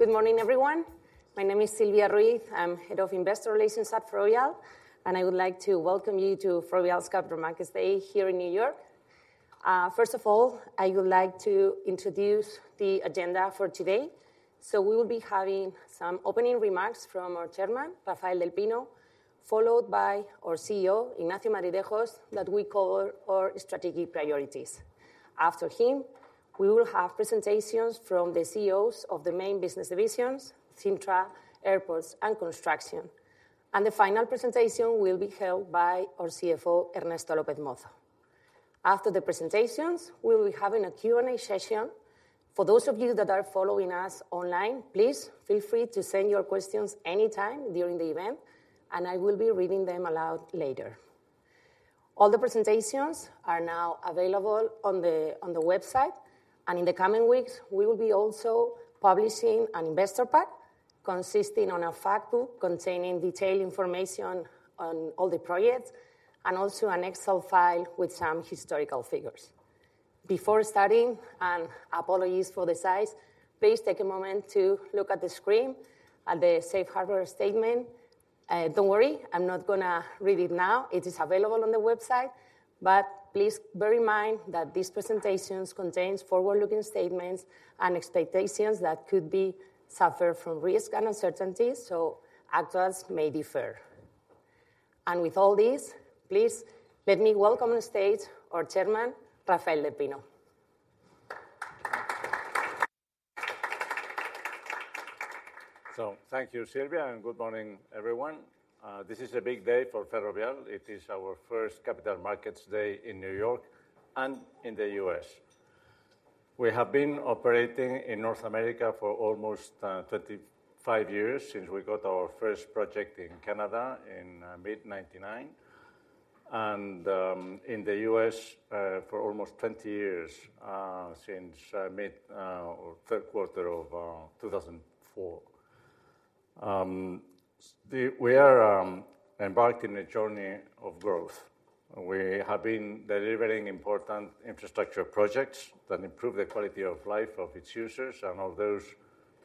Good morning, everyone. My name is Silvia Ruiz. I'm Head of Investor Relations at Ferrovial, and I would like to welcome you to Ferrovial's Capital Markets Day here in New York. First of all, I would like to introduce the agenda for today. We will be having some opening remarks from our Chairman, Rafael del Pino, followed by our CEO, Ignacio Madridejos, that will cover our strategic priorities. After him, we will have presentations from the CEOs of the main business divisions, Cintra, Airports, and Construction. The final presentation will be held by our CFO, Ernesto López Mozo. After the presentations, we will be having a Q&A session. For those of you that are following us online, please feel free to send your questions anytime during the event, and I will be reading them aloud later. All the presentations are now available on the website, and in the coming weeks, we will be also publishing an investor pack consisting on a Fact Book, containing detailed information on all the projects, and also an Excel file with some historical figures. Before starting, and apologies for the size, please take a moment to look at the screen at the safe harbor statement. Don't worry, I'm not going to read it now. It is available on the website. But please bear in mind that these presentations contains forward-looking statements and expectations that could be suffer from risk and uncertainty, so actuals may differ. And with all this, please let me welcome to the stage our chairman, Rafael del Pino. So thank you, Silvia, and good morning, everyone. This is a big day for Ferrovial. It is our first Capital Markets Day in New York and in the U.S. We have been operating in North America for almost 35 years, since we got our first project in Canada in mid-1999, and in the U.S. for almost 20 years since mid or third quarter of 2004. We are embarking a journey of growth. We have been delivering important infrastructure projects that improve the quality of life of its users and of those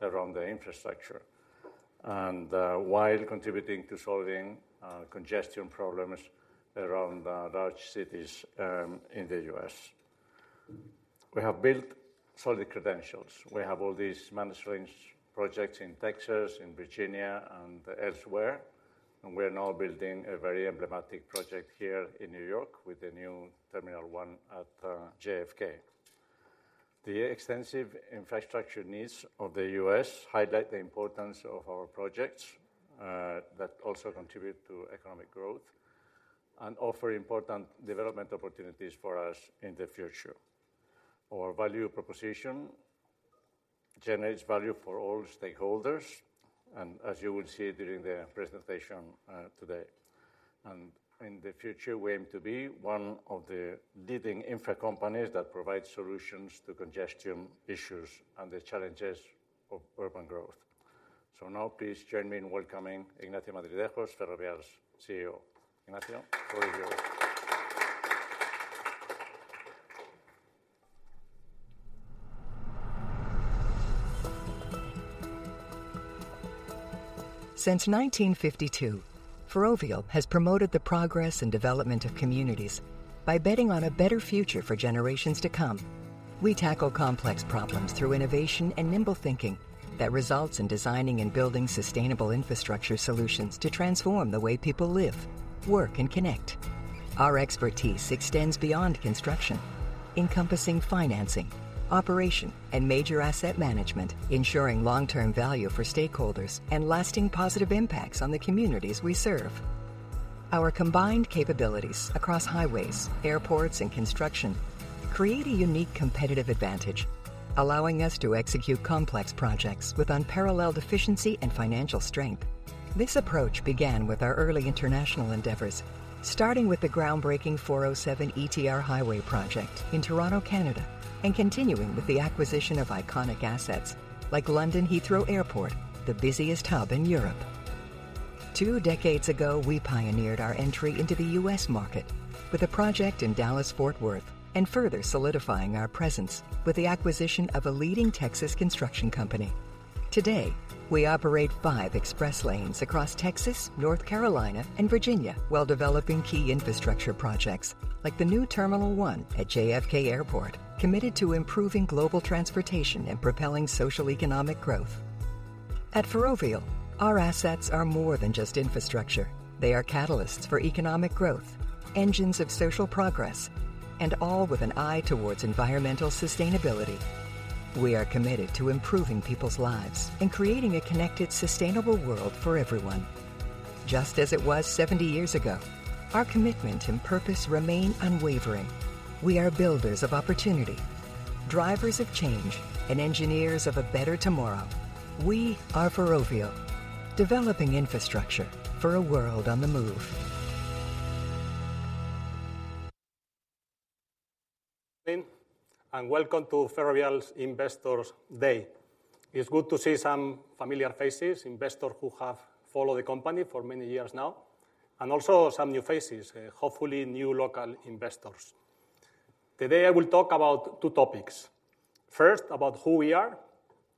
around the infrastructure, and while contributing to solving congestion problems around large cities in the U.S. We have built solid credentials. We have all these managed lanes projects in Texas, in Virginia, and elsewhere, and we are now building a very emblematic project here in New York with the New Terminal One at JFK. The extensive infrastructure needs of the U.S. highlight the importance of our projects that also contribute to economic growth and offer important development opportunities for us in the future. Our value proposition generates value for all stakeholders, and as you will see during the presentation today. And in the future, we aim to be one of the leading infra companies that provide solutions to congestion issues and the challenges of urban growth. So now please join me in welcoming Ignacio Madridejos, Ferrovial's CEO. Ignacio, all yours. Since 1952, Ferrovial has promoted the progress and development of communities by betting on a better future for generations to come. We tackle complex problems through innovation and nimble thinking that results in designing and building sustainable infrastructure solutions to transform the way people live, work, and connect. Our expertise extends beyond construction, encompassing financing, operation, and major asset management, ensuring long-term value for stakeholders and lasting positive impacts on the communities we serve. Our combined capabilities across highways, airports, and construction create a unique competitive advantage, allowing us to execute complex projects with unparalleled efficiency and financial strength. This approach began with our early international endeavors, starting with the groundbreaking 407 ETR highway project in Toronto, Canada, and continuing with the acquisition of iconic assets like London Heathrow Airport, the busiest hub in Europe. Two decades ago, we pioneered our entry into the U.S. market with a project in Dallas-Fort Worth, and further solidifying our presence with the acquisition of a leading Texas construction company. Today, we operate five express lanes across Texas, North Carolina, and Virginia, while developing key infrastructure projects like the new Terminal One at JFK Airport, committed to improving global transportation and propelling socioeconomic growth. At Ferrovial, our assets are more than just infrastructure. They are catalysts for economic growth, engines of social progress, and all with an eye towards environmental sustainability. We are committed to improving people's lives and creating a connected, sustainable world for everyone. Just as it was 70 years ago, our commitment and purpose remain unwavering. We are builders of opportunity, drivers of change, and engineers of a better tomorrow. We are Ferrovial, developing infrastructure for a world on the move. ... And welcome to Ferrovial's Investors Day. It's good to see some familiar faces, investors who have followed the company for many years now, and also some new faces, hopefully new local investors. ...Today I will talk about two topics. First, about who we are,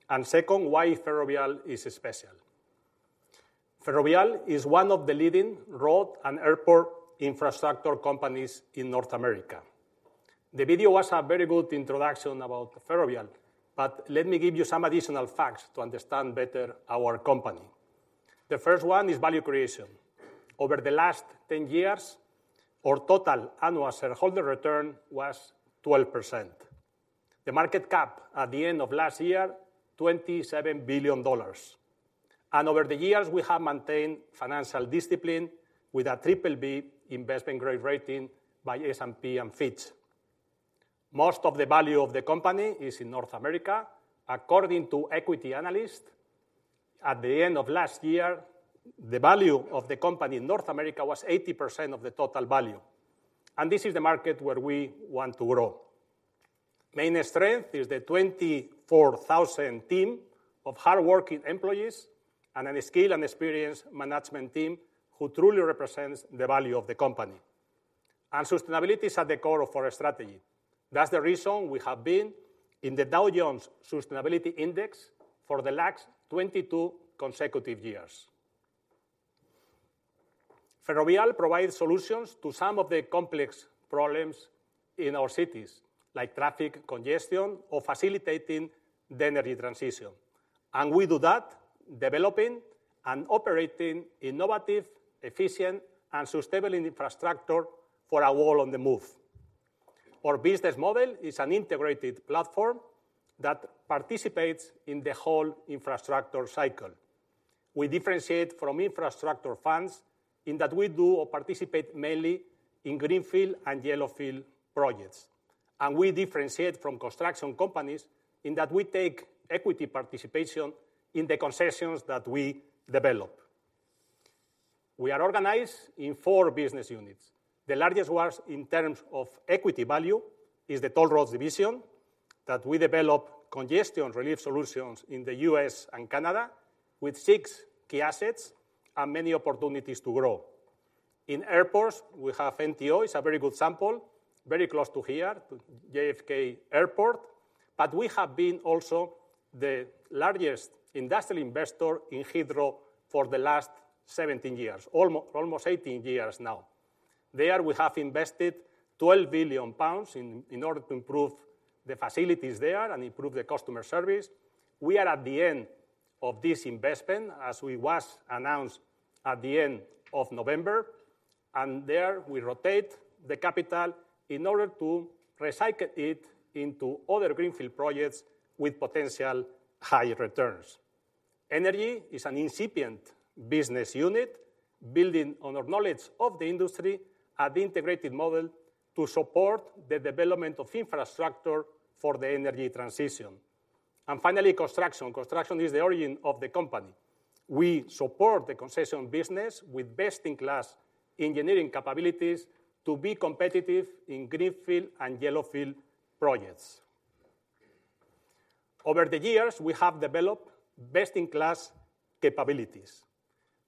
and second, why Ferrovial is special. Ferrovial is one of the leading road and airport infrastructure companies in North America. The video was a very good introduction about Ferrovial, but let me give you some additional facts to understand better our company. The first one is value creation. Over the last 10 years, our total annual shareholder return was 12%. The market cap at the end of last year, $27 billion. Over the years, we have maintained financial discipline with a BBB investment grade rating by S&P and Fitch. Most of the value of the company is in North America. According to equity analyst, at the end of last year, the value of the company in North America was 80% of the total value, and this is the market where we want to grow. Main strength is the 24,000 team of hardworking employees and a skilled and experienced management team who truly represents the value of the company. Sustainability is at the core of our strategy. That's the reason we have been in the Dow Jones Sustainability Index for the last 22 consecutive years. Ferrovial provides solutions to some of the complex problems in our cities, like traffic congestion or facilitating the energy transition, and we do that developing and operating innovative, efficient, and sustainable infrastructure for a world on the move. Our business model is an integrated platform that participates in the whole infrastructure cycle. We differentiate from infrastructure funds in that we do or participate mainly in greenfield and yellowfield projects. We differentiate from construction companies in that we take equity participation in the concessions that we develop. We are organized in four business units. The largest ones in terms of equity value is the toll roads division, that we develop congestion relief solutions in the U.S. and Canada, with six key assets and many opportunities to grow. In airports, we have NTO, which is a very good sample, very close to here, to JFK Airport, but we have been also the largest industrial investor in Heathrow for the last 17 years, almost 18 years now. There we have invested 12 billion pounds in order to improve the facilities there and improve the customer service. We are at the end of this investment, as we was announced at the end of November, and there we rotate the capital in order to recycle it into other greenfield projects with potential higher returns. Energy is an incipient business unit, building on our knowledge of the industry and integrated model to support the development of infrastructure for the energy transition. Finally, construction. Construction is the origin of the company. We support the concession business with best-in-class engineering capabilities to be competitive in greenfield and yellowfield projects. Over the years, we have developed best-in-class capabilities.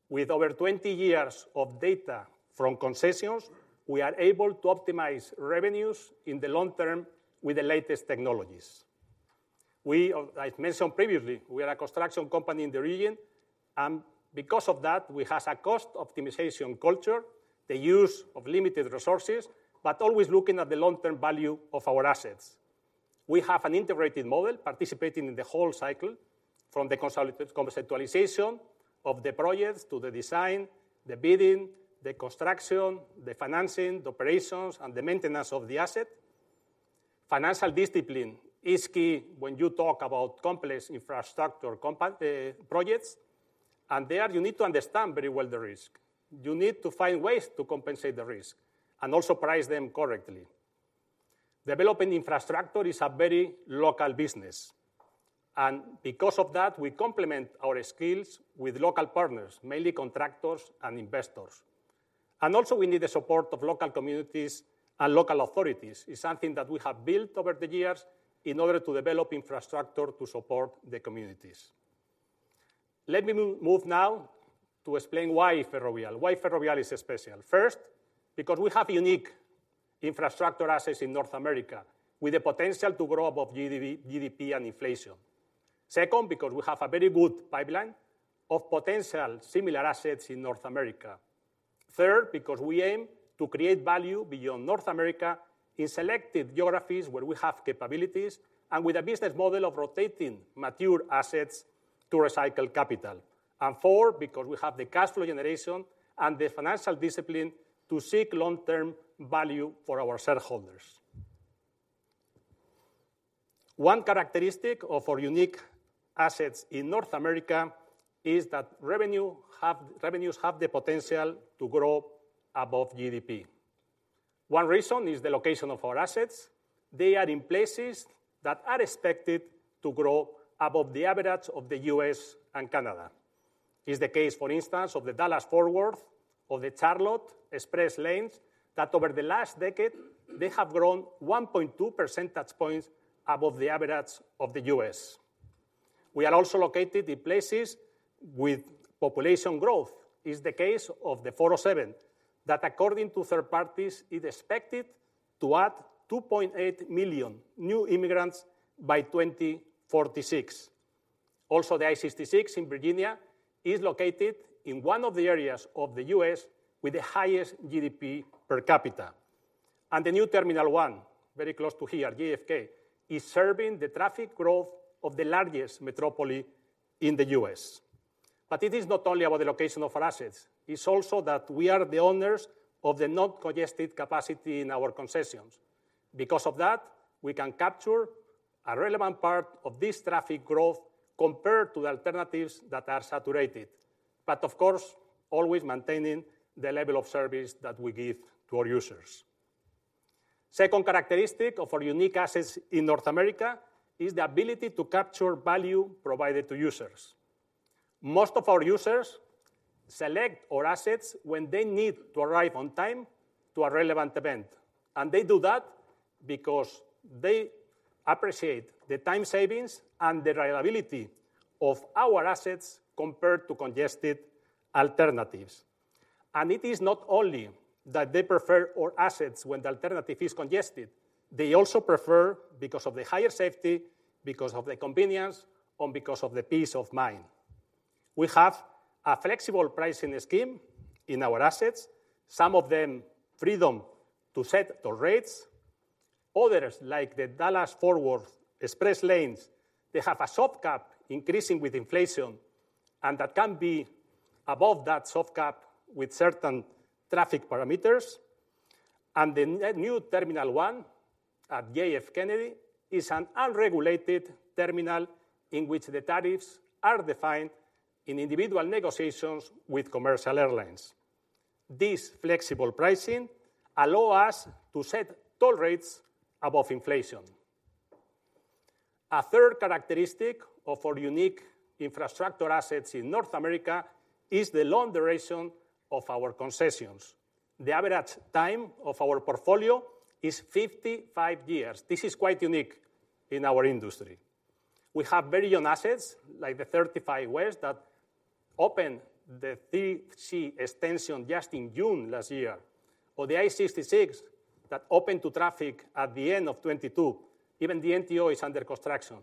With over 20 years of data from concessions, we are able to optimize revenues in the long term with the latest technologies. We, I mentioned previously, we are a construction company in the region, and because of that, we have a cost optimization culture, the use of limited resources, but always looking at the long-term value of our assets. We have an integrated model participating in the whole cycle, from the consolidated conceptualization of the projects to the design, the bidding, the construction, the financing, the operations, and the maintenance of the asset. Financial discipline is key when you talk about complex infrastructure projects, and there you need to understand very well the risk. You need to find ways to compensate the risk and also price them correctly. Developing infrastructure is a very local business, and because of that, we complement our skills with local partners, mainly contractors and investors. And also, we need the support of local communities and local authorities. It's something that we have built over the years in order to develop infrastructure to support the communities. Let me move now to explain why Ferrovial, why Ferrovial is special. First, because we have unique infrastructure assets in North America with the potential to grow above GDP and inflation. Second, because we have a very good pipeline of potential similar assets in North America. Third, because we aim to create value beyond North America in selected geographies where we have capabilities and with a business model of rotating mature assets to recycle capital. And four, because we have the cash flow generation and the financial discipline to seek long-term value for our shareholders. One characteristic of our unique assets in North America is that revenues have the potential to grow above GDP. One reason is the location of our assets. They are in places that are expected to grow above the average of the U.S. and Canada. It is the case, for instance, of the Dallas-Fort Worth or the Charlotte Express Lanes, that over the last decade, they have grown 1.2 percentage points above the average of the U.S.... We are also located in places with population growth. It is the case of the 407, that according to third parties, is expected to add 2.8 million new immigrants by 2046. Also, the I-66 in Virginia is located in one of the areas of the U.S. with the highest GDP per capita. The New Terminal One, very close to here, JFK, is serving the traffic growth of the largest metropolis in the U.S. But it is not only about the location of our assets, it's also that we are the owners of the non-congested capacity in our concessions. Because of that, we can capture a relevant part of this traffic growth compared to the alternatives that are saturated, but of course, always maintaining the level of service that we give to our users. Second characteristic of our unique assets in North America is the ability to capture value provided to users. Most of our users select our assets when they need to arrive on time to a relevant event, and they do that because they appreciate the time savings and the reliability of our assets compared to congested alternatives. And it is not only that they prefer our assets when the alternative is congested, they also prefer because of the higher safety, because of the convenience, and because of the peace of mind. We have a flexible pricing scheme in our assets, some of them freedom to set the rates. Others, like the Dallas-Fort Worth Express Lanes, they have a soft cap increasing with inflation, and that can be above that soft cap with certain traffic parameters. The New Terminal One at JFK Kennedy is an unregulated terminal in which the tariffs are defined in individual negotiations with commercial airlines. This flexible pricing allow us to set toll rates above inflation. A third characteristic of our unique infrastructure assets in North America is the long duration of our concessions. The average time of our portfolio is 55 years. This is quite unique in our industry. We have very young assets, like the 35W, that opened the 3C extension just in June last year, or the I-66 that opened to traffic at the end of 2022. Even the NTO is under construction.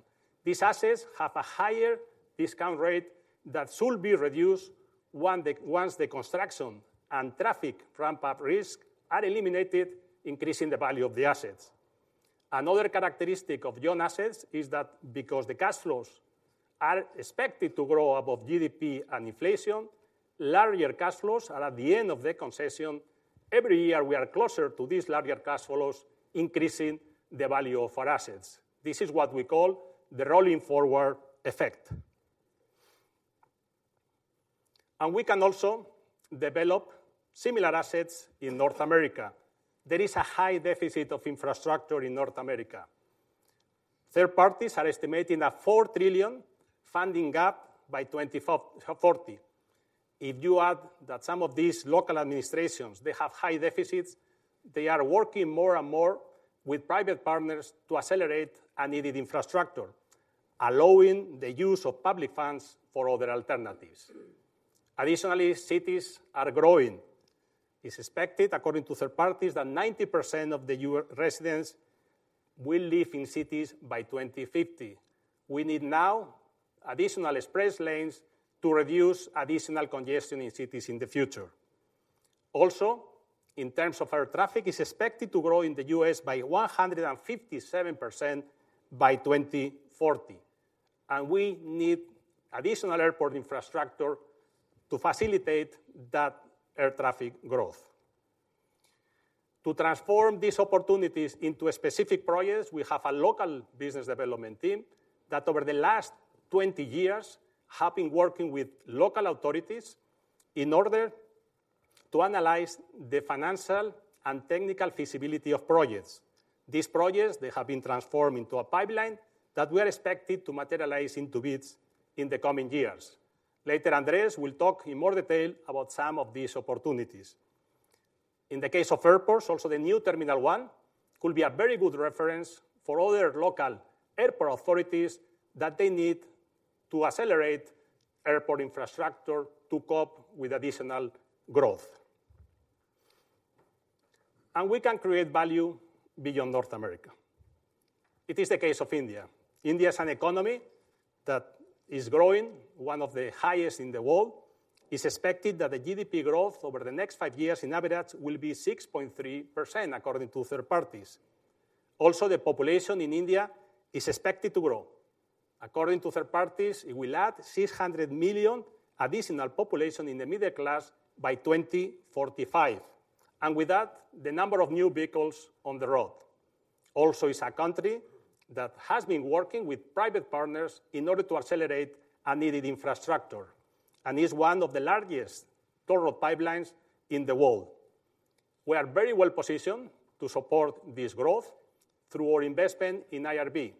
These assets have a higher discount rate that should be reduced once the, once the construction and traffic ramp-up risk are eliminated, increasing the value of the assets. Another characteristic of young assets is that because the cash flows are expected to grow above GDP and inflation, larger cash flows are at the end of the concession. Every year, we are closer to these larger cash flows, increasing the value of our assets. This is what we call the rolling forward effect. And we can also develop similar assets in North America. There is a high deficit of infrastructure in North America. Third parties are estimating a $4 trillion funding gap by 2025, 2040. If you add that some of these local administrations, they have high deficits, they are working more and more with private partners to accelerate needed infrastructure, allowing the use of public funds for other alternatives. Additionally, cities are growing. It's expected, according to third parties, that 90% of the U.S. residents will live in cities by 2050. We need now additional express lanes to reduce additional congestion in cities in the future. Also, in terms of air traffic, it's expected to grow in the U.S. by 157% by 2040, and we need additional airport infrastructure to facilitate that air traffic growth. To transform these opportunities into a specific project, we have a local business development team that, over the last 20 years, have been working with local authorities in order to analyze the financial and technical feasibility of projects. These projects, they have been transformed into a pipeline that we are expected to materialize into bids in the coming years. Later, Andrés will talk in more detail about some of these opportunities. In the case of airports, also, the New Terminal One could be a very good reference for other local airport authorities that they need to accelerate airport infrastructure to cope with additional growth. We can create value beyond North America. It is the case of India. India is an economy that is growing, one of the highest in the world. It's expected that the GDP growth over the next five years in average will be 6.3%, according to third parties. Also, the population in India is expected to grow. According to third parties, it will add 600 million additional population in the middle class by 2045, and with that, the number of new vehicles on the road. Also, it's a country that has been working with private partners in order to accelerate a needed infrastructure and is one of the largest toll road pipelines in the world. We are very well positioned to support this growth through our investment in IRB.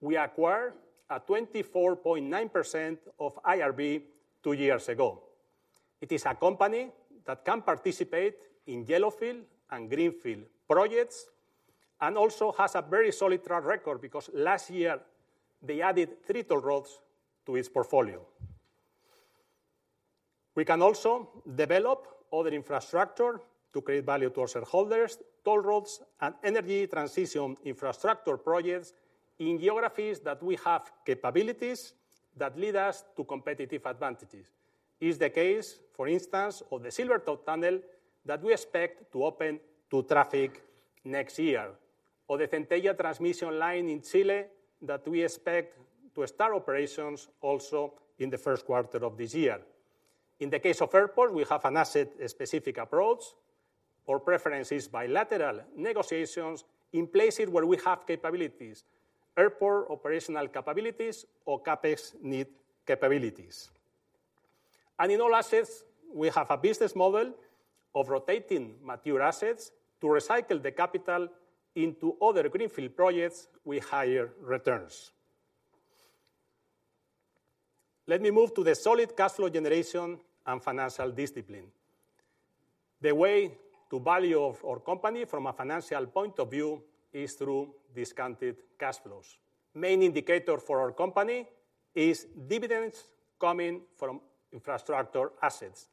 We acquired a 24.9% of IRB two years ago.... It is a company that can participate in yellowfield and greenfield projects, and also has a very solid track record because last year they added three toll roads to its portfolio. We can also develop other infrastructure to create value to our shareholders, toll roads, and energy transition infrastructure projects in geographies that we have capabilities that lead us to competitive advantages. is the case, for instance, of the Silvertown Tunnel, that we expect to open to traffic next year, or the Centella transmission line in Chile that we expect to start operations also in the first quarter of this year. In the case of airport, we have an asset-specific approach, our preference is bilateral negotiations in places where we have capabilities, airport operational capabilities or CapEx need capabilities. In all assets, we have a business model of rotating mature assets to recycle the capital into other greenfield projects with higher returns. Let me move to the solid cash flow generation and financial discipline. The way to value our company from a financial point of view is through discounted cash flows. Main indicator for our company is dividends coming from infrastructure assets,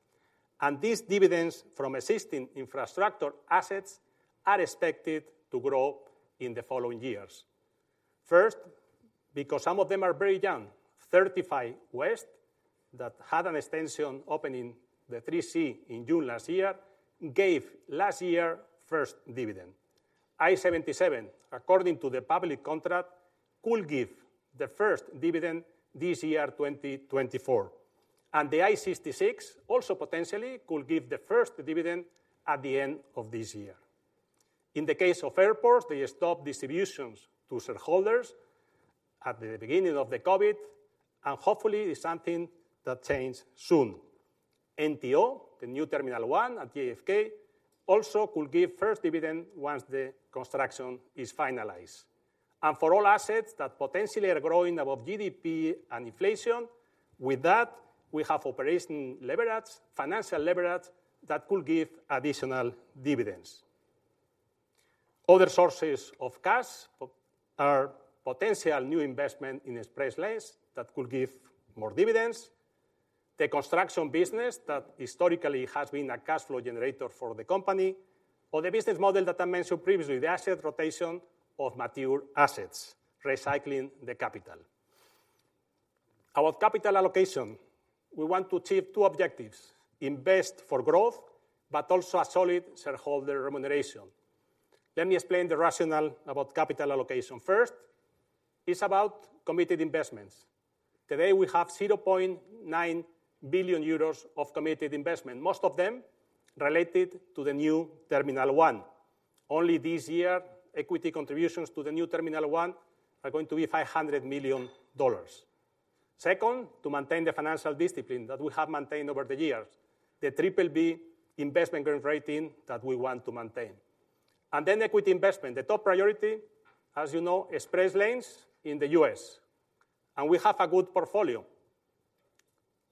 and these dividends from existing infrastructure assets are expected to grow in the following years. First, because some of them are very young. 35W, that had an extension opening, the 3C in June last year, gave last year first dividend. I-77, according to the public contract, could give the first dividend this year, 2024, and the I-66 also potentially could give the first dividend at the end of this year. In the case of airports, they stopped distributions to shareholders at the beginning of the COVID, and hopefully it's something that change soon. NTO, the New Terminal One at JFK, also could give first dividend once the construction is finalized. And for all assets that potentially are growing above GDP and inflation, with that, we have operating leverage, financial leverage that could give additional dividends. Other sources of cash are potential new investment in express lanes that could give more dividends. The Construction business that historically has been a cash flow generator for the company, or the business model that I mentioned previously, the asset rotation of mature assets, recycling the capital. About capital allocation, we want to achieve two objectives: invest for growth, but also a solid shareholder remuneration. Let me explain the rationale about capital allocation. First, it's about committed investments. Today, we have 0.9 billion euros of committed investment, most of them related to the New Terminal One. Only this year, equity contributions to the New Terminal One are going to be $500 million. Second, to maintain the financial discipline that we have maintained over the years, the BBB investment grade rating that we want to maintain. And then equity investment. The top priority, as you know, express lanes in the U.S., and we have a good portfolio.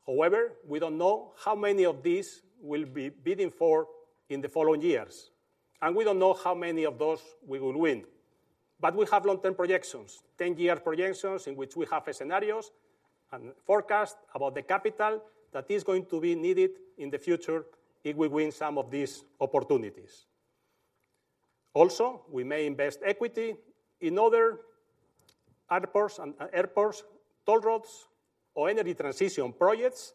However, we don't know how many of these we'll be bidding for in the following years, and we don't know how many of those we will win. But we have long-term projections, 10-year projections, in which we have scenarios and forecast about the capital that is going to be needed in the future if we win some of these opportunities. Also, we may invest equity in other airports and toll roads, or energy transition projects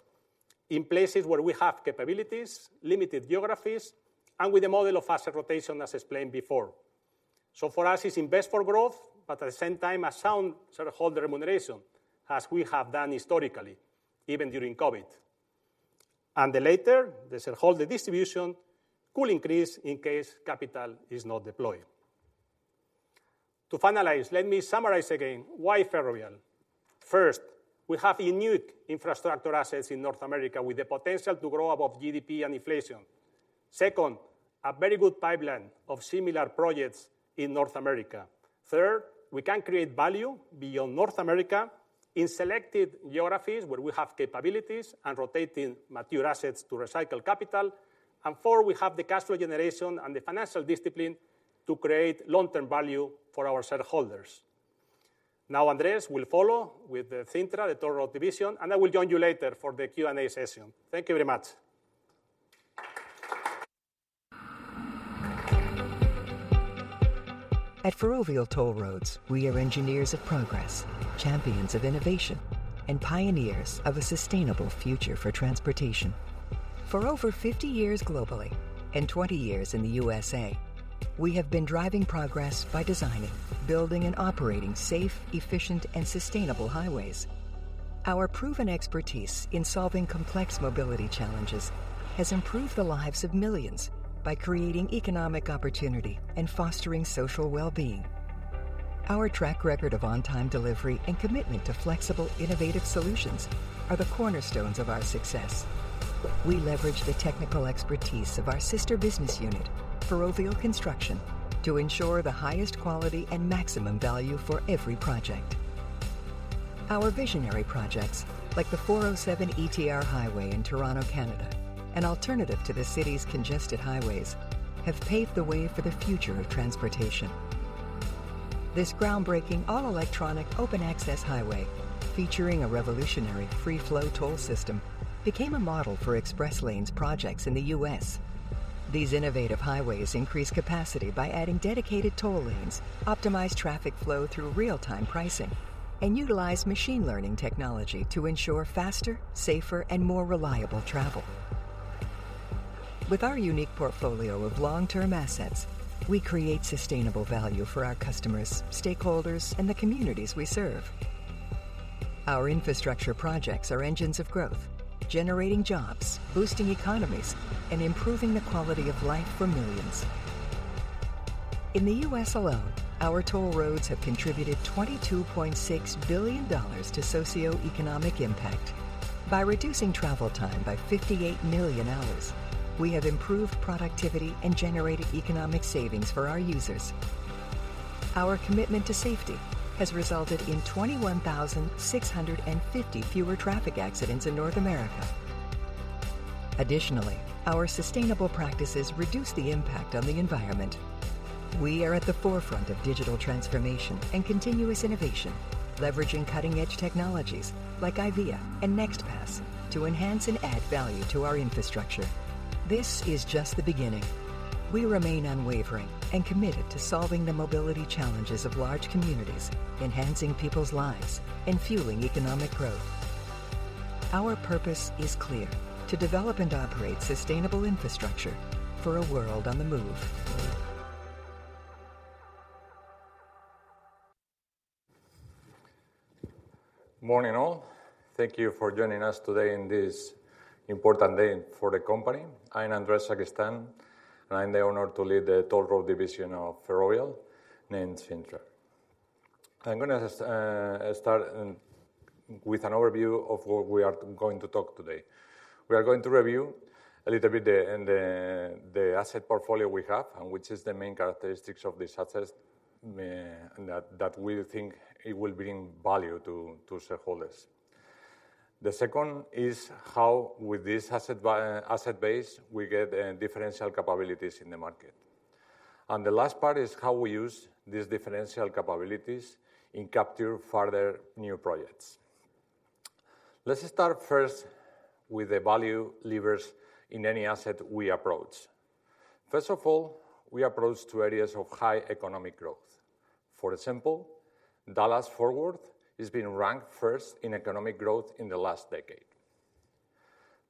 in places where we have capabilities, limited geographies, and with a model of asset rotation, as explained before. So for us, it's invest for growth, but at the same time, a sound shareholder remuneration, as we have done historically, even during COVID. And the latter, the shareholder distribution could increase in case capital is not deployed. To finalize, let me summarize again, why Ferrovial? First, we have unique infrastructure assets in North America with the potential to grow above GDP and inflation. Second, a very good pipeline of similar projects in North America. Third, we can create value beyond North America in selected geographies where we have capabilities and rotating mature assets to recycle capital. And four, we have the cash flow generation and the financial discipline to create long-term value for our shareholders. Now, Andrés will follow with the Cintra, the toll road division, and I will join you later for the Q&A session. Thank you very much. At Ferrovial Toll Roads, we are engineers of progress, champions of innovation, and pioneers of a sustainable future for transportation. For over 50 years globally and 20 years in the USA, we have been driving progress by designing, building, and operating safe, efficient, and sustainable highways. Our proven expertise in solving complex mobility challenges has improved the lives of millions by creating economic opportunity and fostering social well-being. Our track record of on-time delivery and commitment to flexible, innovative solutions are the cornerstones of our success. We leverage the technical expertise of our sister business unit, Ferrovial Construction, to ensure the highest quality and maximum value for every project.... Our visionary projects, like the 407 ETR Highway in Toronto, Canada, an alternative to the city's congested highways, have paved the way for the future of transportation. This groundbreaking, all-electronic, open-access highway, featuring a revolutionary free-flow toll system, became a model for express lanes projects in the U.S. These innovative highways increase capacity by adding dedicated toll lanes, optimize traffic flow through real-time pricing, and utilize machine learning technology to ensure faster, safer, and more reliable travel. With our unique portfolio of long-term assets, we create sustainable value for our customers, stakeholders, and the communities we serve. Our infrastructure projects are engines of growth, generating jobs, boosting economies, and improving the quality of life for millions. In the U.S. alone, our toll roads have contributed $22.6 billion to socioeconomic impact. By reducing travel time by 58 million hours, we have improved productivity and generated economic savings for our users. Our commitment to safety has resulted in 21,650 fewer traffic accidents in North America. Additionally, our sustainable practices reduce the impact on the environment. We are at the forefront of digital transformation and continuous innovation, leveraging cutting-edge technologies like AIVIA and NextPass to enhance and add value to our infrastructure. This is just the beginning. We remain unwavering and committed to solving the mobility challenges of large communities, enhancing people's lives, and fueling economic growth. Our purpose is clear: to develop and operate sustainable infrastructure for a world on the move. Morning, all. Thank you for joining us today in this important day for the company. I am Andrés Sacristán, and I have the honor to lead the toll road division of Ferrovial, named Cintra. I'm gonna start with an overview of what we are going to talk today. We are going to review a little bit the asset portfolio we have, and which is the main characteristics of this assets, and that we think it will bring value to shareholders. The second is how with this asset base, we get differential capabilities in the market. And the last part is how we use these differential capabilities and capture further new projects. Let's start first with the value levers in any asset we approach. First of all, we approach two areas of high economic growth. For example, Dallas-Fort Worth has been ranked first in economic growth in the last decade.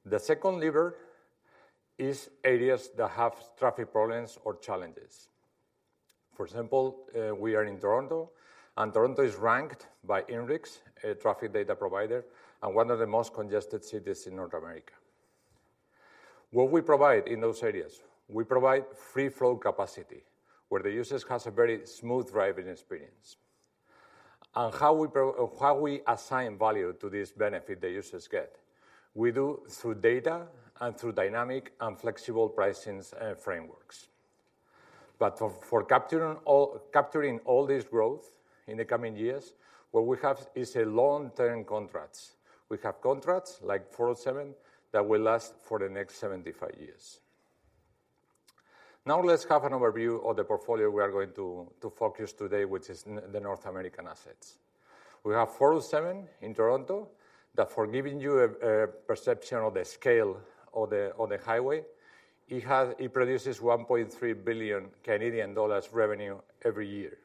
The second lever is areas that have traffic problems or challenges. For example, we are in Toronto, and Toronto is ranked by INRIX, a traffic data provider, and one of the most congested cities in North America. What we provide in those areas? We provide free-flow capacity, where the users has a very smooth driving experience. And how we assign value to this benefit the users get? We do through data and through dynamic and flexible pricings, frameworks. But for capturing all this growth in the coming years, what we have is a long-term contracts. We have contracts like 407, that will last for the next 75 years. Now, let's have an overview of the portfolio we are going to focus today, which is the North American assets. We have 407 in Toronto, that for giving you a perception of the scale of the highway, it has it produces 1.3 billion Canadian dollars revenue every year.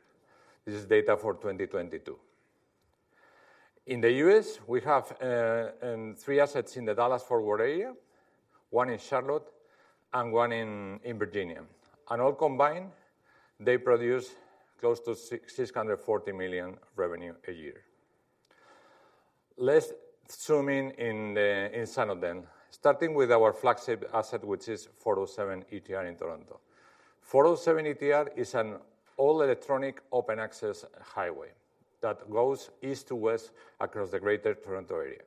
This is data for 2022. In the US, we have three assets in the Dallas-Fort Worth area, one in Charlotte, and one in Virginia. And all combined, they produce close to $640 million revenue a year. Let's zoom in inside of them, starting with our flagship asset, which is 407 ETR in Toronto. 407 ETR is an all-electronic, open-access highway, that goes east to west across the Greater Toronto Area.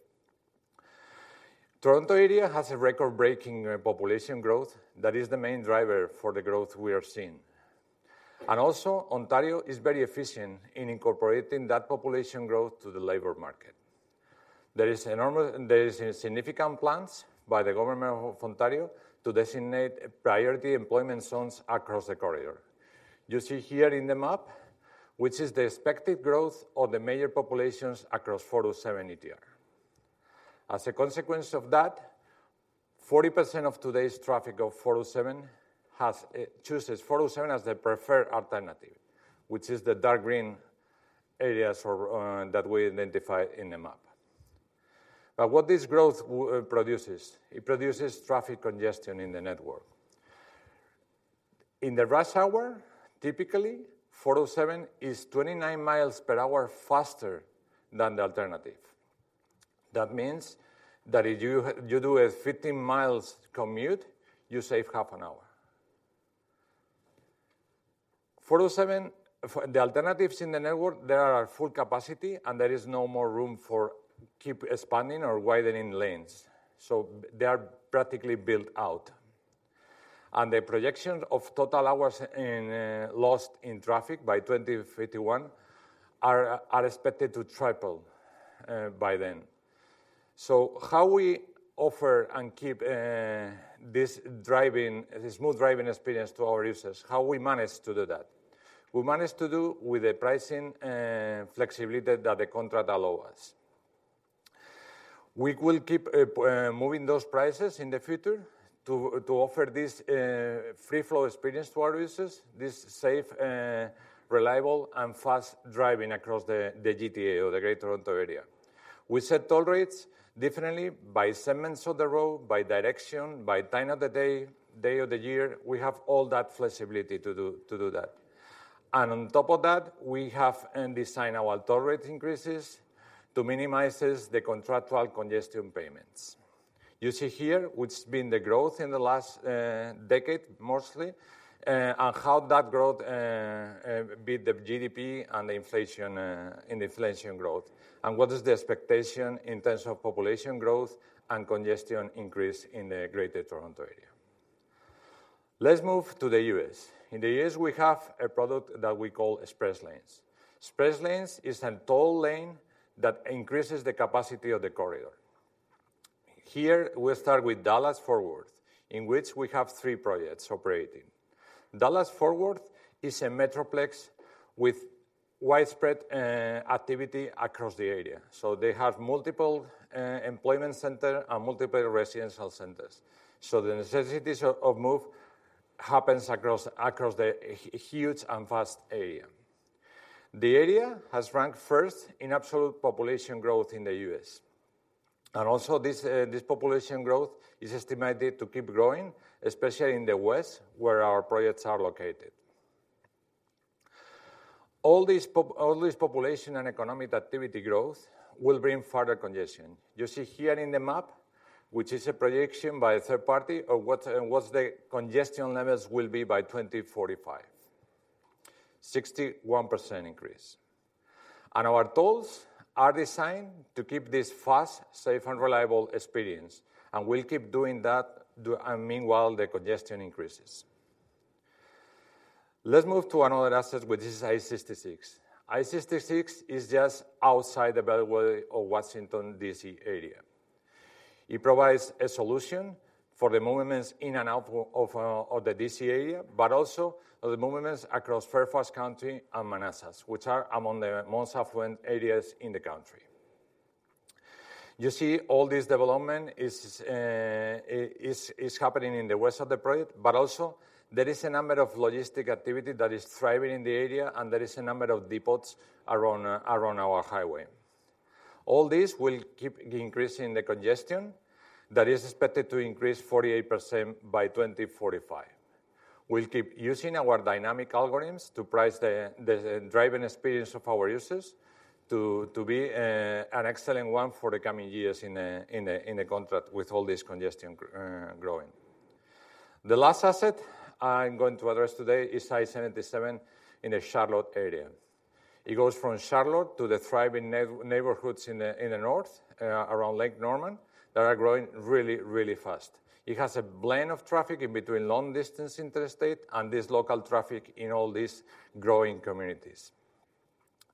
Toronto area has a record-breaking population growth that is the main driver for the growth we are seeing. And also, Ontario is very efficient in incorporating that population growth to the labor market. There is significant plans by the government of Ontario to designate priority employment zones across the corridor. You see here in the map, which is the expected growth of the major populations across 407 ETR. As a consequence of that, 40% of today's traffic of 407 chooses 407 as their preferred alternative, which is the dark green areas for that we identify in the map. But what this growth produces? It produces traffic congestion in the network. In the rush hour, typically, 407 is 29 mph faster than the alternative. That means that if you do a 15 mi commute, you save half an hour. 407, the alternatives in the network, they are at full capacity, and there is no more room for keep expanding or widening lanes, so they are practically built out. And the projection of total hours in lost in traffic by 2051 are expected to triple by then. So how we offer and keep this driving, this smooth driving experience to our users, how we manage to do that? We manage to do with the pricing flexibility that the contract allow us. We will keep moving those prices in the future to offer this free flow experience to our users, this safe reliable, and fast driving across the GTA or the Greater Toronto Area. We set toll rates differently by segments of the road, by direction, by time of the day, day of the year. We have all that flexibility to do that. And on top of that, we have and design our toll rate increases to minimizes the contractual congestion payments. You see here, which has been the growth in the last decade, mostly, and how that growth beat the GDP and the inflation, and inflation growth, and what is the expectation in terms of population growth and congestion increase in the Greater Toronto Area. Let's move to the U.S. In the U.S., we have a product that we call Express Lanes. Express Lanes is a toll lane that increases the capacity of the corridor. Here, we'll start with Dallas-Fort Worth, in which we have three projects operating. Dallas-Fort Worth is a metroplex with widespread activity across the area, so they have multiple employment center and multiple residential centers. So the necessities of move happens across the huge and vast area. The area has ranked first in absolute population growth in the U.S., and also, this population growth is estimated to keep growing, especially in the west, where our projects are located. All this population and economic activity growth will bring further congestion. You see here in the map, which is a projection by a third party, of what the congestion levels will be by 2045: 61% increase. And our tolls are designed to keep this fast, safe, and reliable experience, and we'll keep doing that, and meanwhile, the congestion increases. Let's move to another asset, which is I-66. I-66 is just outside the Beltway of Washington, D.C., area. It provides a solution for the movements in and out of the D.C. area, but also of the movements across Fairfax County and Manassas, which are among the most affluent areas in the country. You see, all this development is happening in the west of the project, but also there is a number of logistics activity that is thriving in the area, and there is a number of depots around our highway. All this will keep increasing the congestion that is expected to increase 48% by 2045. We'll keep using our dynamic algorithms to price the driving experience of our users to be an excellent one for the coming years in a contract with all this congestion growing. The last asset I'm going to address today is I-77 in the Charlotte area. It goes from Charlotte to the thriving neighborhoods in the north, around Lake Norman, that are growing really, really fast. It has a blend of traffic in between long-distance interstate and this local traffic in all these growing communities.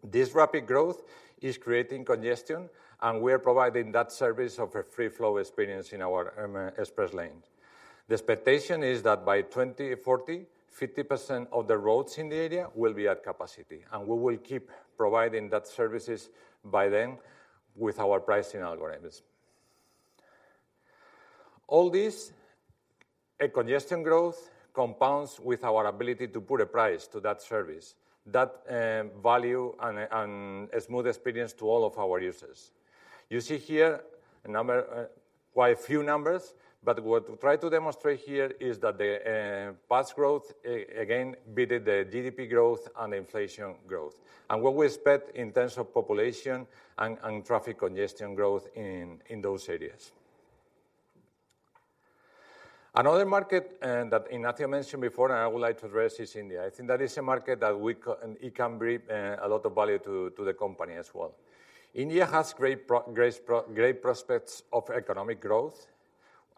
This rapid growth is creating congestion, and we are providing that service of a free flow experience in our express lane. The expectation is that by 2040, 50% of the roads in the area will be at capacity, and we will keep providing that services by then with our pricing algorithms. All this congestion growth compounds with our ability to put a price to that service, that value and a smooth experience to all of our users. You see here, a number, quite a few numbers, but what we try to demonstrate here is that the past growth again beat the GDP growth and inflation growth, and what we expect in terms of population and traffic congestion growth in those areas. Another market that Ignacio mentioned before, and I would like to address, is India. I think that is a market that we can, it can bring a lot of value to the company as well. India has great prospects of economic growth,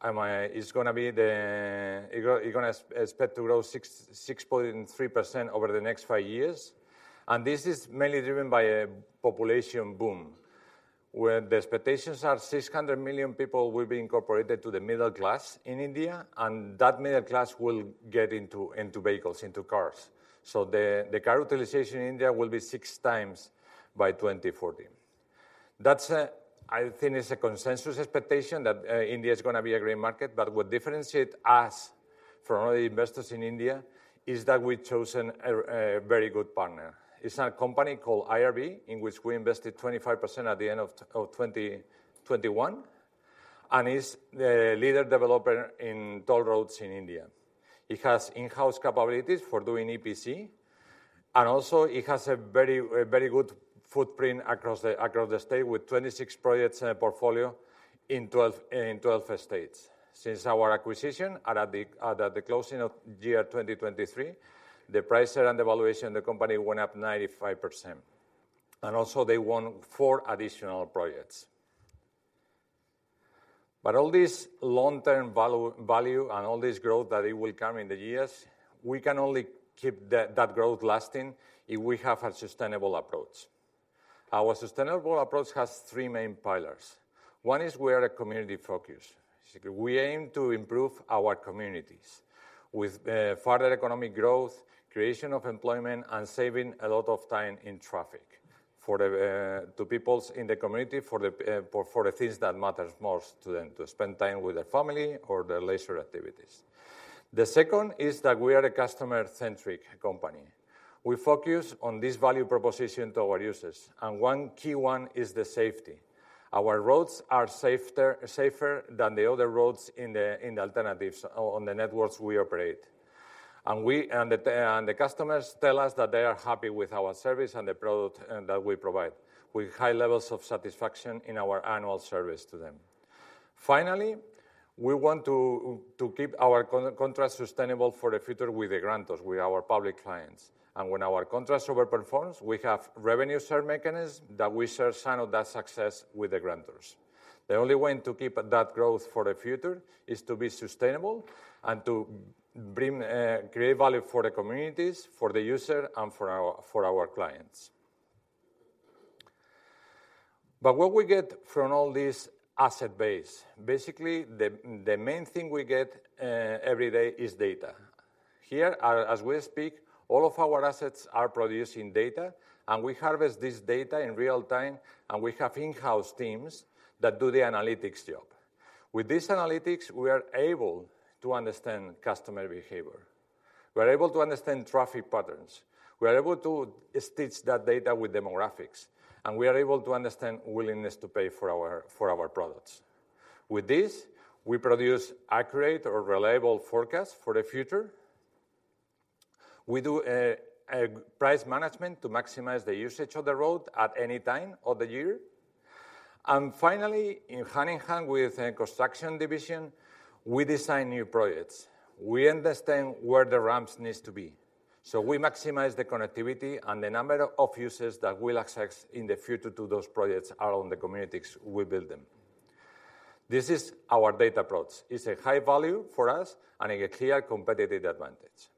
and it's gonna be the... It's expected to grow 6.3% over the next five years, and this is mainly driven by a population boom, where the expectations are 600 million people will be incorporated to the middle class in India, and that middle class will get into vehicles, into cars. So the car utilization in India will be 6x by 2040. That's, I think, is a consensus expectation, that India is gonna be a great market, but what differentiates us from other investors in India is that we've chosen a very good partner. It's a company called IRB, in which we invested 25% at the end of 2021, and it's the leader developer in toll roads in India. It has in-house capabilities for doing EPC, and also it has a very good footprint across the state, with 26 projects in a portfolio in 12 states. Since our acquisition at the closing of year 2023, the price and the valuation of the company went up 95%, and also, they won four additional projects. But all this long-term value and all this growth that it will come in the years, we can only keep that growth lasting if we have a sustainable approach. Our sustainable approach has 3 main pillars. One is we are a community focus. So we aim to improve our communities with further economic growth, creation of employment, and saving a lot of time in traffic for the people in the community, for the things that matters most to them, to spend time with their family or their leisure activities. The second is that we are a customer-centric company. We focus on this value proposition to our users, and one key one is the safety. Our roads are safer than the other roads in the alternatives on the networks we operate. And the customers tell us that they are happy with our service and the product, and that we provide with high levels of satisfaction in our annual service to them. Finally, we want to keep our contracts sustainable for the future with the grantors, with our public clients. And when our contracts overperform, we have revenue share mechanism that we share some of that success with the grantors. The only way to keep that growth for the future is to be sustainable and to create value for the communities, for the user, and for our clients. But what we get from all this asset base? Basically, the main thing we get every day is data. Here, as we speak, all of our assets are producing data, and we harvest this data in real time, and we have in-house teams that do the analytics job. With this analytics, we are able to understand customer behavior. We're able to understand traffic patterns, we are able to stitch that data with demographics, and we are able to understand willingness to pay for our products. With this, we produce accurate or reliable forecasts for the future. We do a price management to maximize the usage of the road at any time of the year. And finally, in hand-in-hand with the Construction division, we design new projects. We understand where the ramps needs to be, so we maximize the connectivity and the number of users that will access in the future to those projects around the communities we build them. This is our data approach. It's a high value for us and a clear competitive advantage.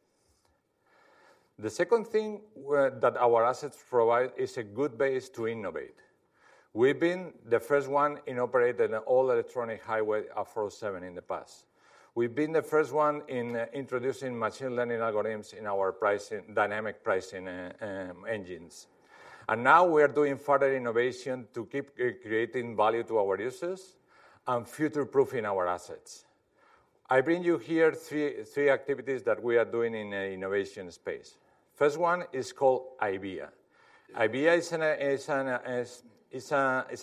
The second thing that our assets provide is a good base to innovate. We've been the first one in operating an all-electronic highway, 407, in the past. We've been the first one in introducing machine learning algorithms in our pricing, dynamic pricing, engines. Now we are doing further innovation to keep creating value to our users and future-proofing our assets. I bring you here three activities that we are doing in the innovation space. First one is called AIVIA. AIVIA is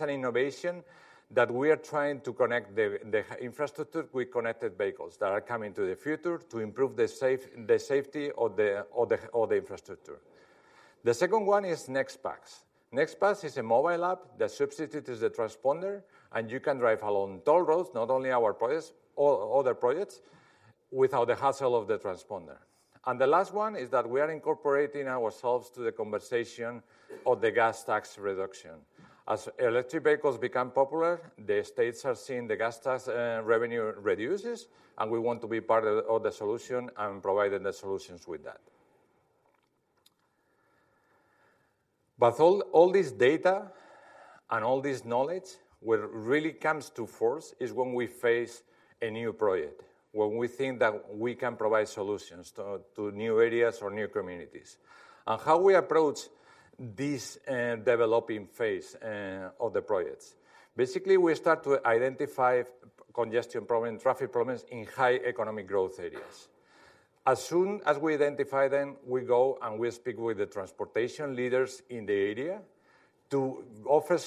an innovation that we are trying to connect the infrastructure with connected vehicles that are coming to the future to improve the safety of the infrastructure. The second one is NextPass. NextPass is a mobile app that substitutes the transponder, and you can drive along toll roads, not only our projects or other projects, without the hassle of the transponder. And the last one is that we are incorporating ourselves to the conversation of the gas tax reduction. As electric vehicles become popular, the states are seeing the gas tax revenue reduces, and we want to be part of the solution and providing the solutions with that. But all this data and all this knowledge, where it really comes to force is when we face a new project, when we think that we can provide solutions to new areas or new communities. And how we approach this developing phase of the projects? Basically, we start to identify congestion problem, traffic problems in high economic growth areas. As soon as we identify them, we go and we speak with the transportation leaders in the area to offer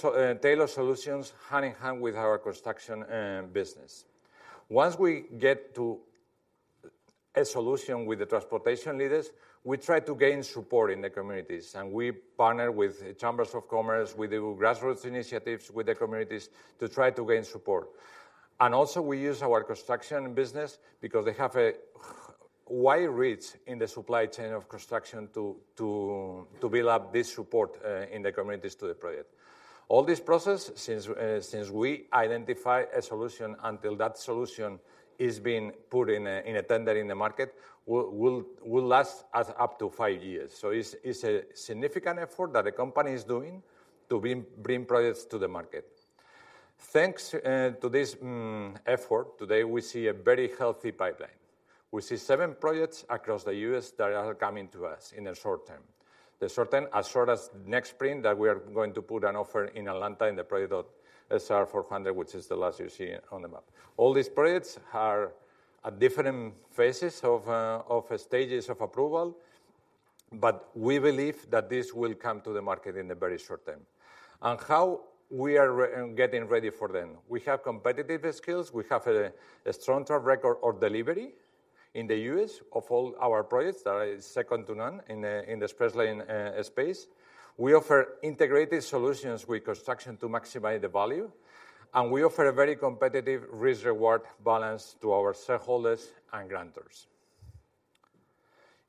tailored solutions hand-in-hand with our Construction business. Once we get to a solution with the transportation leaders, we try to gain support in the communities, and we partner with chambers of commerce. We do grassroots initiatives with the communities to try to gain support. And also, we use our Construction business because they have a wide reach in the supply chain of construction to build up this support in the communities to the project. All this process, since we identify a solution, until that solution is being put in a tender in the market, will last us up to five years. So it's a significant effort that the company is doing to bring products to the market. Thanks to this effort, today, we see a very healthy pipeline. We see seven projects across the U.S. that are coming to us in the short term. The short term, as short as next spring, that we are going to put an offer in Atlanta in the project of SR 400, which is the last you see on the map. All these projects are at different phases of stages of approval, but we believe that this will come to the market in a very short time. How we are getting ready for them? We have competitive skills, we have a stronger record of delivery in the U.S. of all our projects, that is second to none in the express lane space. We offer integrated solutions with construction to maximize the value, and we offer a very competitive risk-reward balance to our shareholders and grantors.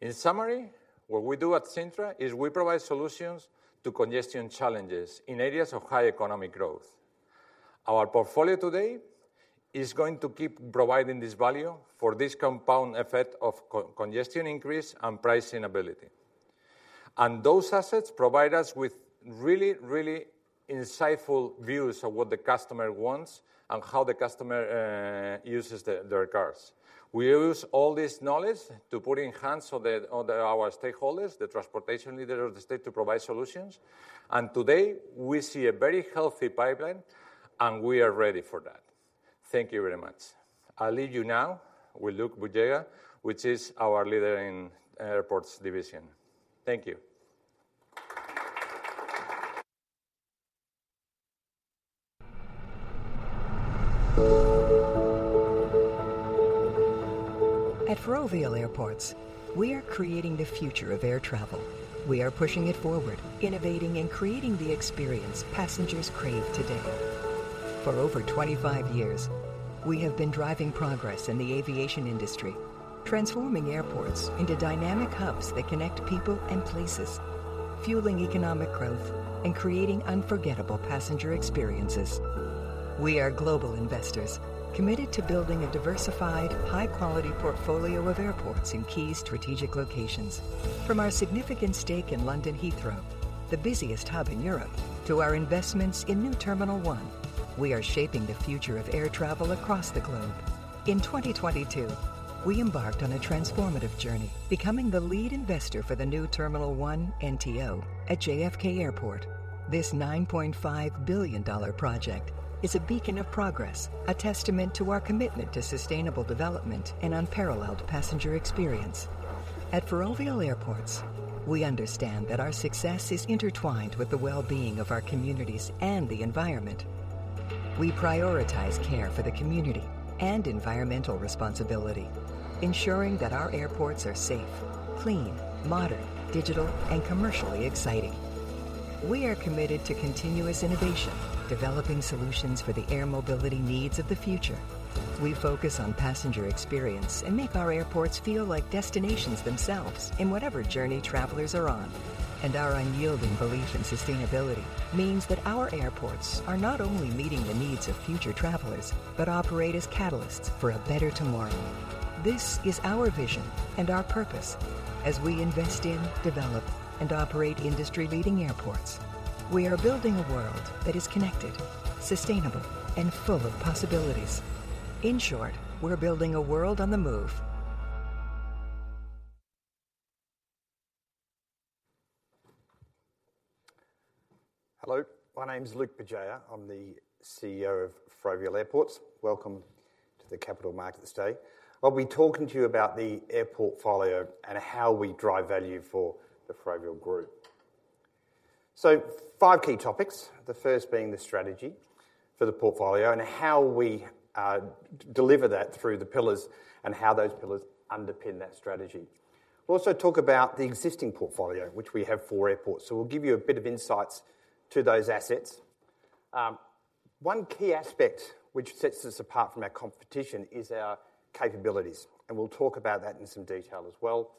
In summary, what we do at Cintra is we provide solutions to congestion challenges in areas of high economic growth. Our portfolio today is going to keep providing this value for this compound effect of congestion increase and pricing ability. Those assets provide us with really, really insightful views of what the customer wants and how the customer uses their cars. We use all this knowledge to put in hands of the, of our stakeholders, the transportation leaders of the state, to provide solutions. Today, we see a very healthy pipeline, and we are ready for that. Thank you very much. I leave you now with Luke Bugeja, which is our leader in Airports Division. Thank you. At Ferrovial Airports, we are creating the future of air travel. We are pushing it forward, innovating and creating the experience passengers crave today. For over 25 years, we have been driving progress in the aviation industry, transforming airports into dynamic hubs that connect people and places, fueling economic growth and creating unforgettable passenger experiences. We are global investors, committed to building a diversified, high-quality portfolio of airports in key strategic locations. From our significant stake in London Heathrow, the busiest hub in Europe, to our investments in New Terminal One, we are shaping the future of air travel across the globe. In 2022, we embarked on a transformative journey, becoming the lead investor for the New Terminal One, NTO, at JFK Airport. This $9.5 billion project is a beacon of progress, a testament to our commitment to sustainable development and unparalleled passenger experience. At Ferrovial Airports, we understand that our success is intertwined with the well-being of our communities and the environment. We prioritize care for the community and environmental responsibility, ensuring that our airports are safe, clean, modern, digital, and commercially exciting. We are committed to continuous innovation, developing solutions for the air mobility needs of the future. We focus on passenger experience and make our airports feel like destinations themselves in whatever journey travelers are on. And our unyielding belief in sustainability means that our airports are not only meeting the needs of future travelers, but operate as catalysts for a better tomorrow. This is our vision and our purpose as we invest in, develop, and operate industry-leading airports. We are building a world that is connected, sustainable, and full of possibilities. In short, we're building a world on the move. Hello, my name is Luke Bugeja. I'm the CEO of Ferrovial Airports. Welcome to the Capital Markets Day. I'll be talking to you about the airport portfolio and how we drive value for the Ferrovial Group. Five key topics, the first being the strategy for the portfolio and how we deliver that through the pillars and how those pillars underpin that strategy. We'll also talk about the existing portfolio, which we have four airports, so we'll give you a bit of insights to those assets. One key aspect which sets us apart from our competition is our capabilities, and we'll talk about that in some detail as well.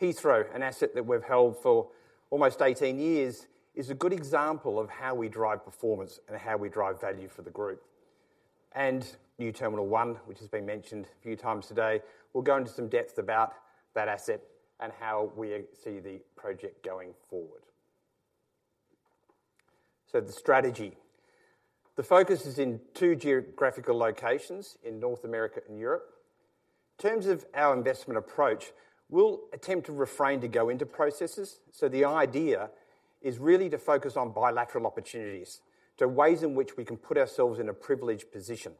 Heathrow, an asset that we've held for almost 18 years, is a good example of how we drive performance and how we drive value for the group. New Terminal One, which has been mentioned a few times today, we'll go into some depth about that asset and how we see the project going forward. The strategy. The focus is in two geographical locations, in North America and Europe. In terms of our investment approach, we'll attempt to refrain to go into processes. The idea is really to focus on bilateral opportunities, so ways in which we can put ourselves in a privileged position.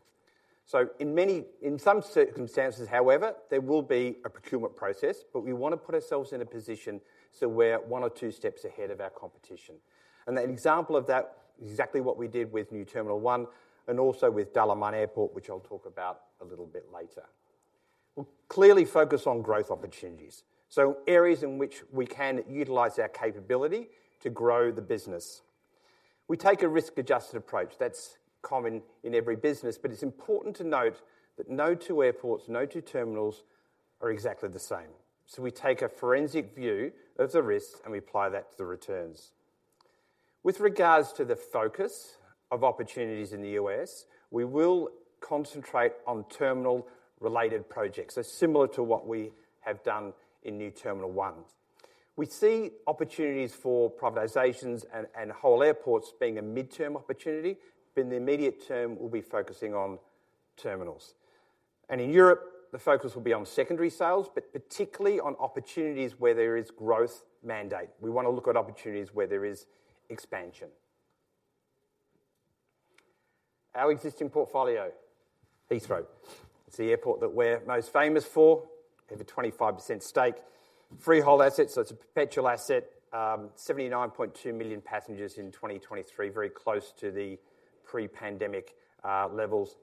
In some circumstances, however, there will be a procurement process, but we want to put ourselves in a position so we're one or two steps ahead of our competition. An example of that is exactly what we did with New Terminal One and also with Dalaman Airport, which I'll talk about a little bit later. We'll clearly focus on growth opportunities, so areas in which we can utilize our capability to grow the business. We take a risk-adjusted approach that's common in every business, but it's important to note that no two airports, no two terminals are exactly the same. We take a forensic view of the risks, and we apply that to the returns. With regards to the focus of opportunities in the U.S., we will concentrate on terminal-related projects, so similar to what we have done in New Terminal One. We see opportunities for privatizations and whole airports being a midterm opportunity, but in the immediate term, we'll be focusing on terminals. In Europe, the focus will be on secondary sales, but particularly on opportunities where there is growth mandate. We want to look at opportunities where there is expansion. Our existing portfolio, Heathrow. It's the airport that we're most famous for. We have a 25% stake. Freehold asset, so it's a perpetual asset. 79.2 million passengers in 2023, very close to the pre-pandemic levels.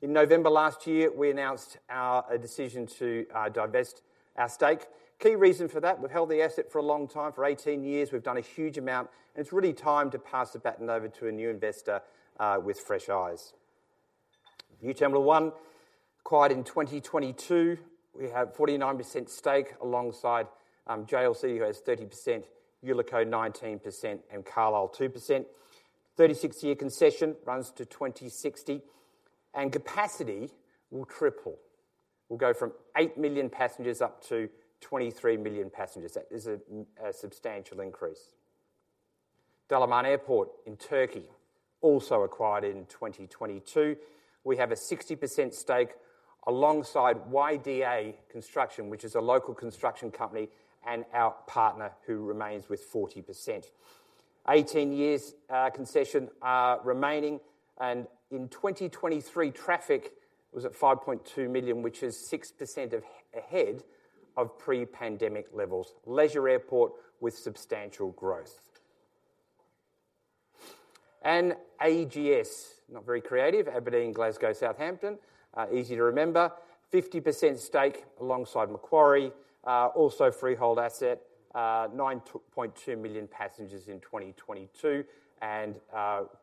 In November last year, we announced our decision to divest our stake. Key reason for that, we've held the asset for a long time, for 18 years. We've done a huge amount, and it's really time to pass the baton over to a new investor with fresh eyes. New Terminal One, acquired in 2022. We have 49% stake alongside JLC, who has 30%, Ullico, 19%, and Carlyle, 2%. 36-year concession, runs to 2060, and capacity will triple. We'll go from 8 million passengers up to 23 million passengers. That is a substantial increase. Dalaman Airport in Turkey, also acquired in 2022. We have a 60% stake alongside YDA Construction, which is a local construction company, and our partner, who remains with 40%. 18 years concession remaining, and in 2023, traffic was at 5.2 million, which is 6% ahead of pre-pandemic levels. Leisure airport with substantial growth. And AGS, not very creative, Aberdeen, Glasgow, Southampton, easy to remember, 50% stake alongside Macquarie. Also freehold asset, 9.2 million passengers in 2022 and,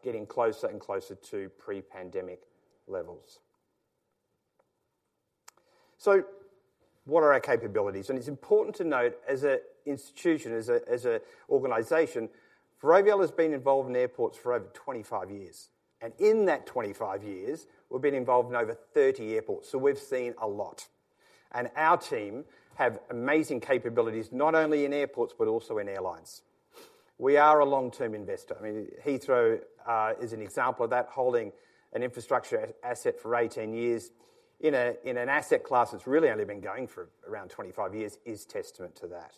getting closer and closer to pre-pandemic levels. So what are our capabilities? And it's important to note, as an institution, as an organization, Ferrovial has been involved in airports for over 25 years, and in that 25 years, we've been involved in over 30 airports, so we've seen a lot. And our team have amazing capabilities, not only in airports, but also in airlines. We are a long-term investor. I mean, Heathrow is an example of that, holding an infrastructure asset for 18 years in an asset class that's really only been going for around 25 years, is testament to that.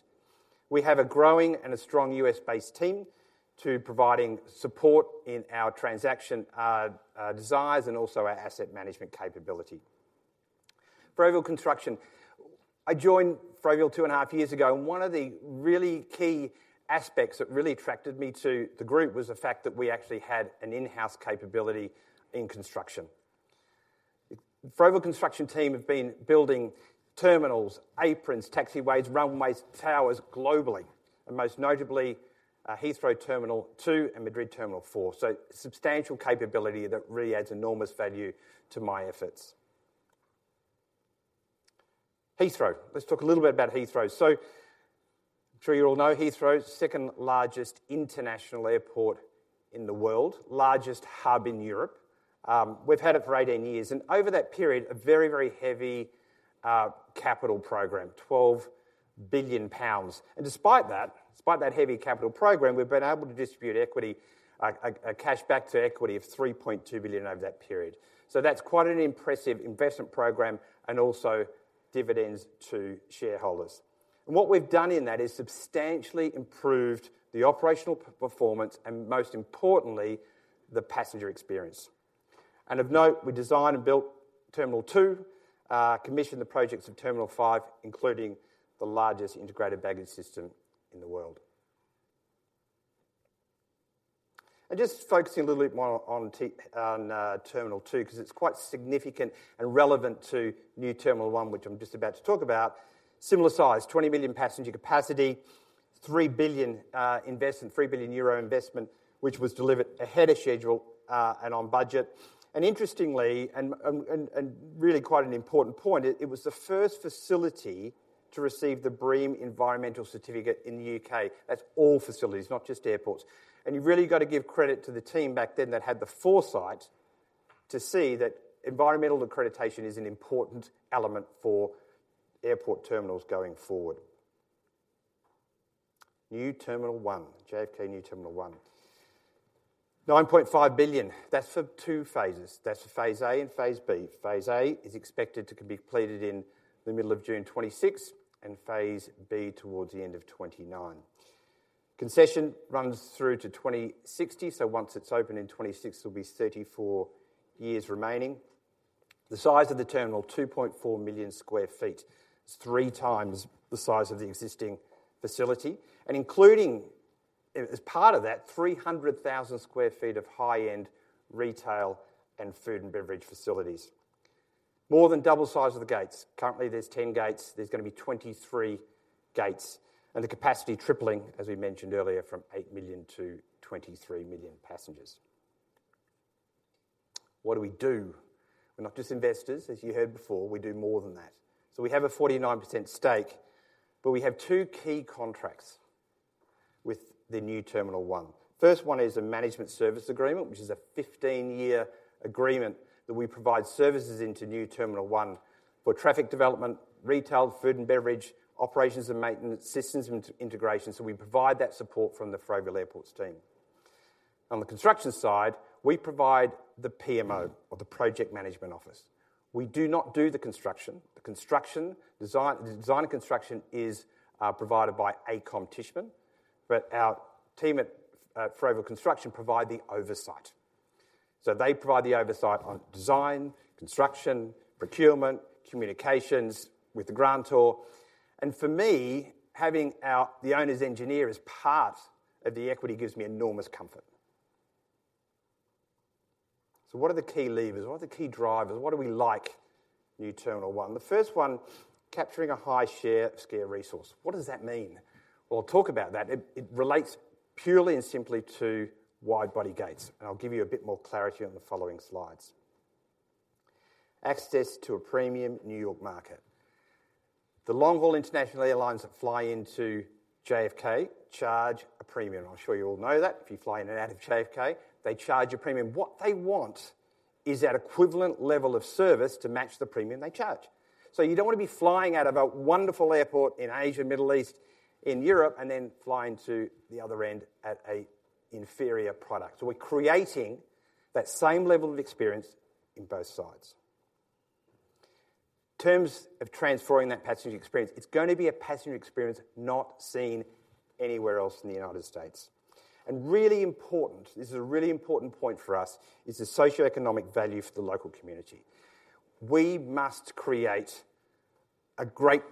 We have a growing and a strong U.S.-based team to providing support in our transaction desires and also our asset management capability. Ferrovial Construction. I joined Ferrovial 2.5 years ago, and one of the really key aspects that really attracted me to the group was the fact that we actually had an in-house capability in construction. Ferrovial Construction team have been building terminals, aprons, taxiways, runways, towers globally, and most notably, Heathrow Terminal 2 and Madrid Terminal 4. So substantial capability that really adds enormous value to my efforts. Heathrow. Let's talk a little bit about Heathrow. So I'm sure you all know Heathrow, second largest international airport in the world, largest hub in Europe. We've had it for 18 years, and over that period, a very, very heavy capital program, 12 billion pounds. And despite that, despite that heavy capital program, we've been able to distribute equity, a cash back to equity of 3.2 billion over that period. So that's quite an impressive investment program and also dividends to shareholders. And what we've done in that is substantially improved the operational performance and, most importantly, the passenger experience. And of note, we designed and built Terminal 2, commissioned the projects of Terminal 5, including the largest integrated baggage system in the world. And just focusing a little bit more on Terminal 2, 'cause it's quite significant and relevant to New Terminal One, which I'm just about to talk about. Similar size, 20 million passenger capacity, 3 billion, investment, 3 billion euro investment, which was delivered ahead of schedule and on budget. And interestingly, really quite an important point, it was the first facility to receive the BREEAM environmental certificate in the U.K. That's all facilities, not just airports. And you've really got to give credit to the team back then that had the foresight to see that environmental accreditation is an important element for airport terminals going forward. New Terminal One, JFK New Terminal One. $9.5 billion. That's for two phases. That's for Phase A and Phase B. Phase A is expected to be completed in the middle of June 2026, and Phase B towards the end of 2029. Concession runs through to 2060, so once it's open in 2026, there'll be 34 years remaining. The size of the terminal, 2.4 million sq ft. It's 3x the size of the existing facility and including, as part of that, 300,000 sq ft of high-end retail and food and beverage facilities. More than double the size of the gates. Currently, there's 10 gates; there's gonna be 23 gates, and the capacity tripling, as we mentioned earlier, from 8 million to 23 million passengers. What do we do? We're not just investors, as you heard before, we do more than that. So we have a 49% stake, but we have two key contracts with the New Terminal One. First one is a management service agreement, which is a 15-year agreement that we provide services into New Terminal One for traffic development, retail, food and beverage, operations and maintenance, systems integration. So we provide that support from the Ferrovial Airports team. On the construction side, we provide the PMO or the Project Management Office. We do not do the construction. The construction, design, the design and construction is provided by AECOM Tishman, but our team at Ferrovial Construction provide the oversight. So they provide the oversight on design, construction, procurement, communications with the grantor. And for me, having our the owner's engineer as part of the equity gives me enormous comfort. So what are the key levers? What are the key drivers? What do we like?... New Terminal One. The first one, capturing a high share of scarce resource. What does that mean? Well, I'll talk about that. It relates purely and simply to wide-body gates, and I'll give you a bit more clarity on the following slides. Access to a premium New York market. The long-haul international airlines that fly into JFK charge a premium. I'm sure you all know that. If you fly in and out of JFK, they charge a premium. What they want is that equivalent level of service to match the premium they charge. So you don't want to be flying out of a wonderful airport in Asia, Middle East, in Europe, and then flying to the other end at an inferior product. So we're creating that same level of experience in both sides. In terms of transforming that passenger experience, it's going to be a passenger experience not seen anywhere else in the United States. Really important, this is a really important point for us, is the socioeconomic value for the local community. We must create a great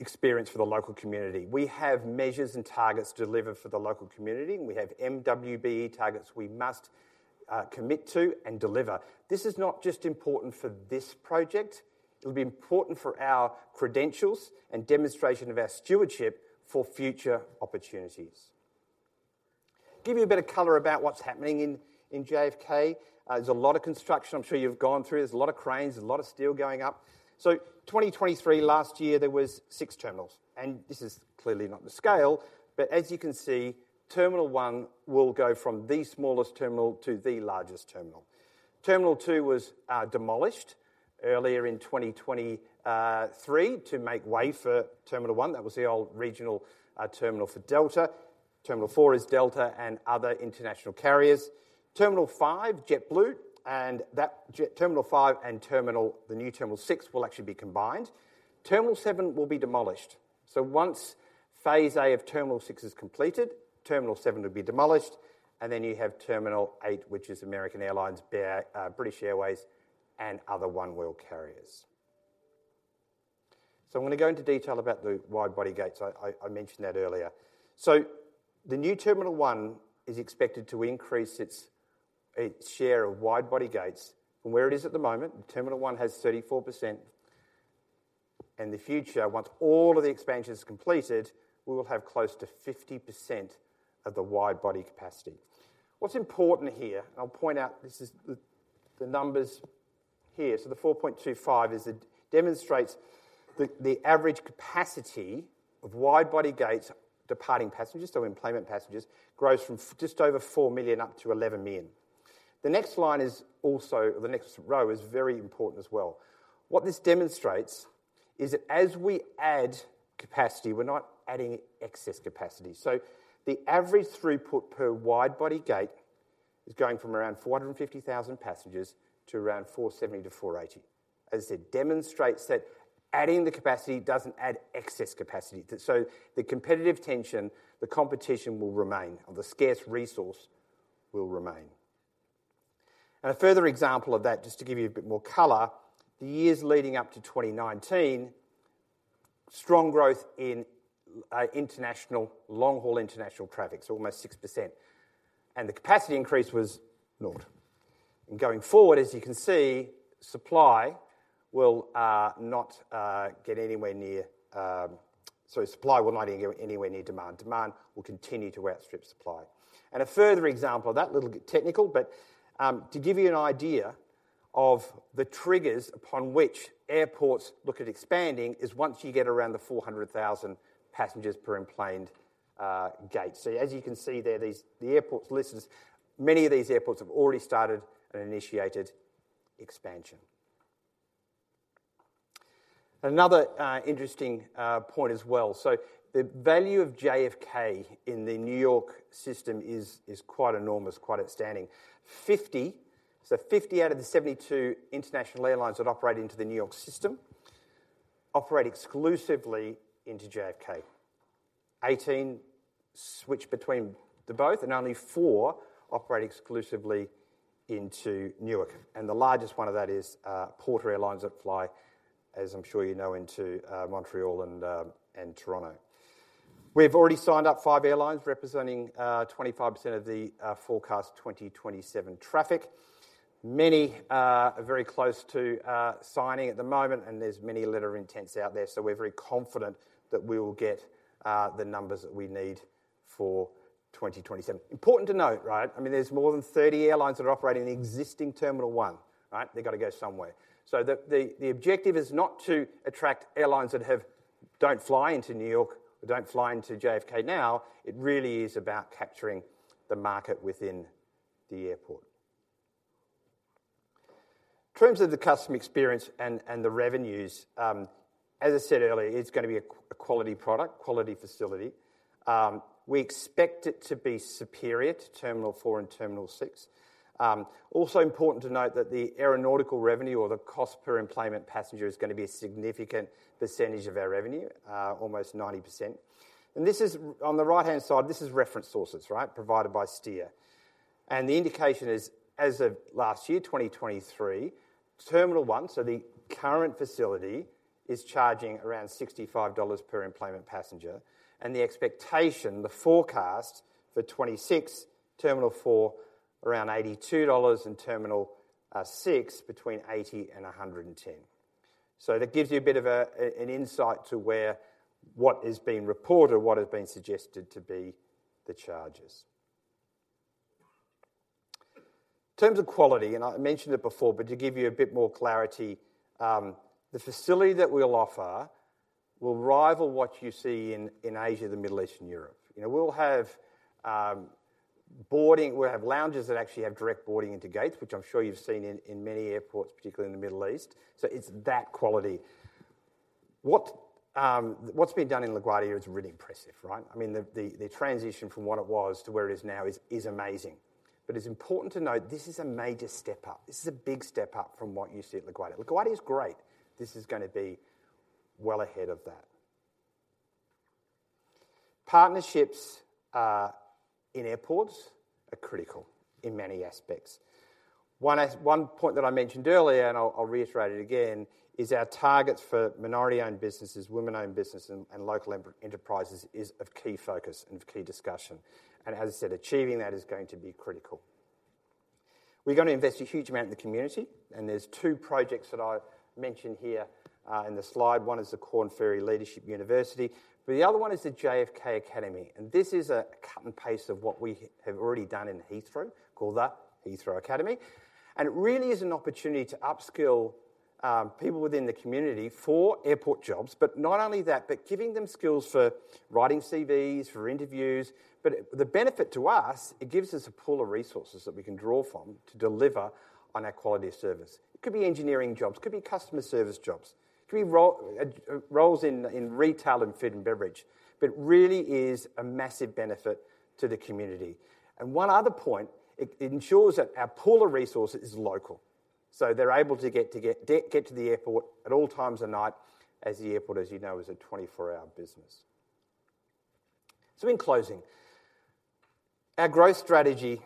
experience for the local community. We have measures and targets delivered for the local community, and we have MWBE targets we must commit to and deliver. This is not just important for this project, it'll be important for our credentials and demonstration of our stewardship for future opportunities. Give you a bit of color about what's happening in JFK. There's a lot of construction. I'm sure you've gone through. There's a lot of cranes, a lot of steel going up. So 2023, last year, there was six terminals, and this is clearly not the scale, but as you can see, Terminal 1 will go from the smallest terminal to the largest terminal. Terminal 2 was demolished earlier in 2023 to make way for Terminal 1. That was the old regional terminal for Delta. Terminal 4 is Delta and other international carriers. Terminal 5, JetBlue, Terminal 5 and Terminal 6 will actually be combined. Terminal 7 will be demolished. So once Phase A of Terminal 6 is completed, Terminal 7 will be demolished, and then you have Terminal 8, which is American Airlines, BA, British Airways, and other oneworld carriers. So I'm going to go into detail about the wide-body gates. I mentioned that earlier. So the new Terminal 1 is expected to increase its share of wide-body gates from where it is at the moment. Terminal 1 has 34%. In the future, once all of the expansion is completed, we will have close to 50% of the wide-body capacity. What's important here, I'll point out, this is the numbers here. So the 4.25 is it demonstrates the average capacity of wide-body gates departing passengers, so enplanement passengers, grows from just over 4 million up to 11 million. The next row is very important as well. What this demonstrates is that as we add capacity, we're not adding excess capacity. So the average throughput per wide-body gate is going from around 450,000 passengers to around 470,000-480,000. As it demonstrates that adding the capacity doesn't add excess capacity, so the competitive tension, the competition will remain, or the scarce resource will remain. A further example of that, just to give you a bit more color, the years leading up to 2019, strong growth in international, long-haul international traffic, so almost 6%, and the capacity increase was 0. Going forward, as you can see, supply will not get anywhere near. Sorry, supply will not get anywhere near demand. Demand will continue to outstrip supply. A further example of that, little bit technical, but, to give you an idea of the triggers upon which airports look at expanding, is once you get around the 400,000 passengers per enplanement gate. So as you can see there, these, the airports listings, many of these airports have already started and initiated expansion. Another interesting point as well. So the value of JFK in the New York system is quite enormous, quite outstanding. 50, so 50 out of the 72 international airlines that operate into the New York system operate exclusively into JFK. 18 switch between the both, and only four operate exclusively into Newark, and the largest one of that is Porter Airlines that fly, as I'm sure you know, into Montreal and Toronto. We've already signed up five airlines representing 25% of the forecast 2027 traffic. Many are very close to signing at the moment, and there's many letter intents out there, so we're very confident that we will get the numbers that we need for 2027. Important to note, right? I mean, there's more than 30 airlines that are operating in the existing Terminal 1, right? They've got to go somewhere. So the objective is not to attract airlines that have -- don't fly into New York or don't fly into JFK now. It really is about capturing the market within the airport. In terms of the customer experience and the revenues, as I said earlier, it's going to be a quality product, quality facility. We expect it to be superior to Terminal 4 and Terminal 6. Also important to note that the aeronautical revenue or the cost per enplanement passenger is going to be a significant percentage of our revenue, almost 90%. And this is, on the right-hand side, this is reference sources, right? Provided by Steer. And the indication is, as of last year, 2023, Terminal 1, so the current facility, is charging around $65 per enplanement passenger, and the expectation, the forecast for 2026, Terminal 4-... Around $82, and Terminal 6 between $80 and $110. So that gives you a bit of an insight to where what has been reported, what has been suggested to be the charges. In terms of quality, and I mentioned it before, but to give you a bit more clarity, the facility that we'll offer will rival what you see in Asia, the Middle East, and Europe. You know, we'll have boarding, we'll have lounges that actually have direct boarding into gates, which I'm sure you've seen in many airports, particularly in the Middle East. So it's that quality. What's been done in LaGuardia is really impressive, right? I mean, the transition from what it was to where it is now is amazing. But it's important to note this is a major step up. This is a big step up from what you see at LaGuardia. LaGuardia is great. This is gonna be well ahead of that. Partnerships in airports are critical in many aspects. One point that I mentioned earlier, and I'll reiterate it again, is our targets for minority-owned businesses, women-owned businesses, and local enterprises is of key focus and of key discussion. As I said, achieving that is going to be critical. We're gonna invest a huge amount in the community, and there's two projects that I've mentioned here in the slide. One is the Korn Ferry Leadership University, but the other one is the JFK Academy, and this is a cut and paste of what we have already done in Heathrow, called the Heathrow Academy. And it really is an opportunity to upskill people within the community for airport jobs, but not only that, but giving them skills for writing CVs, for interviews. But it. The benefit to us, it gives us a pool of resources that we can draw from to deliver on our quality of service. It could be engineering jobs, it could be customer service jobs, it could be roles in retail and food and beverage, but it really is a massive benefit to the community. And one other point, it ensures that our pool of resources is local, so they're able to get to the airport at all times of night, as the airport, as you know, is a 24-hour business. So in closing, our growth strategy,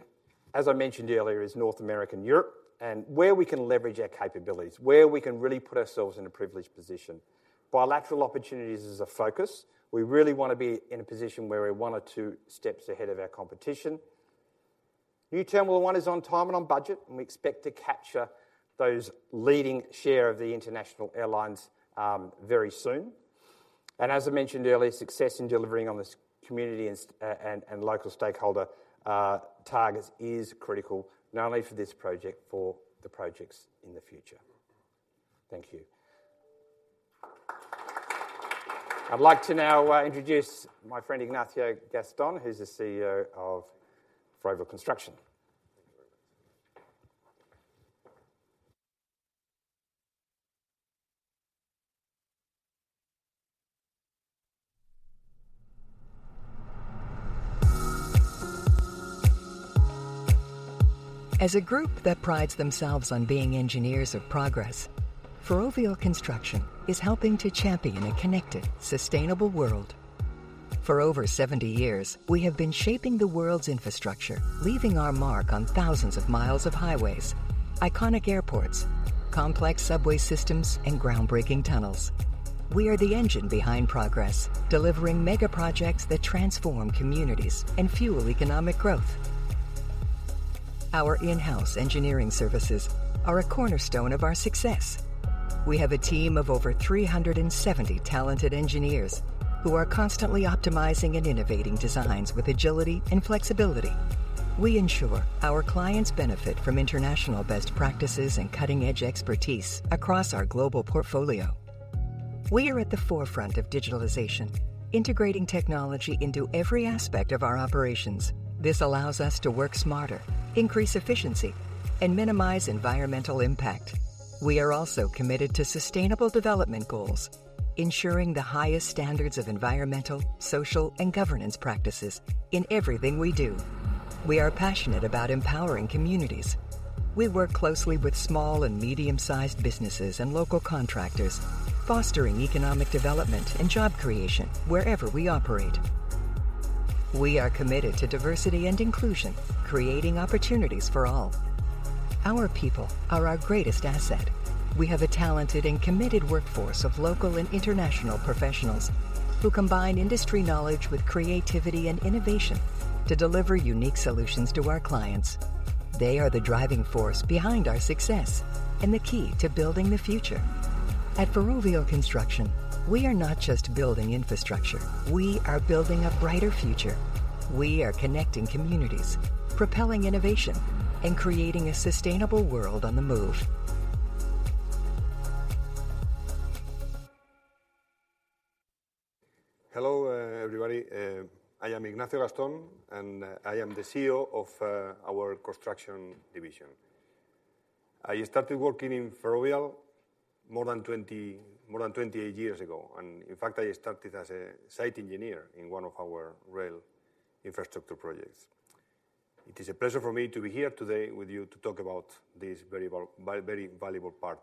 as I mentioned earlier, is North America and Europe, and where we can leverage our capabilities, where we can really put ourselves in a privileged position. Bilateral opportunities is a focus. We really want to be in a position where we're one or two steps ahead of our competition. New Terminal One is on time and on budget, and we expect to capture those leading share of the international airlines very soon. And as I mentioned earlier, success in delivering on this community and local stakeholder targets is critical, not only for this project, for the projects in the future. Thank you. I'd like to now introduce my friend, Ignacio Gastón, who's the CEO of Ferrovial Construction. Thank you very much. As a group that prides themselves on being engineers of progress, Ferrovial Construction is helping to champion a connected, sustainable world. For over 70 years, we have been shaping the world's infrastructure, leaving our mark on thousands of miles of highways, iconic airports, complex subway systems, and groundbreaking tunnels. We are the engine behind progress, delivering mega projects that transform communities and fuel economic growth. Our in-house engineering services are a cornerstone of our success. We have a team of over 370 talented engineers who are constantly optimizing and innovating designs with agility and flexibility. We ensure our clients benefit from international best practices and cutting-edge expertise across our global portfolio. We are at the forefront of digitalization, integrating technology into every aspect of our operations. This allows us to work smarter, increase efficiency, and minimize environmental impact. We are also committed to sustainable development goals, ensuring the highest standards of environmental, social, and governance practices in everything we do. We are passionate about empowering communities. We work closely with small and medium-sized businesses and local contractors, fostering economic development and job creation wherever we operate. We are committed to diversity and inclusion, creating opportunities for all. Our people are our greatest asset. We have a talented and committed workforce of local and international professionals, who combine industry knowledge with creativity and innovation to deliver unique solutions to our clients. They are the driving force behind our success and the key to building the future. At Ferrovial Construction, we are not just building infrastructure, we are building a brighter future. We are connecting communities, propelling innovation, and creating a sustainable world on the move. Hello, everybody. I am Ignacio Gastón, and I am the CEO of our Construction division. I started working in Ferrovial more than 20, more than 28 years ago, and in fact, I started as a site engineer in one of our rail infrastructure projects. It is a pleasure for me to be here today with you to talk about this very valuable part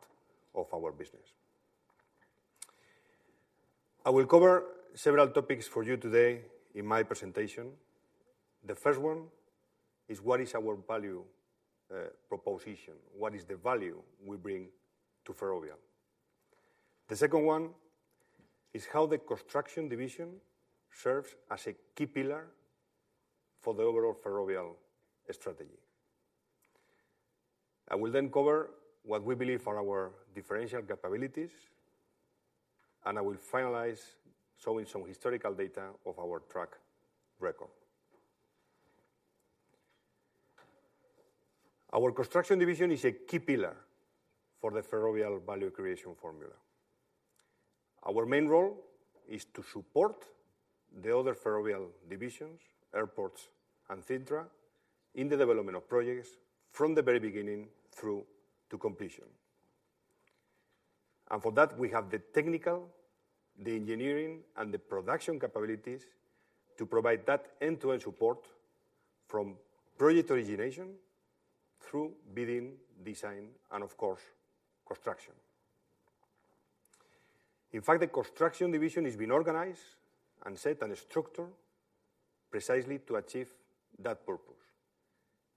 of our business. I will cover several topics for you today in my presentation. The first one is: What is our value proposition? What is the value we bring to Ferrovial? The second one is how the Construction division serves as a key pillar for the overall Ferrovial strategy. I will then cover what we believe are our differential capabilities, and I will finalize showing some historical data of our track record. Our Construction division is a key pillar for the Ferrovial value creation formula. Our main role is to support the other Ferrovial divisions, Airports, and Cintra, in the development of projects from the very beginning through to completion. For that, we have the technical, the engineering, and the production capabilities to provide that end-to-end support from project origination through bidding, design, and of course, construction. In fact, the Construction division has been organized and set on a structure precisely to achieve that purpose: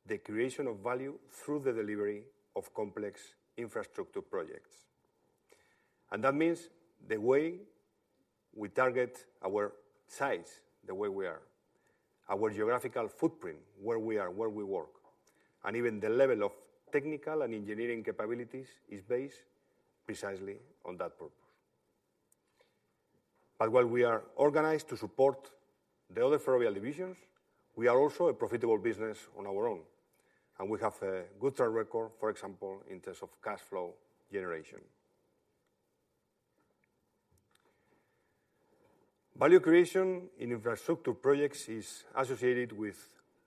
the creation of value through the delivery of complex infrastructure projects. That means the way we target our sites, the way we are, our geographical footprint, where we are, where we work, and even the level of technical and engineering capabilities is based precisely on that purpose. While we are organized to support the other Ferrovial divisions, we are also a profitable business on our own, and we have a good track record, for example, in terms of cash flow generation. Value creation in infrastructure projects is associated with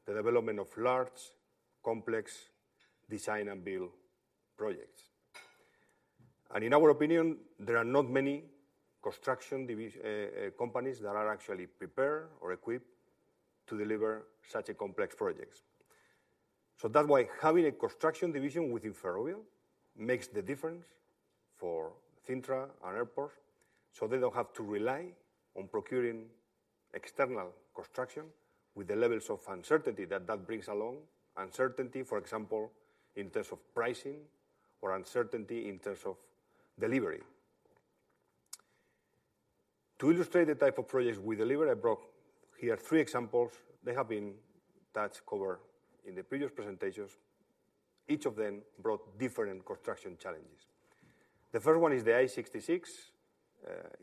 the development of large, complex design and build projects. In our opinion, there are not many construction companies that are actually prepared or equipped to deliver such a complex projects. That's why having a Construction division within Ferrovial makes the difference for Cintra and Airports, so they don't have to rely on procuring external construction with the levels of uncertainty that that brings along. Uncertainty, for example, in terms of pricing or uncertainty in terms of delivery. To illustrate the type of projects we deliver, I brought here three examples. They have been touched, covered in the previous presentations. Each of them brought different construction challenges. The first one is the I-66.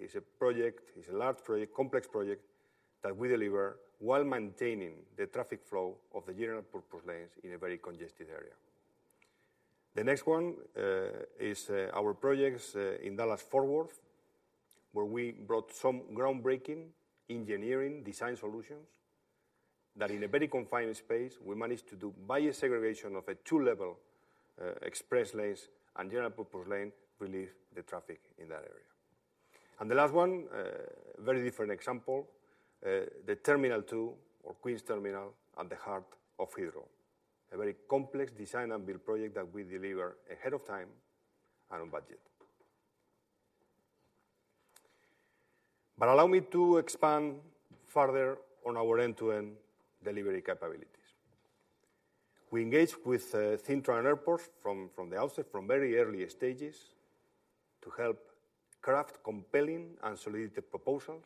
It's a project, it's a large project, complex project, that we deliver while maintaining the traffic flow of the general purpose lanes in a very congested area. The next one is our projects in Dallas-Fort Worth, where we brought some groundbreaking engineering design solutions that in a very confined space, we managed to do by a segregation of a two-level express lanes and general purpose lane, relieve the traffic in that area. And the last one, very different example, the Terminal 2 or Queen's Terminal at the heart of Heathrow. A very complex design and build project that we deliver ahead of time and on budget. But allow me to expand further on our end-to-end delivery capabilities. We engage with Cintra and Airports from the outset, from very early stages, to help craft compelling and solid proposals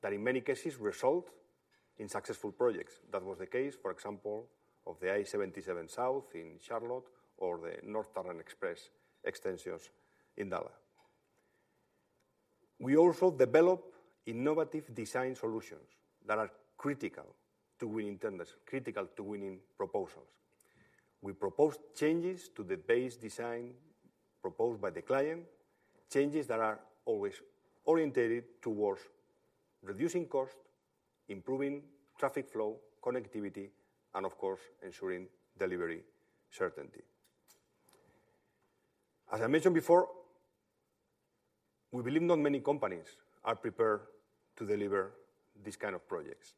that in many cases result in successful projects. That was the case, for example, of the I-77 South in Charlotte or the North Tarrant Express extensions in Dallas. We also develop innovative design solutions that are critical to winning tenders, critical to winning proposals. We propose changes to the base design proposed by the client, changes that are always oriented towards reducing cost, improving traffic flow, connectivity, and of course, ensuring delivery certainty. As I mentioned before, we believe not many companies are prepared to deliver these kind of projects.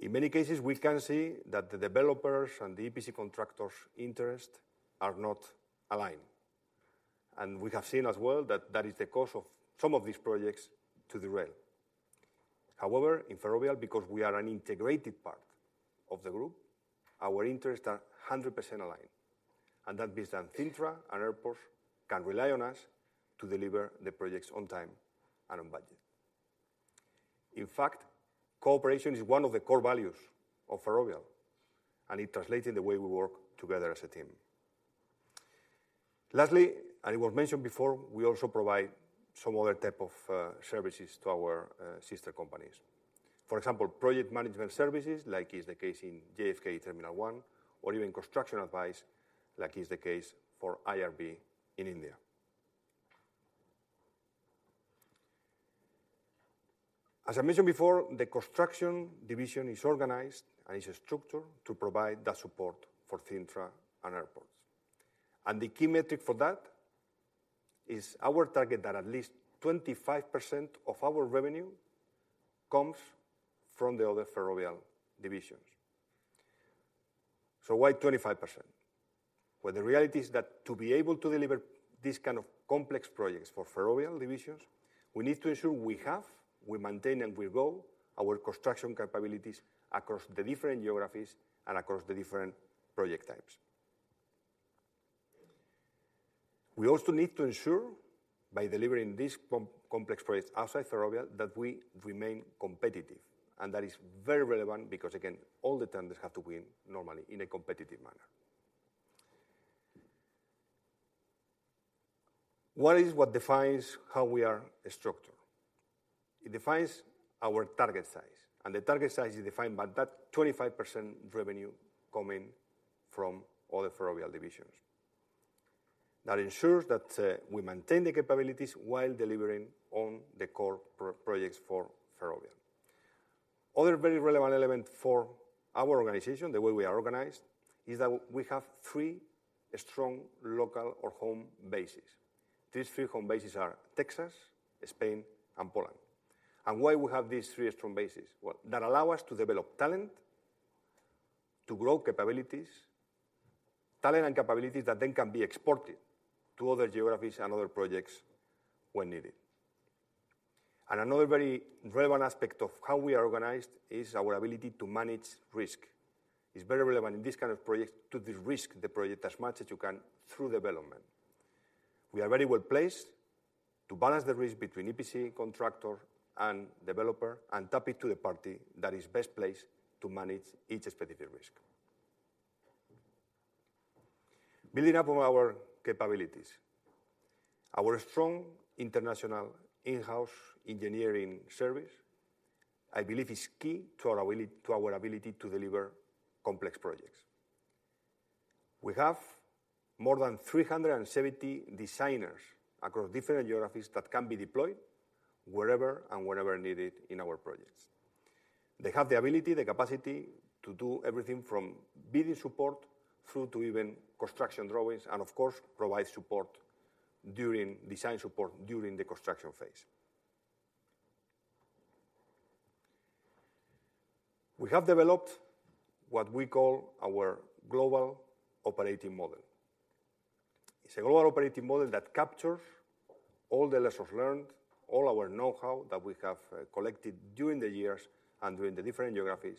In many cases, we can see that the developers and the EPC contractors' interest are not aligned. We have seen as well that that is the cause of some of these projects to derail. However, in Ferrovial, because we are an integrated part of the group, our interests are 100% aligned, and that means that Cintra and Airports can rely on us to deliver the projects on time and on budget. In fact, cooperation is one of the core values of Ferrovial, and it translates in the way we work together as a team. Lastly, and it was mentioned before, we also provide some other type of services to our sister companies. For example, project management services, like is the case in JFK Terminal One, or even construction advice, like is the case for IRB in India. As I mentioned before, the Construction division is organized and is structured to provide that support for Cintra and Airports. And the key metric for that is our target that at least 25% of our revenue comes from the other Ferrovial divisions. So why 25%? Well, the reality is that to be able to deliver these kind of complex projects for Ferrovial divisions, we need to ensure we have, we maintain, and we grow our construction capabilities across the different geographies and across the different project types. We also need to ensure, by delivering these complex projects outside Ferrovial, that we remain competitive. And that is very relevant because, again, all the tenders have to win normally in a competitive manner. What is what defines how we are structured? It defines our target size, and the target size is defined by that 25% revenue coming from all the Ferrovial divisions. That ensures that we maintain the capabilities while delivering on the core projects for Ferrovial. Other very relevant element for our organization, the way we are organized, is that we have three strong local or home bases. These three home bases are Texas, Spain, and Poland. Why we have these three strong bases? Well, that allow us to develop talent, to grow capabilities, talent and capabilities that then can be exported to other geographies and other projects when needed. Another very relevant aspect of how we are organized is our ability to manage risk. It's very relevant in this kind of project to de-risk the project as much as you can through development. We are very well-placed to balance the risk between EPC contractor and developer, and tap it to the party that is best placed to manage each specific risk. Building up on our capabilities. Our strong international in-house engineering service, I believe, is key to our ability, to our ability to deliver complex projects. We have more than 370 designers across different geographies that can be deployed wherever and whenever needed in our projects. They have the ability, the capacity, to do everything from bidding support through to even construction drawings, and of course, provide design support during the construction phase. We have developed what we call our global operating model. It's a global operating model that captures all the lessons learned, all our know-how that we have collected during the years and during the different geographies,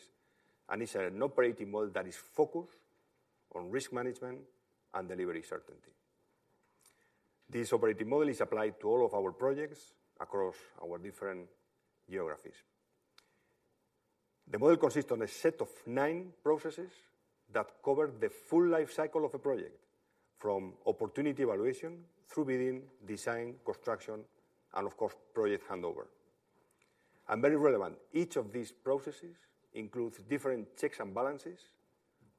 and it's an operating model that is focused on risk management and delivery certainty. This operating model is applied to all of our projects across our different geographies. The model consists on a set of nine processes that cover the full life cycle of a project, from opportunity evaluation through bidding, design, construction, and of course, project handover. Very relevant, each of these processes includes different checks and balances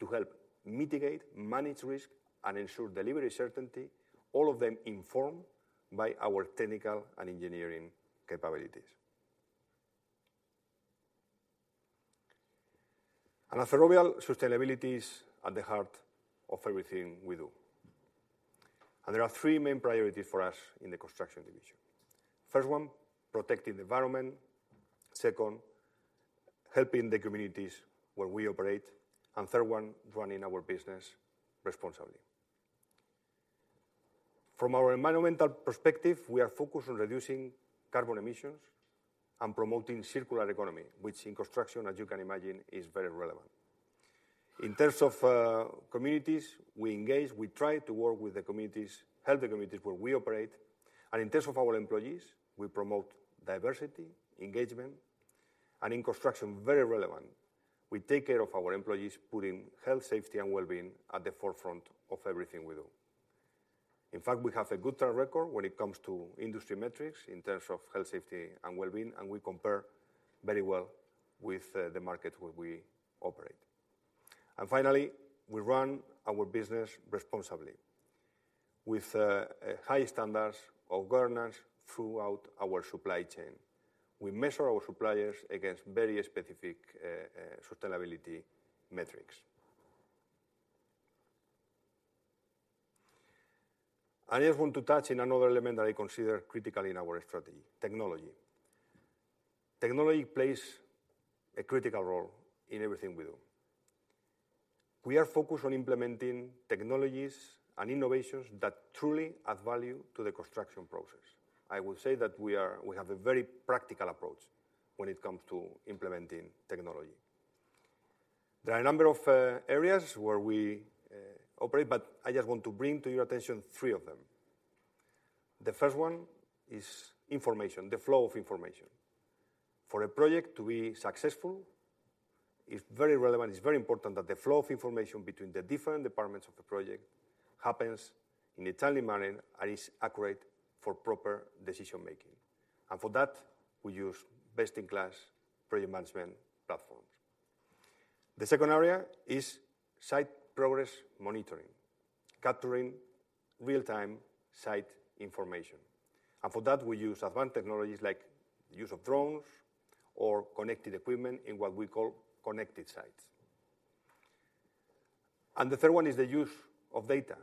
to help mitigate, manage risk, and ensure delivery certainty, all of them informed by our technical and engineering capabilities. At Ferrovial, sustainability is at the heart of everything we do. There are three main priorities for us in the Construction division. First one, protecting the environment. Second, helping the communities where we operate. Third one, running our business responsibly. From our environmental perspective, we are focused on reducing carbon emissions and promoting circular economy, which in construction, as you can imagine, is very relevant. In terms of communities, we engage, we try to work with the communities, help the communities where we operate. In terms of our employees, we promote diversity, engagement, and in construction, very relevant, we take care of our employees, putting health, safety, and well-being at the forefront of everything we do. In fact, we have a good track record when it comes to industry metrics in terms of health, safety, and well-being, and we compare very well with the market where we operate. Finally, we run our business responsibly with high standards of governance throughout our supply chain. We measure our suppliers against very specific sustainability metrics. I just want to touch on another element that I consider critical in our strategy: technology. Technology plays a critical role in everything we do. We are focused on implementing technologies and innovations that truly add value to the construction process. I would say that we have a very practical approach when it comes to implementing technology. There are a number of areas where we operate, but I just want to bring to your attention three of them. The first one is information, the flow of information. For a project to be successful, it's very relevant, it's very important that the flow of information between the different departments of the project happens in a timely manner and is accurate for proper decision-making. And for that, we use best-in-class project management platforms. The second area is site progress monitoring, capturing real-time site information. And for that, we use advanced technologies like use of drones or connected equipment in what we call connected sites. And the third one is the use of data.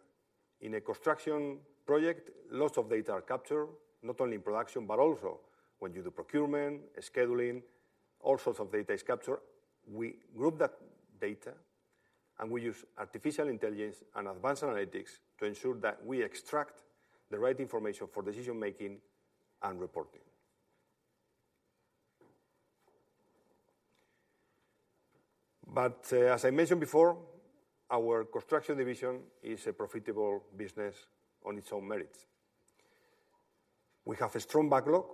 In a construction project, lots of data are captured, not only in production, but also when you do procurement, scheduling, all sorts of data is captured. We group that data and we use artificial intelligence and advanced analytics to ensure that we extract the right information for decision-making and reporting. But, as I mentioned before, our Construction division is a profitable business on its own merits. We have a strong backlog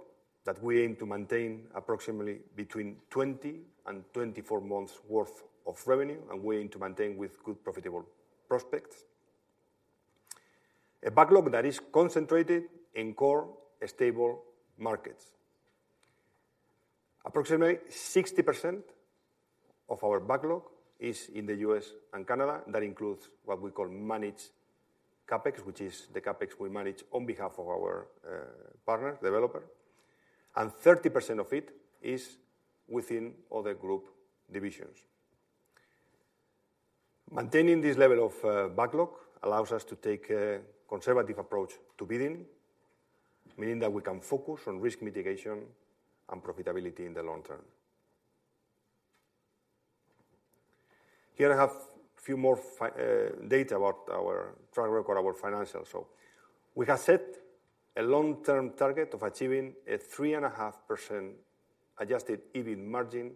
that we aim to maintain approximately between 20 and 24 months' worth of revenue, and we aim to maintain with good profitable prospects. A backlog that is concentrated in core, stable markets. Approximately 60% of our backlog is in the U.S. and Canada. That includes what we call managed CapEx, which is the CapEx we manage on behalf of our, partner, developer, and 30% of it is within other group divisions. Maintaining this level of backlog allows us to take a conservative approach to bidding, meaning that we can focus on risk mitigation and profitability in the long term. Here I have a few more data about our track record, our financials. So we have set a long-term target of achieving a 3.5% adjusted EBIT margin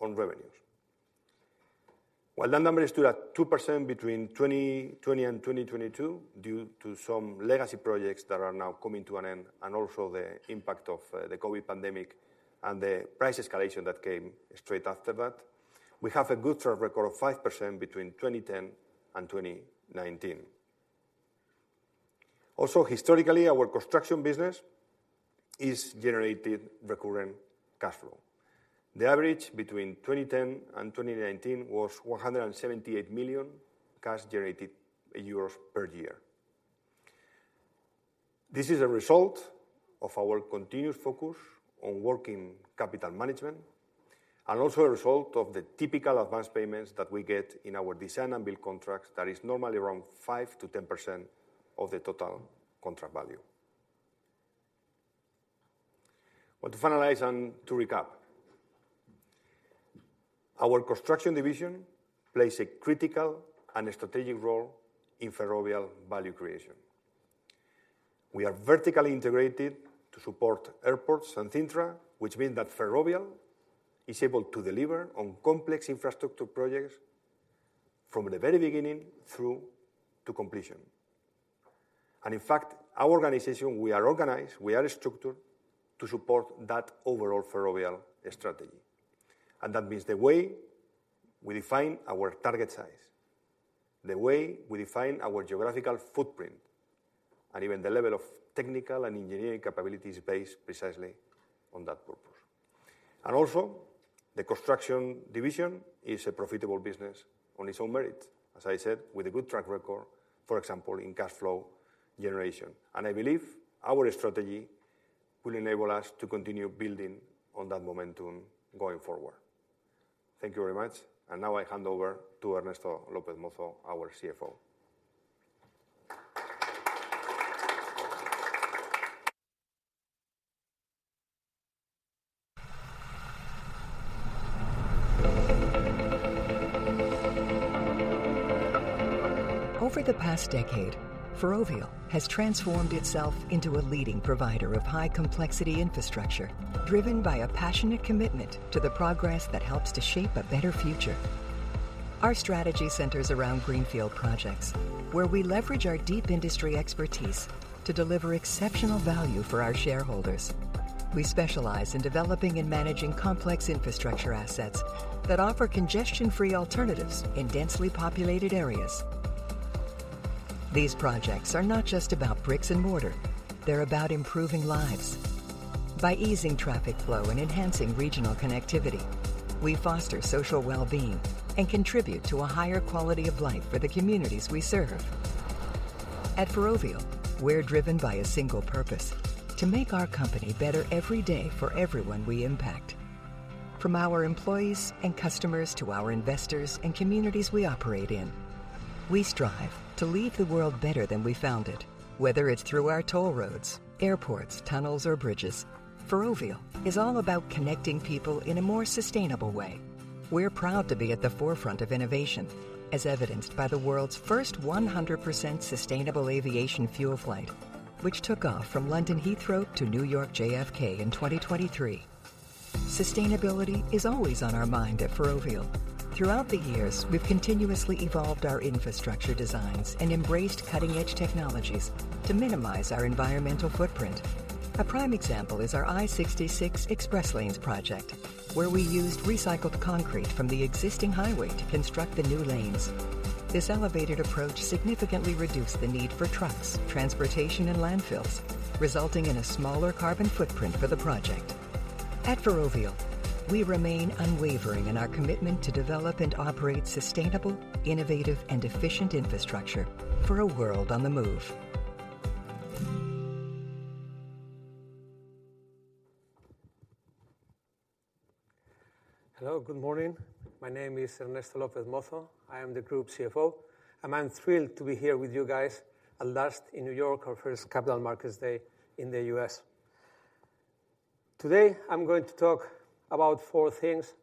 on revenues. While that number is still at 2% between 2020 and 2022, due to some legacy projects that are now coming to an end, and also the impact of the COVID pandemic and the price escalation that came straight after that, we have a good track record of 5% between 2010 and 2019. Also, historically, our Construction business is generated recurring cash flow. The average between 2010 and 2019 was 178 million cash generated per year. This is a result of our continued focus on working capital management, and also a result of the typical advanced payments that we get in our design and build contracts that is normally around 5%-10% of the total contract value. Well, to finalize and to recap, our Construction division plays a critical and strategic role in Ferrovial value creation. We are vertically integrated to support Airports and Cintra, which means that Ferrovial is able to deliver on complex infrastructure projects from the very beginning through to completion. And in fact, our organization, we are organized, we are structured to support that overall Ferrovial strategy. That means the way we define our target size, the way we define our geographical footprint, and even the level of technical and engineering capabilities is based precisely on that purpose. Also, the Construction division is a profitable business on its own merit, as I said, with a good track record, for example, in cash flow generation. I believe our strategy will enable us to continue building on that momentum going forward. Thank you very much. Now I hand over to Ernesto López Mozo, our CFO. Over the past decade, Ferrovial has transformed itself into a leading provider of high-complexity infrastructure, driven by a passionate commitment to the progress that helps to shape a better future. Our strategy centers around greenfield projects, where we leverage our deep industry expertise to deliver exceptional value for our shareholders. We specialize in developing and managing complex infrastructure assets that offer congestion-free alternatives in densely populated areas. These projects are not just about bricks and mortar. They're about improving lives. By easing traffic flow and enhancing regional connectivity, we foster social well-being and contribute to a higher quality of life for the communities we serve. At Ferrovial, we're driven by a single purpose: to make our company better every day for everyone we impact. From our employees and customers to our investors and communities we operate in, we strive to leave the world better than we found it. Whether it's through our toll roads, airports, tunnels, or bridges, Ferrovial is all about connecting people in a more sustainable way. We're proud to be at the forefront of innovation, as evidenced by the world's first 100% sustainable aviation fuel flight, which took off from London Heathrow to New York JFK in 2023. Sustainability is always on our mind at Ferrovial. Throughout the years, we've continuously evolved our infrastructure designs and embraced cutting-edge technologies to minimize our environmental footprint. A prime example is our I-66 Express Lanes project, where we used recycled concrete from the existing highway to construct the new lanes. This elevated approach significantly reduced the need for trucks, transportation, and landfills, resulting in a smaller carbon footprint for the project. At Ferrovial, we remain unwavering in our commitment to develop and operate sustainable, innovative, and efficient infrastructure for a world on the move. Hello, good morning. My name is Ernesto López Mozo. I am the Group CFO, and I'm thrilled to be here with you guys at last in New York, our first Capital Markets Day in the U.S. ...Today, I'm going to talk about four things.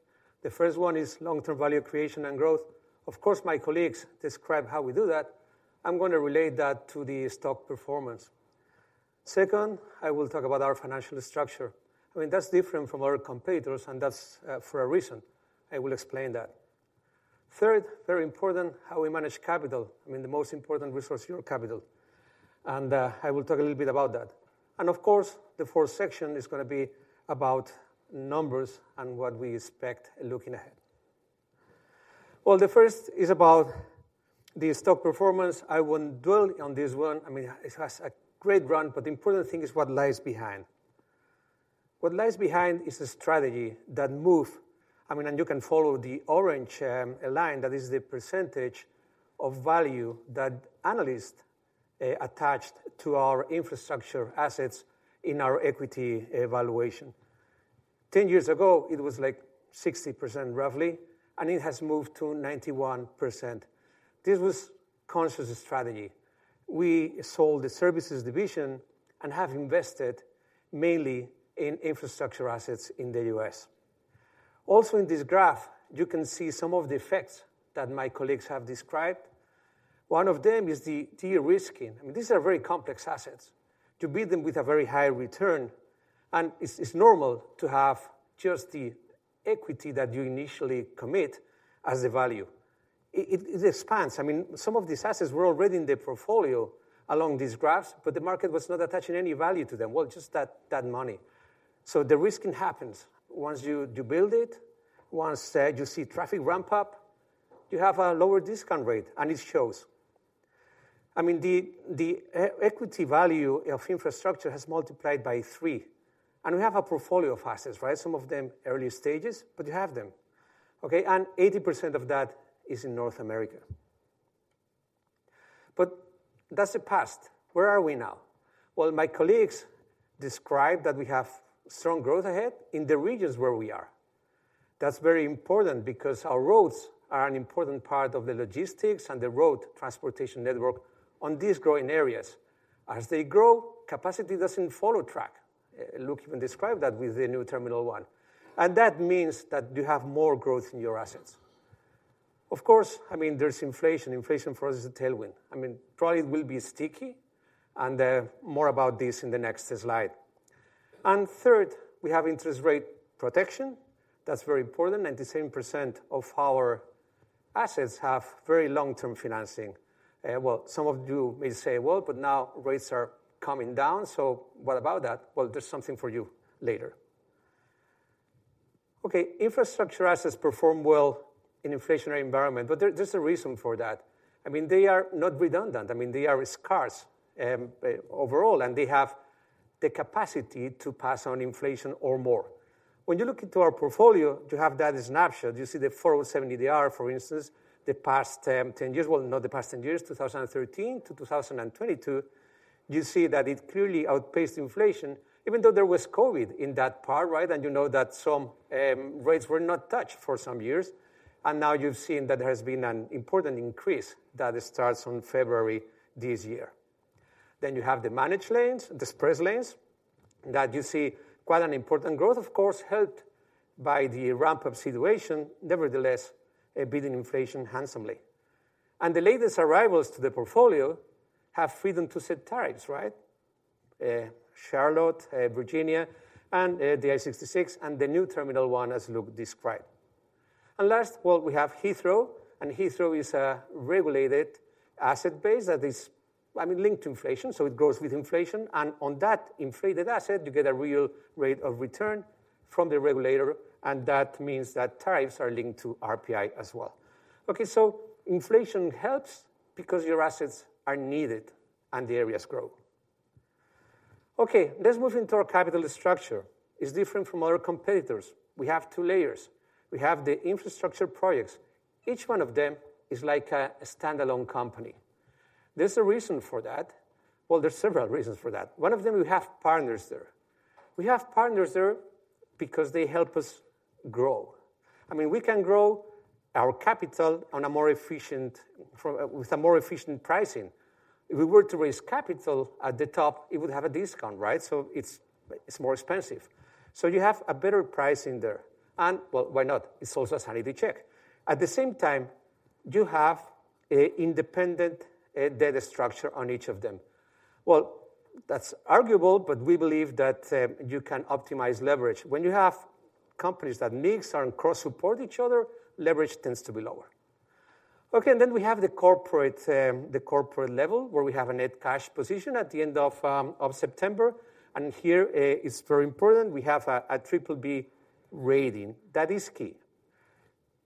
The first one is long-term value creation and growth. Of course, my colleagues describe how we do that. I'm gonna relate that to the stock performance. Second, I will talk about our financial structure. I mean, that's different from our competitors, and that's for a reason. I will explain that. Third, very important, how we manage capital. I mean, the most important resource, your capital, and I will talk a little bit about that. And of course, the fourth section is gonna be about numbers and what we expect looking ahead. Well, the first is about the stock performance. I won't dwell on this one. I mean, it has a great run, but the important thing is what lies behind. What lies behind is a strategy that move-- I mean, and you can follow the orange line. That is the percentage of value that analysts attached to our infrastructure assets in our equity evaluation. 10 years ago, it was like 60%, roughly, and it has moved to 91%. This was conscious strategy. We sold the Services division and have invested mainly in infrastructure assets in the U.S. Also in this graph, you can see some of the effects that my colleagues have described. One of them is the de-risking. I mean, these are very complex assets. To beat them with a very high return, and it's normal to have just the equity that you initially commit as a value. It expands. I mean, some of these assets were already in the portfolio along these graphs, but the market was not attaching any value to them. Well, just that money. So the risking happens once you build it, once you see traffic ramp up, you have a lower discount rate, and it shows. I mean, the equity value of infrastructure has multiplied by three, and we have a portfolio of assets, right? Some of them early stages, but you have them. Okay, and 80% of that is in North America. But that's the past. Where are we now? Well, my colleagues described that we have strong growth ahead in the regions where we are. That's very important because our roads are an important part of the logistics and the road transportation network on these growing areas. As they grow, capacity doesn't follow track. Luke even described that with the New Terminal One, and that means that you have more growth in your assets. Of course, I mean, there's inflation. Inflation for us is a tailwind. I mean, probably it will be sticky, and more about this in the next slide. And third, we have interest rate protection. That's very important, and the same percent of our assets have very long-term financing. Well, some of you may say, "Well, but now rates are coming down, so what about that?" Well, there's something for you later. Okay, infrastructure assets perform well in inflationary environment, but there, there's a reason for that. I mean, they are not redundant. I mean, they are scarce, overall, and they have the capacity to pass on inflation or more. When you look into our portfolio, you have that snapshot. You see the 407 ETR, for instance, the past 10 years. Well, not the past 10 years, 2013 to 2022. You see that it clearly outpaced inflation, even though there was COVID in that part, right? And you know that some rates were not touched for some years, and now you've seen that there has been an important increase that starts on February this year. Then you have the managed lanes, the express lanes, that you see quite an important growth, of course, helped by the ramp-up situation. Nevertheless, beating inflation handsomely. And the latest arrivals to the portfolio have freedom to set tariffs, right? Charlotte, Virginia, and the I-66, and the New Terminal One, as Luke described. And last, well, we have Heathrow, and Heathrow is a regulated asset base that is, I mean, linked to inflation, so it grows with inflation. On that inflated asset, you get a real rate of return from the regulator, and that means that tariffs are linked to RPI as well. Okay, so inflation helps because your assets are needed and the areas grow. Okay, let's move into our capital structure. It's different from other competitors. We have two layers. We have the infrastructure projects. Each one of them is like a standalone company. There's a reason for that. Well, there's several reasons for that. One of them, we have partners there. We have partners there because they help us grow. I mean, we can grow our capital on a more efficient with a more efficient pricing. If we were to raise capital at the top, it would have a discount, right? So it's more expensive. So you have a better pricing there. Well, why not? It's also a sanity check. At the same time, you have a independent, data structure on each of them. Well, that's arguable, but we believe that, you can optimize leverage. When you have companies that mix and cross-support each other, leverage tends to be lower. Okay, and then we have the corporate, the corporate level, where we have a net cash position at the end of, of September. And here, it's very important, we have a, a BBB rating. That is key.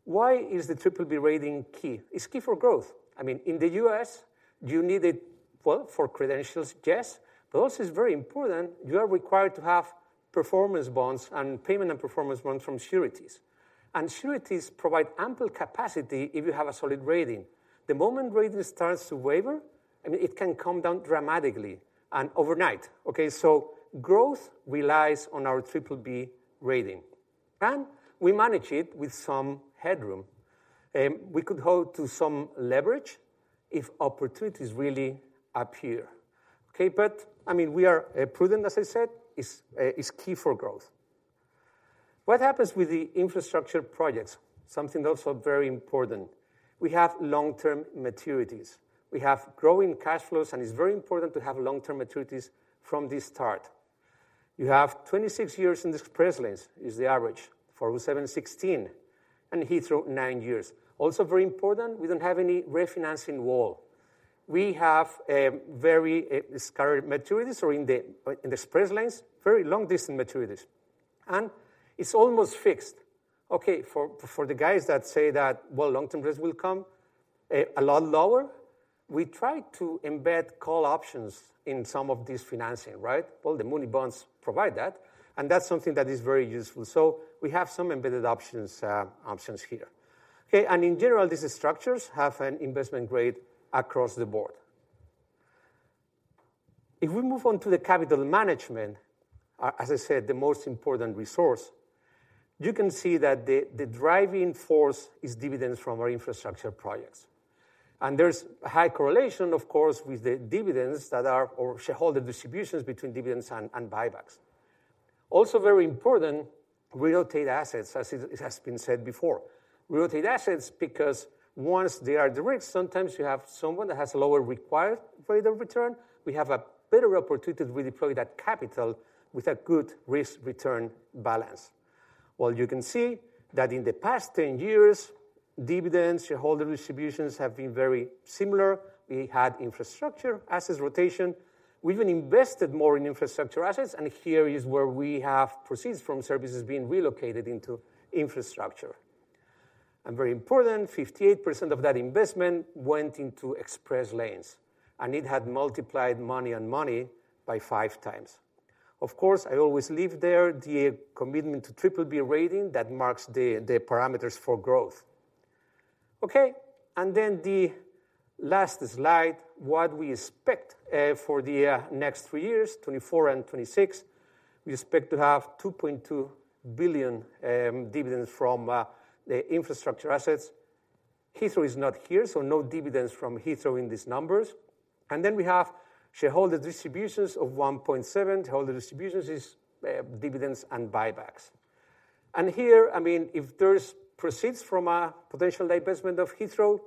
Why is the BBB rating key? It's key for growth. I mean, in the U.S., you need it, well, for credentials, yes, but also it's very important, you are required to have performance bonds and payment and performance bonds from sureties. And sureties provide ample capacity if you have a solid rating. The moment rating starts to waver, I mean, it can come down dramatically and overnight, okay? So growth relies on our BBB rating, and we manage it with some headroom. We could hold to some leverage if opportunities really appear. Okay, but, I mean, we are prudent, as I said, is, is key for growth. What happens with the infrastructure projects? Something also very important. We have long-term maturities. We have growing cash flows, and it's very important to have long-term maturities from the start. You have 26 years in the express lanes, is the average for 716, and Heathrow, nine years. Also very important, we don't have any refinancing wall. We have a very scattered maturities or in the, in the express lanes, very long-distance maturities, and it's almost fixed. Okay, for the guys that say that, well, long-term rates will come a lot lower, we try to embed call options in some of this financing, right? Well, the muni bonds provide that, and that's something that is very useful. So we have some embedded options, options here. Okay, and in general, these structures have an investment grade across the board. If we move on to the capital management, as I said, the most important resource, you can see that the driving force is dividends from our infrastructure projects. And there's a high correlation, of course, with the dividends that are... or shareholder distributions between dividends and buybacks. Also very important, we rotate assets, as it has been said before. We rotate assets because once they are de-risked, sometimes you have someone that has a lower required rate of return. We have a better opportunity to redeploy that capital with a good risk-return balance. Well, you can see that in the past 10 years, dividends, shareholder distributions have been very similar. We had infrastructure, assets rotation. We even invested more in infrastructure assets, and here is where we have proceeds from services being relocated into infrastructure. And very important, 58% of that investment went into express lanes, and it had multiplied money on money by 5x. Of course, I always leave there the commitment to BBB rating that marks the parameters for growth. Okay, and then the last slide, what we expect for the next three years, 2024 and 2026. We expect to have 2.2 billion dividends from the infrastructure assets. Heathrow is not here, so no dividends from Heathrow in these numbers. Then we have shareholder distributions of 1.7 billion. Shareholder distributions is, dividends and buybacks. And here, I mean, if there's proceeds from a potential divestment of Heathrow,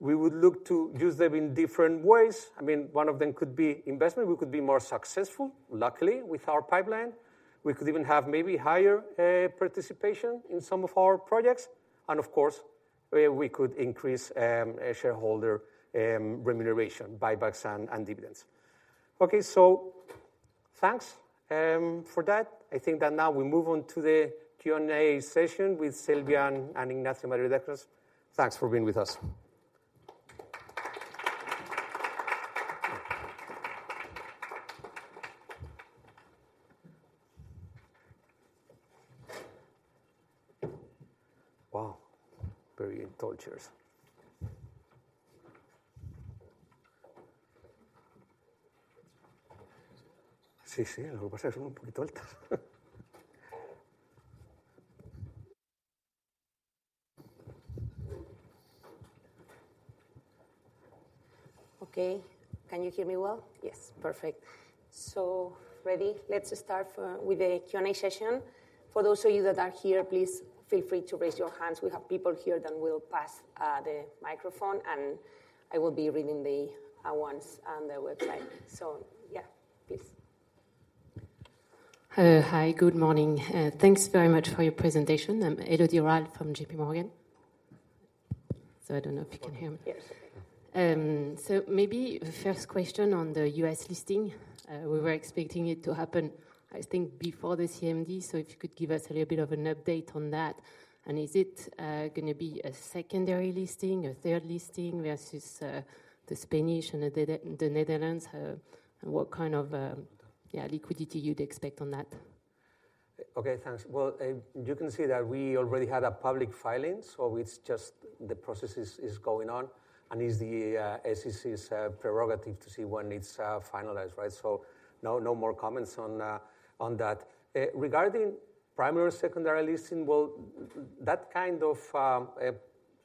we would look to use them in different ways. I mean, one of them could be investment. We could be more successful, luckily, with our pipeline. We could even have maybe higher, participation in some of our projects, and of course, we could increase, shareholder, remuneration, buybacks, and, and dividends. Okay, so thanks, for that. I think that now we move on to the Q&A session with Silvia and, and Ignacio Madridejos. Thanks for being with us. Wow! Very tall chairs. Sí, sí, lo que pasa es que son un poquito altas. Okay, can you hear me well? Yes, perfect. So ready, let's start with the Q&A session. For those of you that are here, please feel free to raise your hands. We have people here that will pass the microphone, and I will be reading the ones on the website. So yeah, please. Hi, good morning. Thanks very much for your presentation. I'm Elodie Rall from JPMorgan. So I don't know if you can hear me. Yes. So maybe the first question on the U.S. listing, we were expecting it to happen, I think, before the CMD. So if you could give us a little bit of an update on that, and is it gonna be a secondary listing, a third listing, versus the Spanish and the Netherlands? And what kind of liquidity you'd expect on that? Okay, thanks. Well, you can see that we already had a public filing, so it's just the process is going on, and it's the SEC's prerogative to see when it's finalized, right? So no more comments on that. Regarding primary and secondary listing, well, that kind of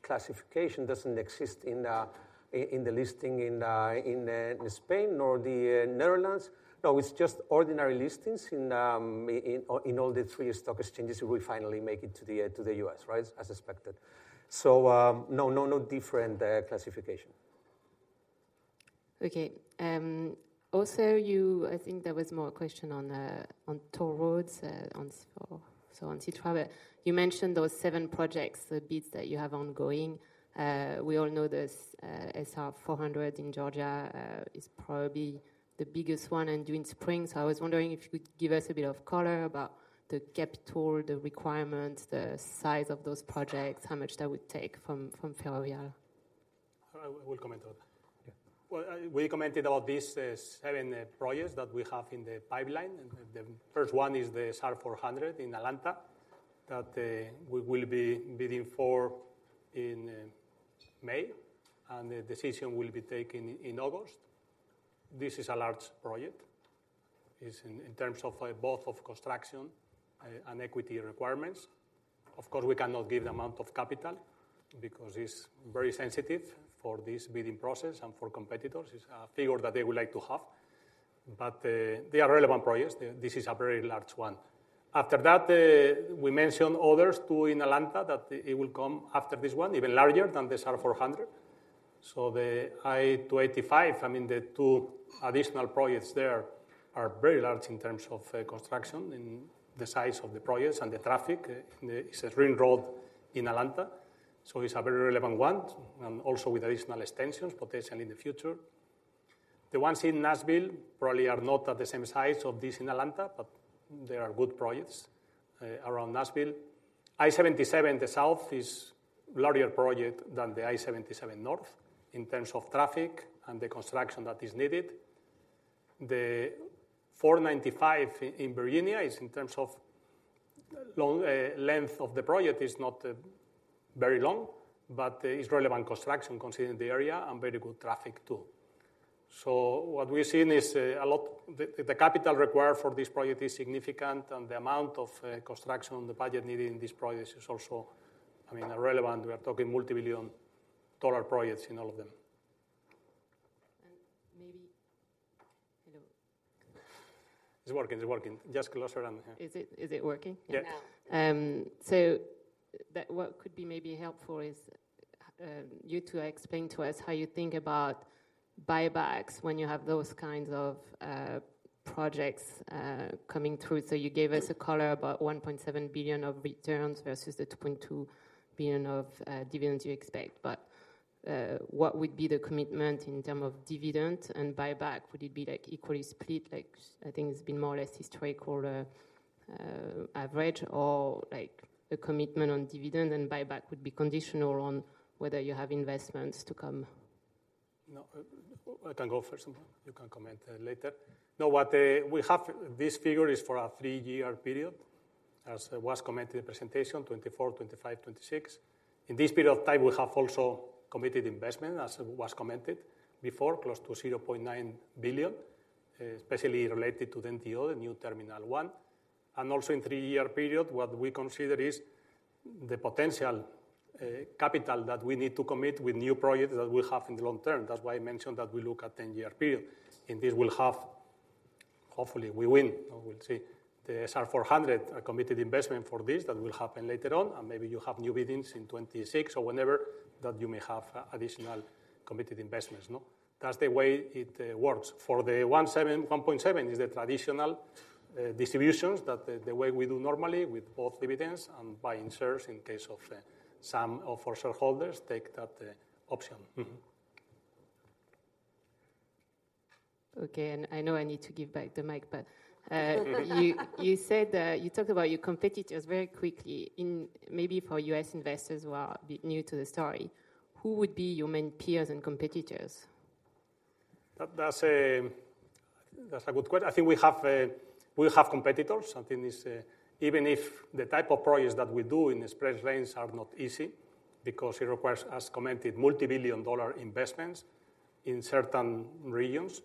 classification doesn't exist in the listing in Spain nor the Netherlands. No, it's just ordinary listings in all the three stock exchanges, we finally make it to the U.S., right? As expected. So no different classification. Okay, also, you—I think there was more question on toll roads, on so, so on traffic. You mentioned those seven projects, the bids that you have ongoing. We all know the SR 400 in Georgia is probably the biggest one and during spring. So I was wondering if you could give us a bit of color about the capital, the requirements, the size of those projects, how much that would take from Ferrovial. I will comment on that. Yeah. Well, we commented about these seven projects that we have in the pipeline, and the first one is the SR 400 in Atlanta, that we will be bidding for in May, and the decision will be taken in August. This is a large project in terms of both of construction and equity requirements. Of course, we cannot give the amount of capital because it's very sensitive for this bidding process and for competitors. It's a figure that they would like to have, but they are relevant projects. This is a very large one. After that, we mentioned others, two in Atlanta, that it will come after this one, even larger than the SR 400. The I-285, I mean, the two additional projects there are very large in terms of construction and the size of the projects and the traffic. It's a ring road in Atlanta, so it's a very relevant one, and also with additional extensions potentially in the future. The ones in Nashville probably are not at the same size of this in Atlanta, but they are good projects around Nashville. I-77, the South is larger project than the I-77 North in terms of traffic and the construction that is needed. The I-495 in Virginia is in terms of length of the project is not very long, but it's relevant construction considering the area and very good traffic too. What we're seeing is a lot. The capital required for this project is significant, and the amount of construction, the budget needed in these projects is also, I mean, relevant. We are talking multi-billion-dollar projects in all of them. Maybe, you know- It's working, it's working. Just closer on here. Is it, is it working? Yes. So that what could be maybe helpful is, you two explain to us how you think about buybacks when you have those kinds of projects coming through. So you gave us a color about 1.7 billion of returns versus the 2.2 billion of dividends you expect. But, what would be the commitment in terms of dividend and buyback? Would it be, like, equally split, like, I think it's been more or less historical average, or like, the commitment on dividend and buyback would be conditional on whether you have investments to come? No, I can go first, and you can comment later. Now, what we have, this figure is for a three-year period, as was commented in presentation 2024, 2025, 2026. In this period of time, we have also committed investment, as was commented before, close to 0.9 billion, especially related to the NTO, the New Terminal One. And also in three-year period, what we consider is the potential capital that we need to commit with new projects that we'll have in the long term. That's why I mentioned that we look at 10-year period, and this will have... Hopefully, we win, or we'll see. The SR 400 are committed investment for this that will happen later on, and maybe you have new biddings in 2026 or whenever, that you may have additional committed investments, no? That's the way it works. For the 1.7 billion, 1.7 billion is the traditional distributions, that the, the way we do normally with both dividends and buying shares in case of some of our shareholders take that option. Okay, and I know I need to give back the mic, but you said that you talked about your competitors very quickly. In maybe for U.S. investors who are new to the story, who would be your main peers and competitors? That's a good question. I think we have competitors, and then is... Even if the type of projects that we do in express lanes are not easy because it requires, as commented, multi-billion-dollar investments in certain regions.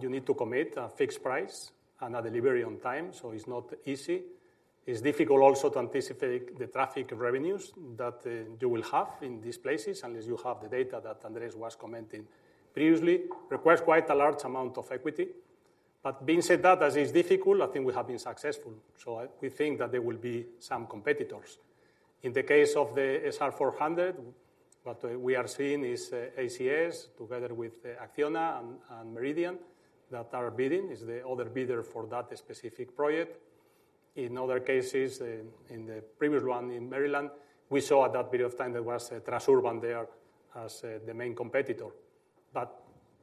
You need to commit a fixed price and a delivery on time, so it's not easy. It's difficult also to anticipate the traffic revenues that you will have in these places, unless you have the data that Andrés was commenting previously. Requires quite a large amount of equity. But being said that, as it's difficult, I think we have been successful, so we think that there will be some competitors. In the case of the SR 400, what we are seeing is, ACS, together with Acciona and Meridian, that are bidding, is the other bidder for that specific project. In other cases, in the previous one in Maryland, we saw at that period of time there was a Transurban there as the main competitor. But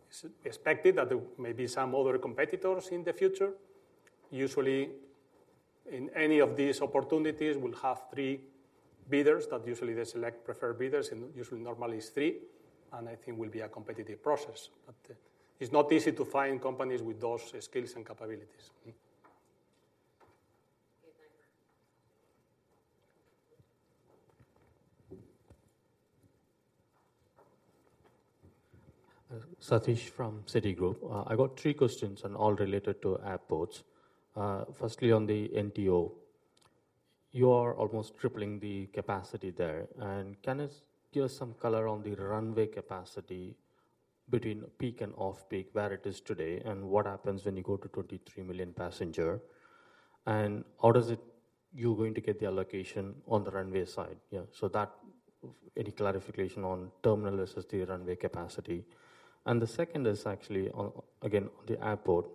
it's expected that there may be some other competitors in the future. Usually, in any of these opportunities, we'll have three bidders, that usually they select preferred bidders, and usually, normally it's three, and I think will be a competitive process. But it's not easy to find companies with those skills and capabilities. Mm-hmm. Okay, thank you. Sathish from Citigroup. I got three questions and all related to airports. Firstly, on the NTO, you are almost tripling the capacity there. And can you give us some color on the runway capacity between peak and off-peak, where it is today, and what happens when you go to 23 million passenger? And how does it... You're going to get the allocation on the runway side? Yeah, so that, any clarification on terminal associated runway capacity. And the second is actually on, again, on the airport.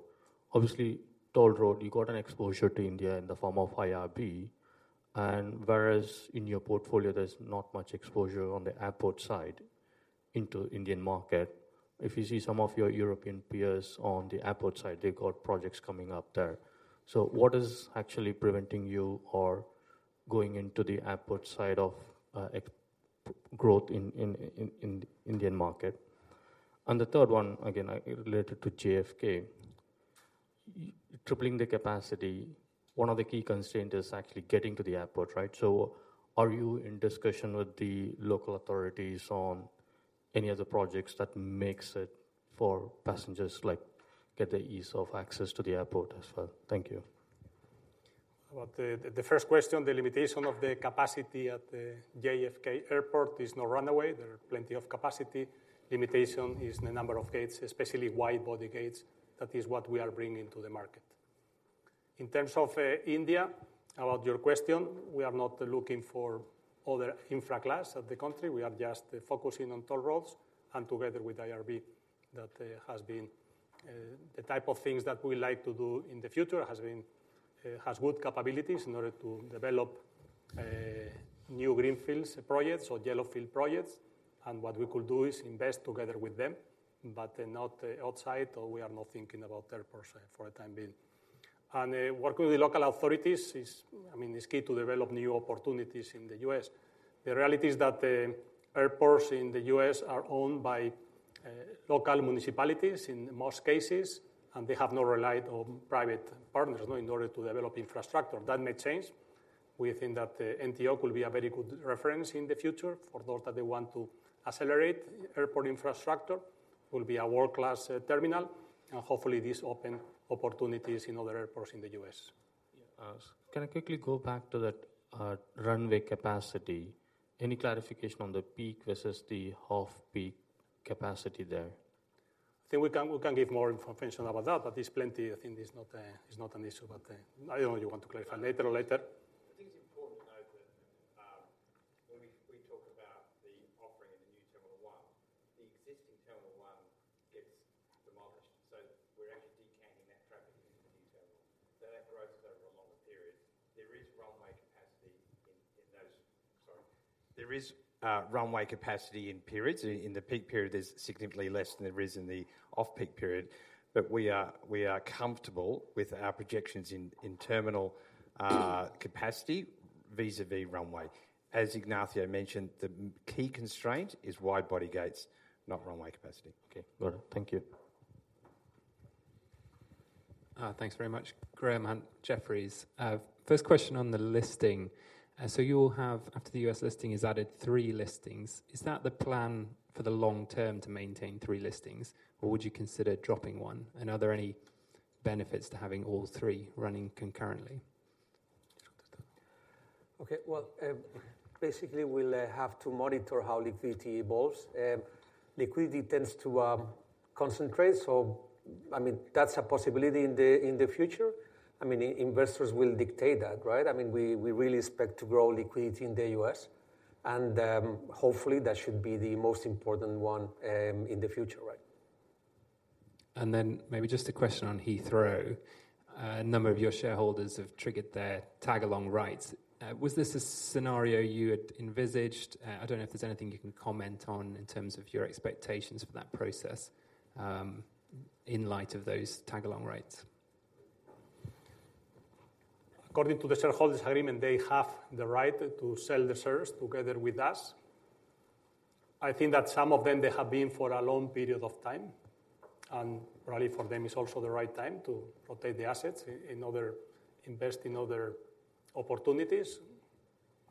Obviously, toll road, you got an exposure to India in the form of IRB, and whereas in your portfolio, there's not much exposure on the airport side into Indian market. If you see some of your European peers on the airport side, they got projects coming up there. So what is actually preventing you from going into the airport side of growth in the Indian market? And the third one, again, related to JFK. Tripling the capacity, one of the key constraint is actually getting to the airport, right? So are you in discussion with the local authorities on- ... any other projects that makes it for passengers, like, get the ease of access to the airport as well? Thank you. Well, the first question, the limitation of the capacity at the JFK Airport is no runway. There are plenty of capacity. Limitation is the number of gates, especially wide-body gates. That is what we are bringing to the market. In terms of India, about your question, we are not looking for other infra class of the country. We are just focusing on toll roads and together with IRB, that has been. The type of things that we like to do in the future has been has good capabilities in order to develop new greenfields projects or yellowfield projects, and what we could do is invest together with them, but not outside, or we are not thinking about airports for the time being. And working with local authorities is, I mean, is key to develop new opportunities in the U.S. The reality is that the airports in the U.S. are owned by local municipalities in most cases, and they have not relied on private partners in order to develop infrastructure. That may change. We think that the NTO will be a very good reference in the future for those that they want to accelerate airport infrastructure, will be a world-class terminal, and hopefully, this open opportunities in other airports in the U.S. Yeah. Can I quickly go back to that, runway capacity? Any clarification on the peak versus the off-peak capacity there? I think we can, we can give more information about that, but there's plenty. I think it's not, it's not an issue, but, I don't know you want to clarify later or later. I think it's important to note that, when we talk about the offering in the New Terminal One, the existing Terminal 1 gets demolished, so we're actually decanting that traffic into the new terminal. So that grows over a longer period. There is runway capacity in periods. In the peak period, there's significantly less than there is in the off-peak period, but we are comfortable with our projections in terminal capacity, vis-a-vis runway. As Ignacio mentioned, the key constraint is wide-body gates, not runway capacity. Okay, got it. Thank you. Thanks very much. Graham Hunt, Jefferies. First question on the listing: so you'll have, after the U.S. listing, is added three listings. Is that the plan for the long term, to maintain three listings, or would you consider dropping one? And are there any benefits to having all three running concurrently? Okay, well, basically, we'll have to monitor how liquidity evolves. Liquidity tends to concentrate, so, I mean, that's a possibility in the future. I mean, investors will dictate that, right? I mean, we really expect to grow liquidity in the U.S., and, hopefully, that should be the most important one in the future. Right. And then maybe just a question on Heathrow. A number of your shareholders have triggered their tag-along rights. Was this a scenario you had envisaged? I don't know if there's anything you can comment on in terms of your expectations for that process, in light of those tag-along rights. According to the shareholders' agreement, they have the right to sell the shares together with us. I think that some of them, they have been for a long period of time, and probably for them, it's also the right time to rotate the assets and invest in other opportunities.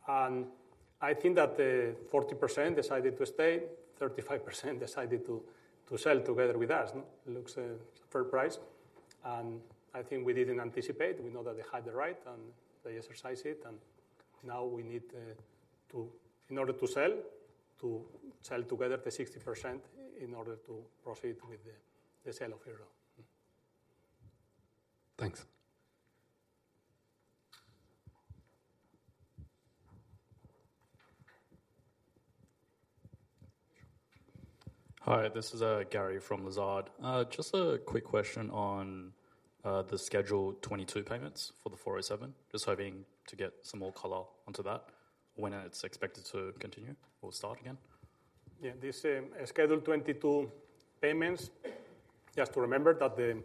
I think that 40% decided to stay, 35% decided to sell together with us; it looks a fair price. I think we didn't anticipate. We know that they had the right, and they exercise it, and now we need to sell together the 60% in order to proceed with the sale of Heathrow. Thanks. Hi, this is Gary from Lazard. Just a quick question on the Schedule 22 payments for the 407. Just hoping to get some more color onto that, when it's expected to continue or start again. Yeah, this Schedule 22 payments, just to remember that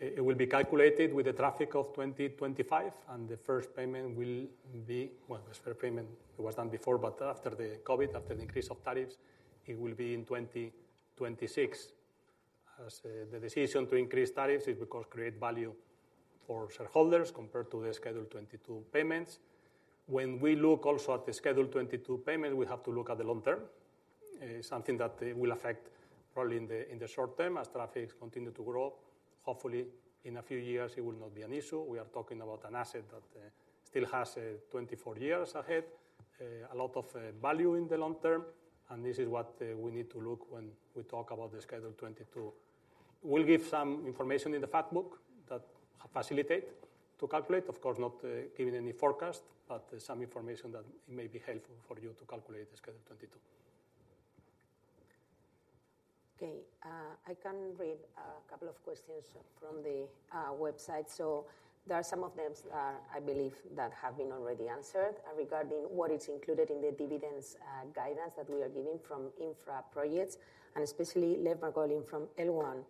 it will be calculated with the traffic of 2025, and the first payment will be... Well, the first payment was done before, but after the COVID, after the increase of tariffs, it will be in 2026. The decision to increase tariffs is because create value for shareholders compared to the Schedule 22 payments. When we look also at the Schedule 22 payment, we have to look at the long term. Something that will affect probably in the short term, as traffics continue to grow. Hopefully, in a few years, it will not be an issue. We are talking about an asset that still has 24 years ahead, a lot of value in the long term, and this is what we need to look when we talk about the Schedule 22. We'll give some information in the Fact Book that facilitate to calculate. Of course, not giving any forecast, but some information that may be helpful for you to calculate the Schedule 22. Okay, I can read a couple of questions from the, website. So there are some of them, I believe, that have been already answered regarding what is included in the dividends, guidance that we are giving from infra projects, and especially Lev Margolin from L1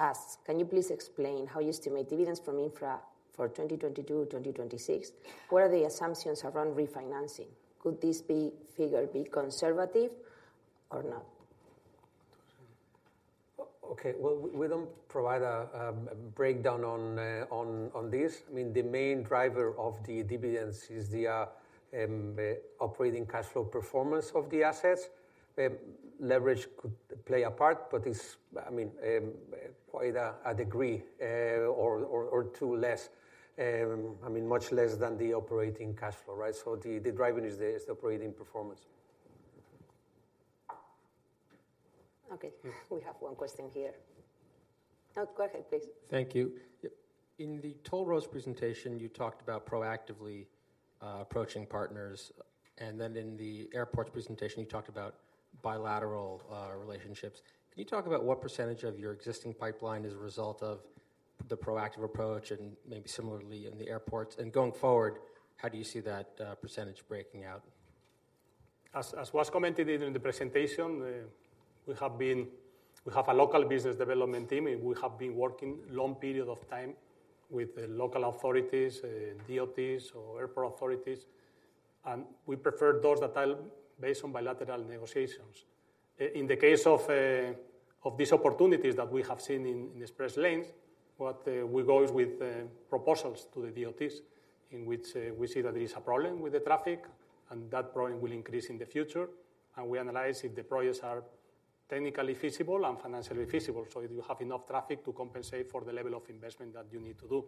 asks: "Can you please explain how you estimate dividends from infra for 2022-2026? What are the assumptions around refinancing? Could this figure be conservative or not?... Okay, well, we don't provide a breakdown on this. I mean, the main driver of the dividends is the operating cash flow performance of the assets. Leverage could play a part, but it's, I mean, quite a degree or two less, I mean much less than the operating cash flow, right? So the driving is the operating performance. Okay. We have one question here. Oh, go ahead, please. Thank you. Yep, in the toll roads presentation, you talked about proactively approaching partners, and then in the airport presentation, you talked about bilateral relationships. Can you talk about what percentage of your existing pipeline is a result of the proactive approach and maybe similarly in the airports? And going forward, how do you see that percentage breaking out? As was commented in the presentation, we have a local business development team, and we have been working long period of time with the local authorities, DOTs or airport authorities, and we prefer those that are based on bilateral negotiations. In the case of these opportunities that we have seen in express lanes, what we go is with proposals to the DOTs, in which we see that there is a problem with the traffic, and that problem will increase in the future. And we analyze if the projects are technically feasible and financially feasible, so if you have enough traffic to compensate for the level of investment that you need to do.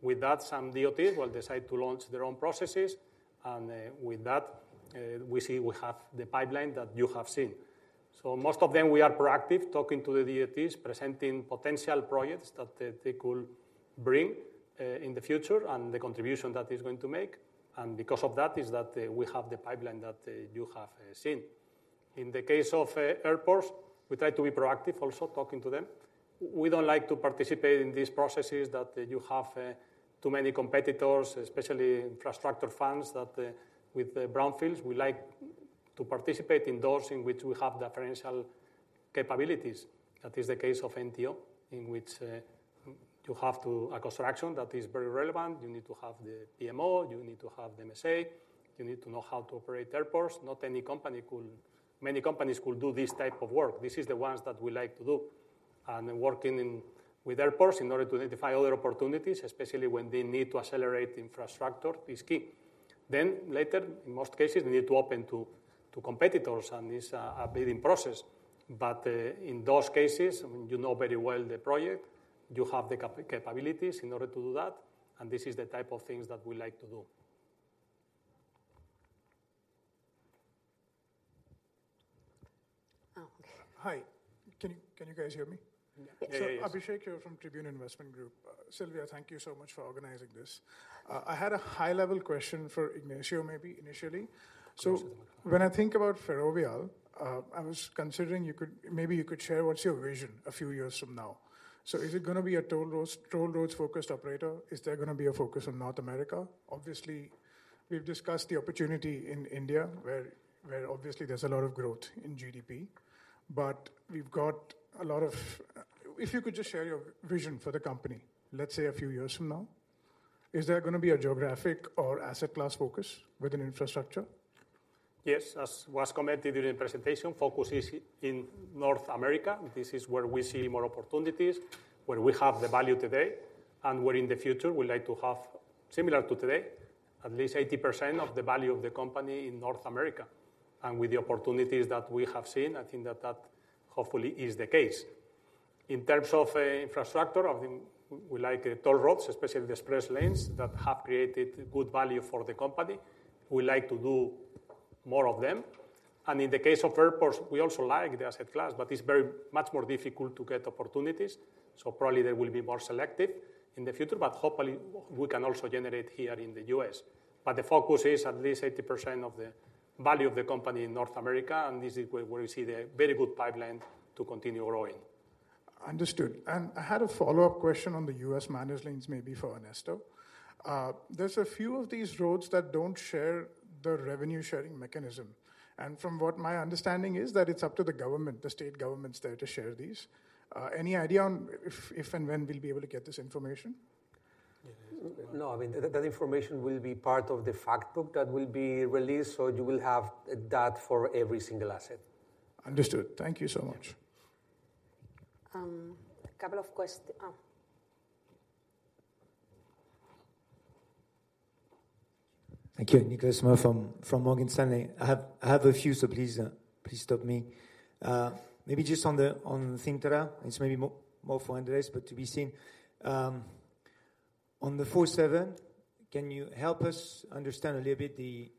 With that, some DOTs will decide to launch their own processes, and with that, we see we have the pipeline that you have seen. So most of them, we are proactive, talking to the DOTs, presenting potential projects that they could bring in the future, and the contribution that is going to make. And because of that, is that we have the pipeline that you have seen. In the case of airports, we try to be proactive, also talking to them. We don't like to participate in these processes that you have too many competitors, especially infrastructure funds, that with brownfields. We like to participate in those in which we have differential capabilities. That is the case of NTO, in which you have to... A construction that is very relevant, you need to have the PMO, you need to have the MSA, you need to know how to operate airports. Not any company could. Many companies could do this type of work. This is the ones that we like to do. And then working in with airports in order to identify other opportunities, especially when they need to accelerate infrastructure, is key. Then later, in most cases, they need to open to competitors, and it's a bidding process. But in those cases, I mean, you know very well the project, you have the capabilities in order to do that, and this is the type of things that we like to do. Oh, okay. Hi. Can you, can you guys hear me? Yeah. So Abhishek here from Tribune Investment Group. Silvia, thank you so much for organizing this. I had a high-level question for Ignacio, maybe initially. Sure. So when I think about Ferrovial, I was considering maybe you could share what's your vision a few years from now. So is it gonna be a toll roads, toll roads-focused operator? Is there gonna be a focus on North America? Obviously, we've discussed the opportunity in India, where obviously there's a lot of growth in GDP, but we've got a lot of... If you could just share your vision for the company, let's say, a few years from now, is there gonna be a geographic or asset class focus within infrastructure? Yes, as was commented during the presentation, focus is in North America. This is where we see more opportunities, where we have the value today, and where in the future, we like to have, similar to today, at least 80% of the value of the company in North America. With the opportunities that we have seen, I think that that hopefully is the case. In terms of infrastructure, I think we like toll roads, especially the express lanes, that have created good value for the company. We like to do more of them. In the case of airports, we also like the asset class, but it's very much more difficult to get opportunities, so probably they will be more selective in the future, but hopefully, we can also generate here in the US. The focus is at least 80% of the value of the company in North America, and this is where we see the very good pipeline to continue growing. Understood. I had a follow-up question on the U.S. managed lanes, maybe for Ernesto. There's a few of these roads that don't share the revenue-sharing mechanism, and from what my understanding is, that it's up to the government, the state governments there, to share these. Any idea on if and when we'll be able to get this information? No, I mean, that information will be part of the Fact Book that will be released, so you will have that for every single asset. Understood. Thank you so much. A couple of questions. Thank you. Nicolas Mora from Morgan Stanley. I have a few, so please stop me. Maybe just on the Cintra, it's maybe more for Andrés, but to be seen. On the 407, can you help us understand a little bit the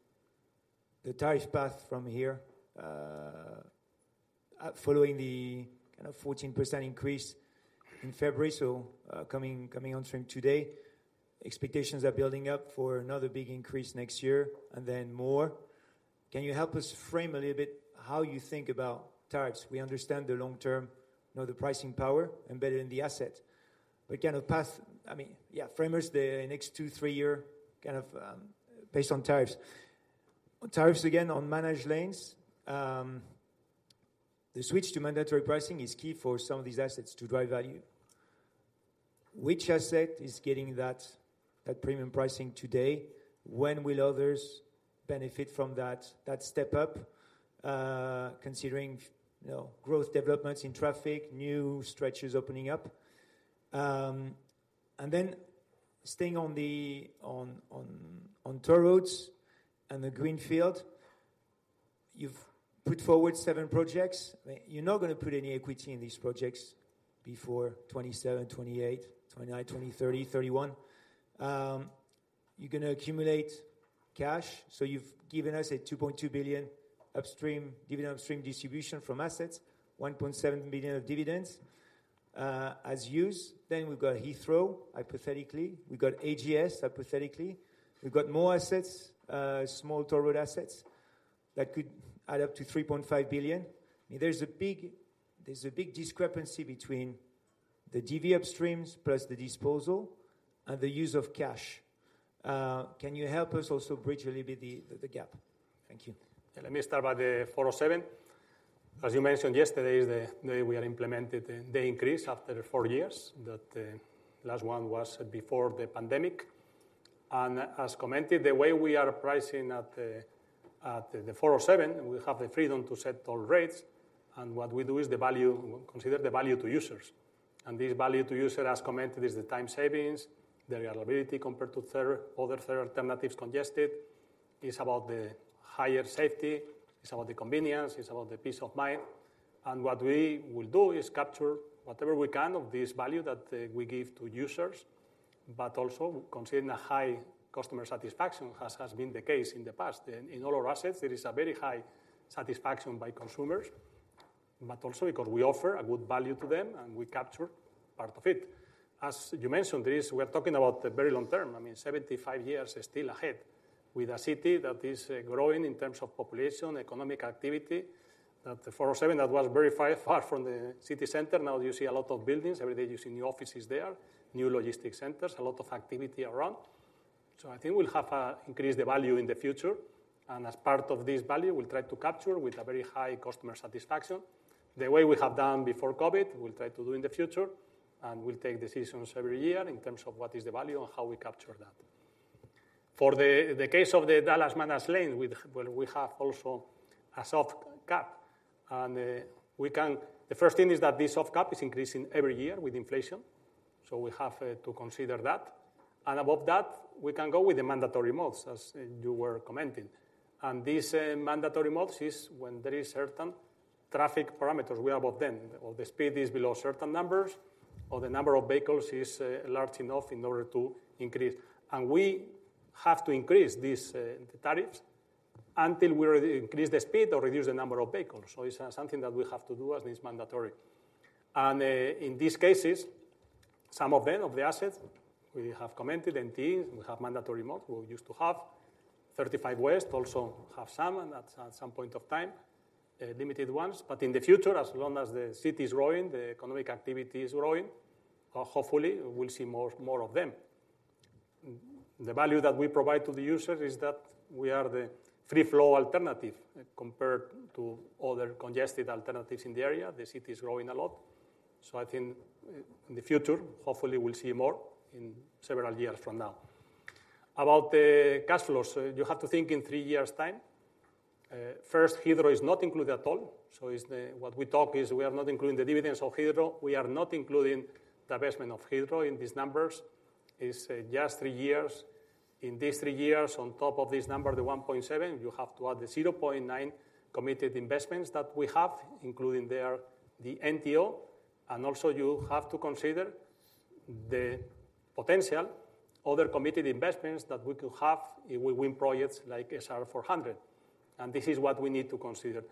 tariff path from here, following the kind of 14% increase in February, so coming on stream today? Expectations are building up for another big increase next year and then more. Can you help us frame a little bit how you think about tariffs? We understand the long term, you know, the pricing power embedded in the asset, but kind of path, I mean, yeah, frame us the next two, three year kind of based on tariffs. Tariffs again, on managed lanes, the switch to mandatory pricing is key for some of these assets to drive value? Which asset is getting that, that premium pricing today? When will others benefit from that, that step up, considering, you know, growth developments in traffic, new stretches opening up? And then staying on the toll roads and the greenfield, you've put forward seven projects. You're not gonna put any equity in these projects before 2027, 2028, 2029, 2030, 2031. You're gonna accumulate cash, so you've given us a 2.2 billion upstream, dividend upstream distribution from assets, 1.7 billion of dividends, as used. Then we've got Heathrow, hypothetically, we've got AGS, hypothetically. We've got more assets, small toll road assets that could add up to 3.5 billion. There's a big, there's a big discrepancy between the DV upstreams plus the disposal and the use of cash. Can you help us also bridge a little bit the, the gap? Thank you. Let me start by the 407. As you mentioned yesterday, is the day we are implemented the increase after four years, that last one was before the pandemic. And as commented, the way we are pricing at the 407, we have the freedom to set toll rates, and what we do is consider the value to users. And this value to user, as commented, is the time savings, the reliability compared to third, other third alternatives congested. It's about the higher safety, it's about the convenience, it's about the peace of mind. And what we will do is capture whatever we can of this value that we give to users, but also maintain a high customer satisfaction, as has been the case in the past. In all our assets, there is a very high satisfaction by consumers, but also because we offer a good value to them, and we capture part of it. As you mentioned this, we're talking about the very long term. I mean, 75 years is still ahead with a city that is growing in terms of population, economic activity, that the 407, that was very far, far from the city center. Now you see a lot of buildings, every day you see new offices there, new logistics centers, a lot of activity around. So I think we'll have increase the value in the future, and as part of this value, we'll try to capture with a very high customer satisfaction. The way we have done before COVID, we'll try to do in the future, and we'll take decisions every year in terms of what is the value and how we capture that. For the case of the Dallas North Lane, well, we have also a soft cap. The first thing is that this soft cap is increasing every year with inflation, so we have to consider that. And above that, we can go with the mandatory modes, as you were commenting. And these mandatory modes is when there is certain traffic parameters, we above them, or the speed is below certain numbers, or the number of vehicles is large enough in order to increase. And we have to increase these the tariffs until we increase the speed or reduce the number of vehicles. So it's something that we have to do, and it's mandatory. In these cases, some of them, of the assets, we have commented, and these we have mandatory mode. We used to have 35W also have some, and at some point of time, limited ones. But in the future, as long as the city is growing, the economic activity is growing, hopefully we'll see more of them. Mm, the value that we provide to the user is that we are the free flow alternative compared to other congested alternatives in the area. The city is growing a lot, so I think in the future, hopefully we'll see more in several years from now. About the cash flows, you have to think in three years' time. First, Heathrow is not included at all, so what we talk is we are not including the dividends of Heathrow. We are not including the investment of Heathrow in these numbers. It's just three years. In these three years, on top of this number, the 1.7 billion, you have to add the 0.9 billion committed investments that we have, including there, the NTO, and also you have to consider the potential other committed investments that we could have if we win projects like SR 400. This is what we need to consider.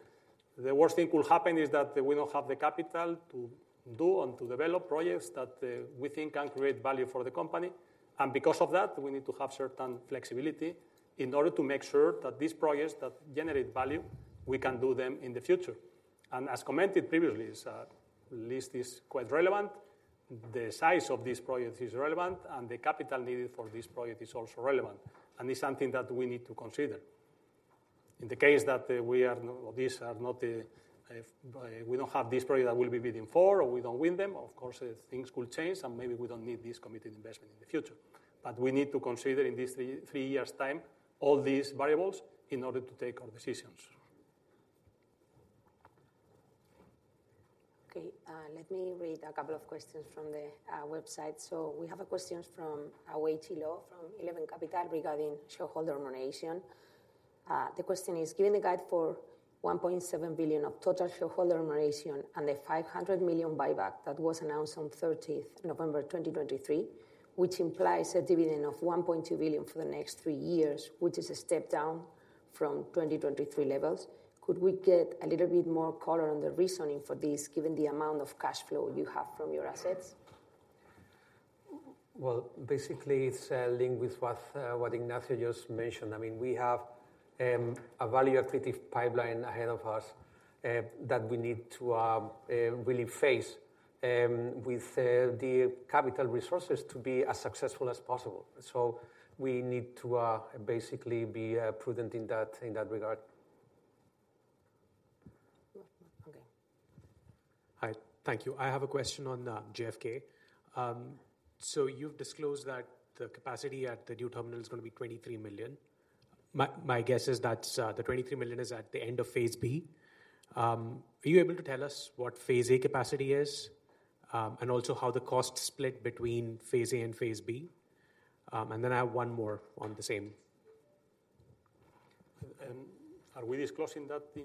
The worst thing could happen is that we don't have the capital to do and to develop projects that we think can create value for the company. Because of that, we need to have certain flexibility in order to make sure that these projects that generate value, we can do them in the future. As commented previously, list is quite relevant, the size of this project is relevant, and the capital needed for this project is also relevant, and it's something that we need to consider. In the case that these are not, we don't have this project that we'll be bidding for, or we don't win them, of course, things could change, and maybe we don't need this committed investment in the future. But we need to consider in this three, three years' time, all these variables in order to take our decisions. Okay, let me read a couple of questions from the website. We have a question from Aweti Lo from Eleva Capital regarding shareholder nomination. The question is, given the guide for 1.7 billion of total shareholder remuneration and the 500 million buyback that was announced on 13th November 2023, which implies a dividend of 1.2 billion for the next three years, which is a step down from 2023 levels, could we get a little bit more color on the reasoning for this, given the amount of cash flow you have from your assets? Well, basically, it's linked with what Ignacio just mentioned. I mean, we have a value accretive pipeline ahead of us that we need to really face with the capital resources to be as successful as possible. So we need to basically be prudent in that regard.... Hi, thank you. I have a question on JFK. So you've disclosed that the capacity at the new terminal is gonna be 23 million. My, my guess is that the 23 million is at the end of phase B. Are you able to tell us what phase A capacity is, and also how the costs split between phase A and phase B? And then I have one more on the same. Are we disclosing that the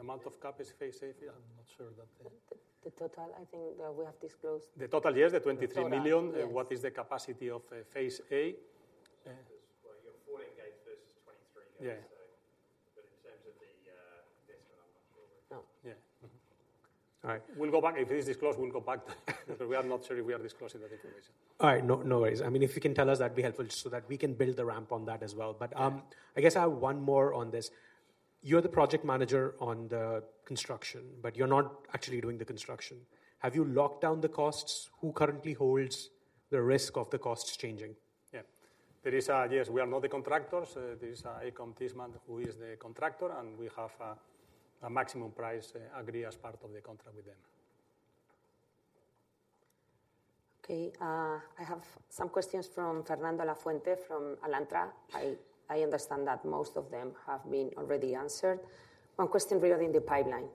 amount of capacity phase A? I'm not sure that the- The total, I think that we have disclosed. The total, yes, the 23 million. The total, yes. What is the capacity of phase A? Well, you have 14 gates versus 23 gates- Yeah. But in terms of the desk, I'm not sure. Oh, yeah. Mm-hmm. All right. We'll go back. If it is disclosed, we'll go back. But we are not sure if we are disclosing that information. All right, no, no worries. I mean, if you can tell us, that'd be helpful, so that we can build the ramp on that as well. Yeah. I guess I have one more on this. You're the project manager on the construction, but you're not actually doing the construction. Have you locked down the costs? Who currently holds the risk of the costs changing? Yeah. There is a... Yes, we are not the contractors. There is, AECOM Tishman, who is the contractor, and we have a maximum price, agreed as part of the contract with them. Okay, I have some questions from Fernando Lafuente from Alantra. I understand that most of them have been already answered. One question regarding the pipeline.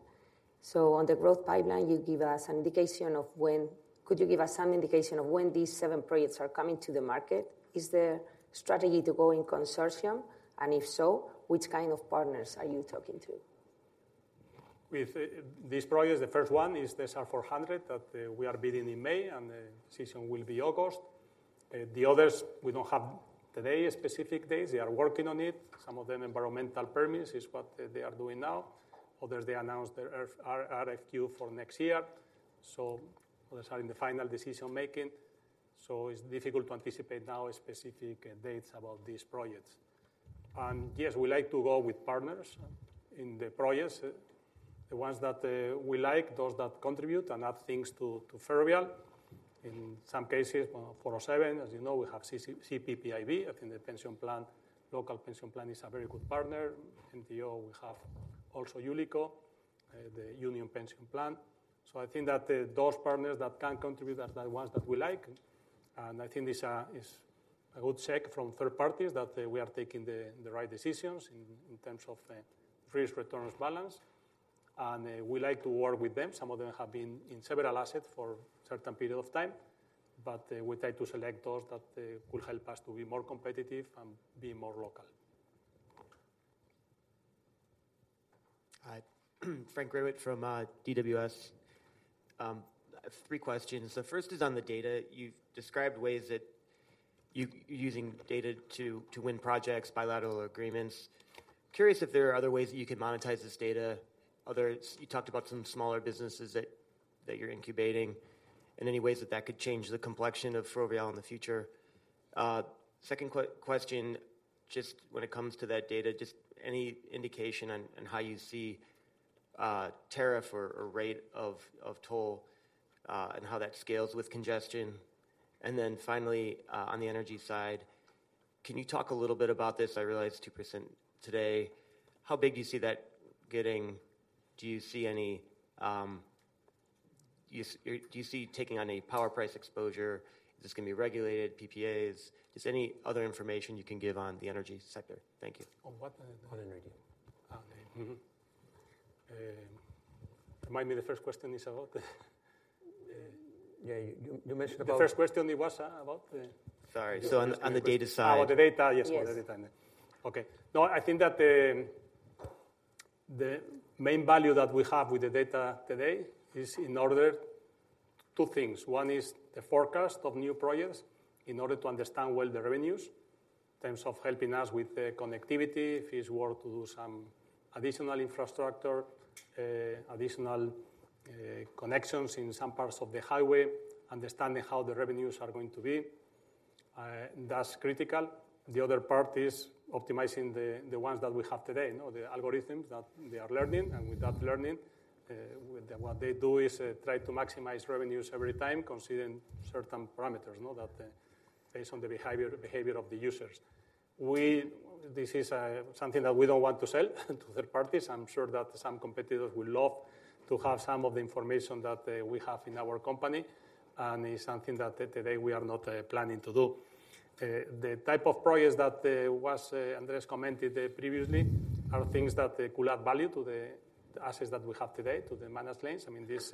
So on the growth pipeline, you give us an indication of when, could you give us some indication of when these seven projects are coming to the market? Is the strategy to go in consortium, and if so, which kind of partners are you talking to? With these projects, the first one is the SR 400 that we are bidding in May, and the decision will be August. The others, we don't have today specific dates. They are working on it. Some of them, environmental permits is what they are doing now. Others, they announced their RF, RFQ for next year. So others are in the final decision-making, so it's difficult to anticipate now specific dates about these projects. And yes, we like to go with partners in the projects, the ones that we like, those that contribute and add things to Ferrovial. In some cases, 407, as you know, we have CP, CPPIB. I think the pension plan, local pension plan is a very good partner. NTO, we have also Ullico, the union pension plan. I think that those partners that can contribute are the ones that we like, and I think this is a good check from third parties, that we are taking the right decisions in terms of the risk-return balance. We like to work with them. Some of them have been in several assets for certain period of time, but we try to select those that will help us to be more competitive and be more local. Hi. Frank Greywitt from, DWS. I have three questions. The first is on the data. You've described ways that you, you're using data to win projects, bilateral agreements. Curious if there are other ways that you could monetize this data, others... You talked about some smaller businesses that you're incubating, and any ways that that could change the complexion of Ferrovial in the future. Second question, just when it comes to that data, just any indication on how you see tariff or rate of toll, and how that scales with congestion? And then finally, on the energy side, can you talk a little bit about this? I realize it's 2% today. How big do you see that getting? Do you see any, do you or do you see taking on any power price exposure? Is this going to be regulated, PPAs? Just any other information you can give on the energy sector. Thank you. On what? On energy. Okay. Mm-hmm. Remind me, the first question is about? Yeah, you mentioned about- The first question it was about? Sorry. On the data side. Oh, the data? Yes. Yes, on the data. Okay. No, I think that the main value that we have with the data today is in order, two things: One is the forecast of new projects, in order to understand well the revenues, in terms of helping us with the connectivity, if it's worth to do some additional infrastructure, additional connections in some parts of the highway, understanding how the revenues are going to be, that's critical. The other part is optimizing the ones that we have today, you know, the algorithms that they are learning, and with that learning, with the, what they do is try to maximize revenues every time, considering certain parameters, you know, that based on the behavior of the users. We, this is something that we don't want to sell to third parties. I'm sure that some competitors would love to have some of the information that we have in our company, and it's something that today we are not planning to do. The type of projects that Andrés commented previously are things that they could add value to the assets that we have today, to the managed lanes. I mean, this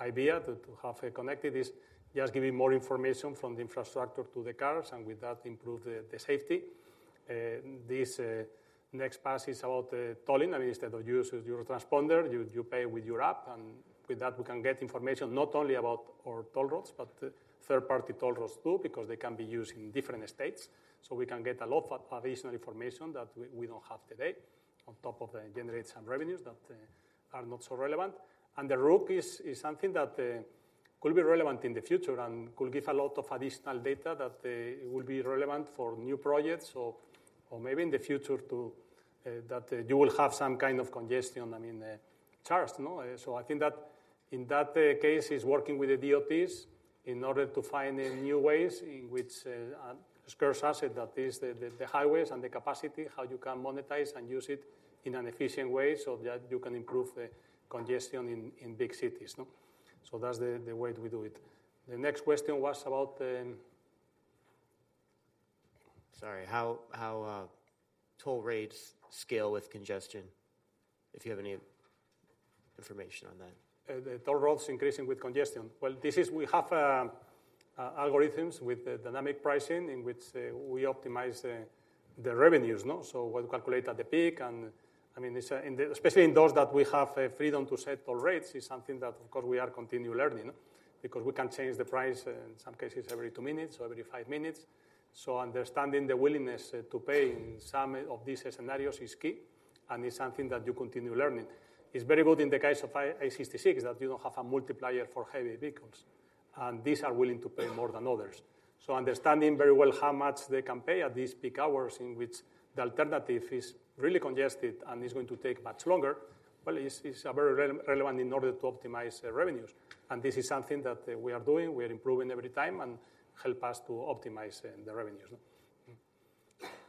idea to have a connected is just giving more information from the infrastructure to the cars, and with that, improve the safety. This next part is about tolling. I mean, instead of using your transponder, you pay with your app, and with that, we can get information not only about our toll roads, but third-party toll roads too, because they can be used in different states. So we can get a lot of additional information that we don't have today, on top of generating some revenues that are not so relevant. And AIVIA is something that could be relevant in the future and could give a lot of additional data that will be relevant for new projects or maybe in the future too, that you will have some kind of congestion, I mean, charges, you know? So I think that. In that case, it's working with the DOTs in order to find new ways in which scarce asset that is the highways and the capacity, how you can monetize and use it in an efficient way so that you can improve the congestion in big cities, no? So that's the way we do it. The next question was about... Sorry, how toll rates scale with congestion, if you have any information on that? The toll roads increasing with congestion. Well, this is we have algorithms with the dynamic pricing in which we optimize the revenues, no? So we calculate at the peak, and, I mean, it's in the especially in those that we have a freedom to set toll rates, is something that, of course, we are continue learning, because we can change the price in some cases, every two minutes or every five minutes. So understanding the willingness to pay in some of these scenarios is key and is something that you continue learning. It's very good in the case of I-66, that you don't have a multiplier for heavy vehicles, and these are willing to pay more than others. So understanding very well how much they can pay at these peak hours, in which the alternative is really congested and is going to take much longer, well, is very relevant in order to optimize the revenues. And this is something that we are doing, we are improving every time and help us to optimize the revenues.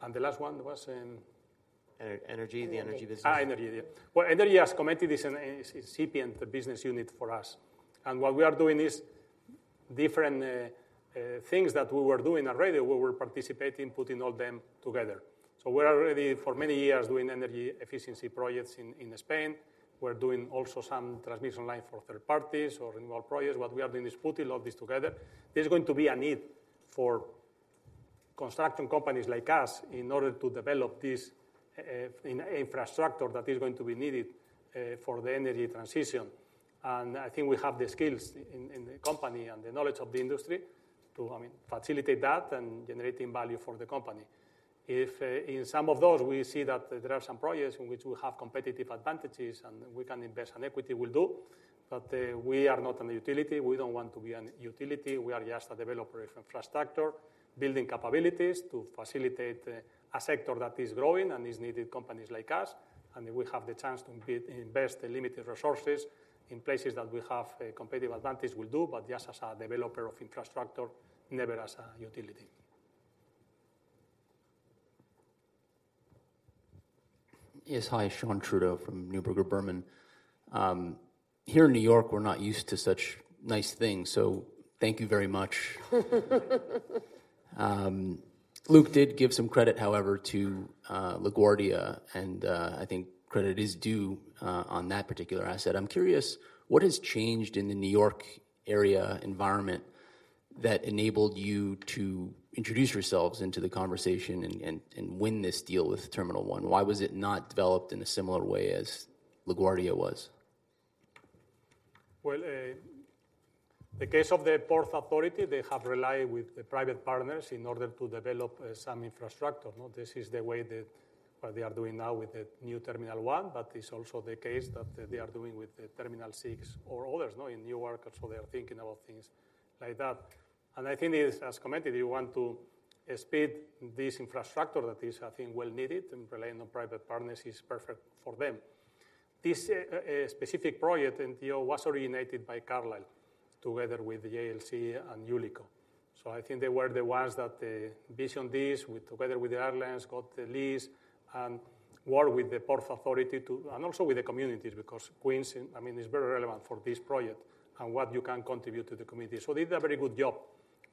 And the last one was? Energy, the Energy business. Ah, Energy, yeah. Well, Energy, as committed, is an incipient business unit for us. And what we are doing is different things that we were doing already, we were participating, putting all them together. So we are already, for many years, doing energy efficiency projects in Spain. We're doing also some transmission line for third parties or renewable projects. What we are doing is putting all this together. There's going to be a need for construction companies like us in order to develop this in infrastructure that is going to be needed for the energy transition. And I think we have the skills in the company and the knowledge of the industry to, I mean, facilitate that and generating value for the company. If in some of those, we see that there are some projects in which we have competitive advantages and we can invest on equity, we'll do. But we are not a utility. We don't want to be a utility. We are just a developer of infrastructure, building capabilities to facilitate a sector that is growing and is needing companies like us, and we have the chance to invest the limited resources in places that we have a competitive advantage, we'll do, but just as a developer of infrastructure, never as a utility. Yes. Hi, Shawn Trudeau from Neuberger Berman. Here in New York, we're not used to such nice things, so thank you very much. Luke did give some credit, however, to LaGuardia, and I think credit is due on that particular asset. I'm curious, what has changed in the New York area environment that enabled you to introduce yourselves into the conversation and win this deal with Terminal 1? Why was it not developed in a similar way as LaGuardia was? Well, the case of the Port Authority, they have relied with the private partners in order to develop some infrastructure, no? This is the way that what they are doing now with the New Terminal One, but it's also the case that they are doing with the Terminal 6 or others, no, in New York. So they are thinking about things like that. And I think it is, as committed, we want to speed this infrastructure that is, I think, well needed, and relying on private partners is perfect for them. This specific project at JFK was originated by Carlyle, together with the JLC and Ullico. So I think they were the ones that envisioned this, together with the airlines, got the lease and worked with the Port Authority to... Also with the communities, because Queens, I mean, is very relevant for this project and what you can contribute to the community. So they did a very good job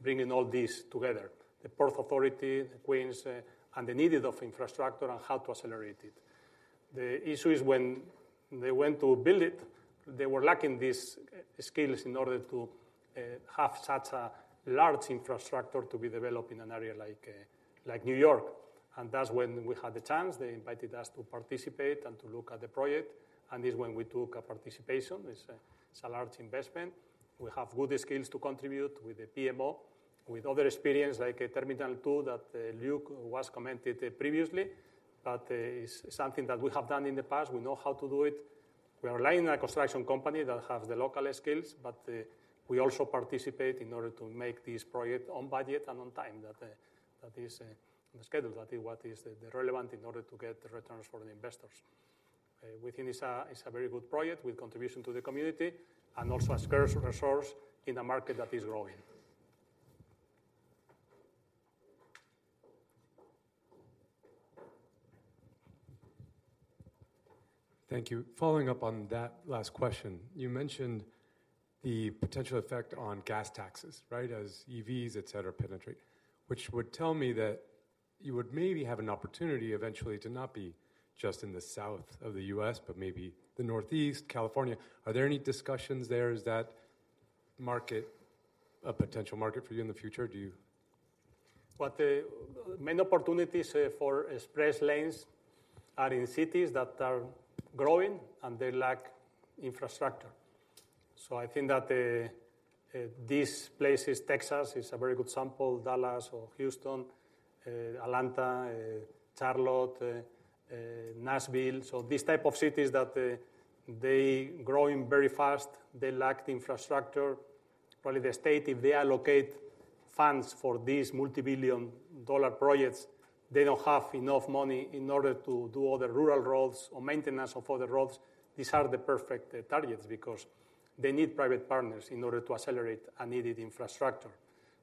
bringing all this together, the Port Authority, Queens, and the need of infrastructure and how to accelerate it. The issue is when they went to build it, they were lacking these skills in order to have such a large infrastructure to be developed in an area like, like New York. And that's when we had the chance. They invited us to participate and to look at the project, and this is when we took a participation. It's a large investment. We have good skills to contribute with the PMO, with other experience, like Terminal 2, that Luke commented previously, but it's something that we have done in the past. We know how to do it. We are relying on a construction company that have the local skills, but we also participate in order to make this project on budget and on time, that is in the schedule. That is what is the relevant in order to get the returns for the investors. We think it's a very good project with contribution to the community and also a scarce resource in a market that is growing. Thank you. Following up on that last question, you mentioned the potential effect on gas taxes, right? As EVs, etc., penetrate, which would tell me that you would maybe have an opportunity eventually to not be just in the south of the U.S., but maybe the Northeast, California. Are there any discussions there? Is that market a potential market for you in the future, do you? Well, the main opportunities for express lanes are in cities that are growing, and they lack infrastructure. So I think that, these places, Texas is a very good example, Dallas or Houston, Atlanta, Charlotte, Nashville. So these type of cities that, they growing very fast, they lack the infrastructure. Probably the state, if they allocate funds for these multibillion-dollar projects, they don't have enough money in order to do all the rural roads or maintenance of other roads. These are the perfect targets because they need private partners in order to accelerate unneeded infrastructure.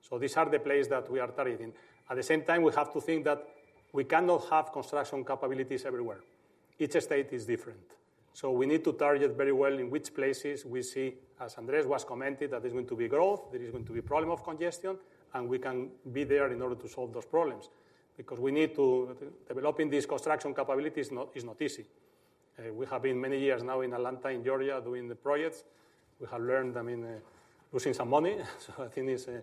So these are the places that we are targeting. At the same time, we have to think that we cannot have construction capabilities everywhere. Each state is different. So we need to target very well in which places we see, as Andrés was commented, that there's going to be growth, there is going to be problem of congestion, and we can be there in order to solve those problems. Because we need to, developing these construction capabilities is not, is not easy. We have been many years now in Atlanta, in Georgia, doing the projects. We have learned, I mean, losing some money, so I think it's a,